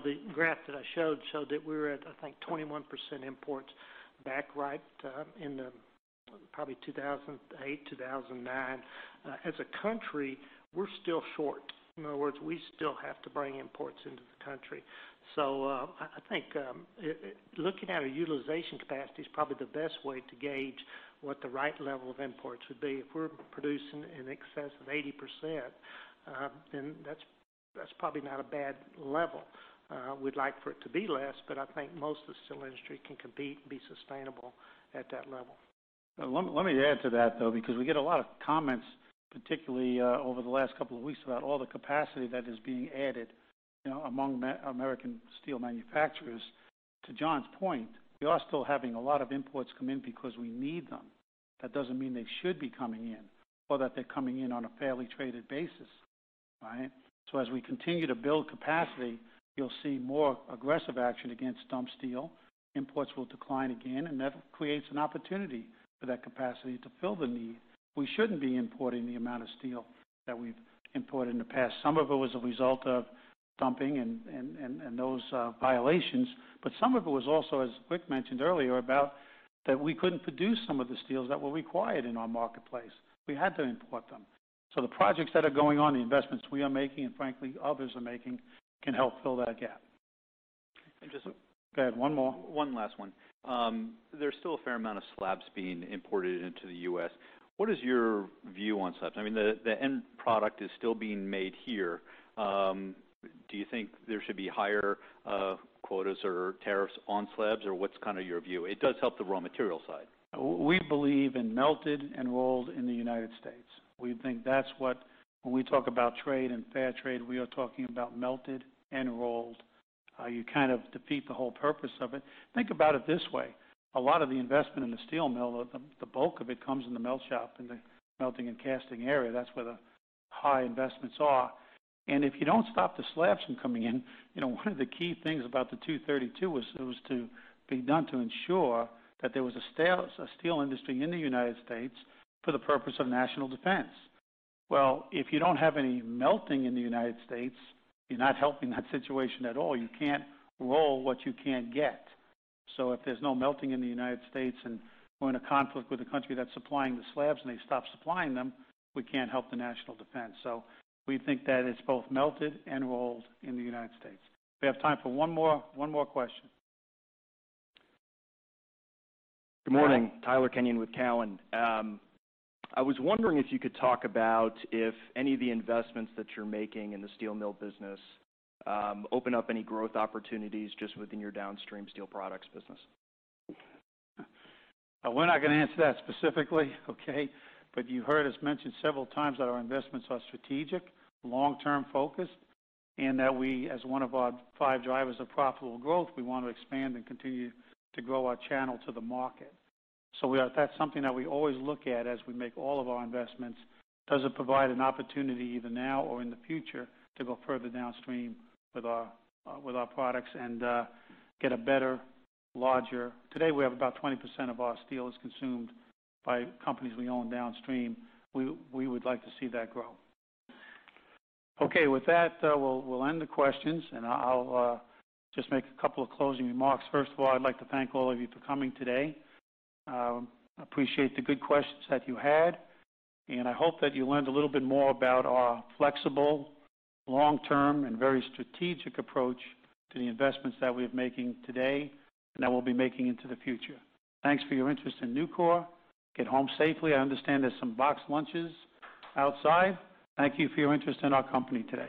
The graph that I showed showed that we were at, I think, 21% imports back right in probably 2008, 2009. As a country, we're still short. In other words, we still have to bring imports into the country. I think looking at our utilization capacity is probably the best way to gauge what the right level of imports would be. If we're producing in excess of 80%, that's probably not a bad level. We'd like for it to be less, but I think most of the steel industry can compete and be sustainable at that level. Let me add to that, though, because we get a lot of comments, particularly over the last couple of weeks, about all the capacity that is being added among American steel manufacturers. To John's point, we are still having a lot of imports come in because we need them. That doesn't mean they should be coming in or that they're coming in on a fairly traded basis. Right? As we continue to build capacity, you'll see more aggressive action against dumped steel. Imports will decline again, and that creates an opportunity for that capacity to fill the need. We shouldn't be importing the amount of steel that we've imported in the past. Some of it was a result of dumping and those violations, but some of it was also, as Rick mentioned earlier, about that we couldn't produce some of the steels that were required in our marketplace. We had to import them. The projects that are going on, the investments we are making, and frankly, others are making, can help fill that gap. And just- Go ahead, one more. One last one. There's still a fair amount of slabs being imported into the U.S. What is your view on slabs? I mean, the end product is still being made here. Do you think there should be higher quotas or tariffs on slabs, or what's your view? It does help the raw material side. We believe in melted and rolled in the United States. We think that's what, when we talk about trade and fair trade, we are talking about melted and rolled. You kind of defeat the whole purpose of it. Think about it this way. A lot of the investment in the steel mill, the bulk of it comes in the melt shop, in the melting and casting area. That's where the high investments are. If you don't stop the slabs from coming in, one of the key things about the 232 was it was to be done to ensure that there was a steel industry in the United States for the purpose of national defense. Well, if you don't have any melting in the United States, you're not helping that situation at all. You can't roll what you can't get. If there's no melting in the United States, and we're in a conflict with a country that's supplying the slabs and they stop supplying them, we can't help the national defense. We think that it's both melted and rolled in the United States. We have time for one more question. Good morning. Tyler Kenyon with Cowen. I was wondering if you could talk about if any of the investments that you're making in the steel mill business open up any growth opportunities just within your downstream steel products business. We're not going to answer that specifically, okay? You heard us mention several times that our investments are strategic, long-term focused, and that we, as one of our five drivers of profitable growth, we want to expand and continue to grow our channel to the market. That's something that we always look at as we make all of our investments. Does it provide an opportunity either now or in the future to go further downstream with our products and get a better, today we have about 20% of our steel is consumed by companies we own downstream. We would like to see that grow. Okay. With that, we'll end the questions, and I'll just make a couple of closing remarks. First of all, I'd like to thank all of you for coming today. I appreciate the good questions that you had, and I hope that you learned a little bit more about our flexible, long-term, and very strategic approach to the investments that we're making today and that we'll be making into the future. Thanks for your interest in Nucor. Get home safely. I understand there's some boxed lunches outside. Thank you for your interest in our company today.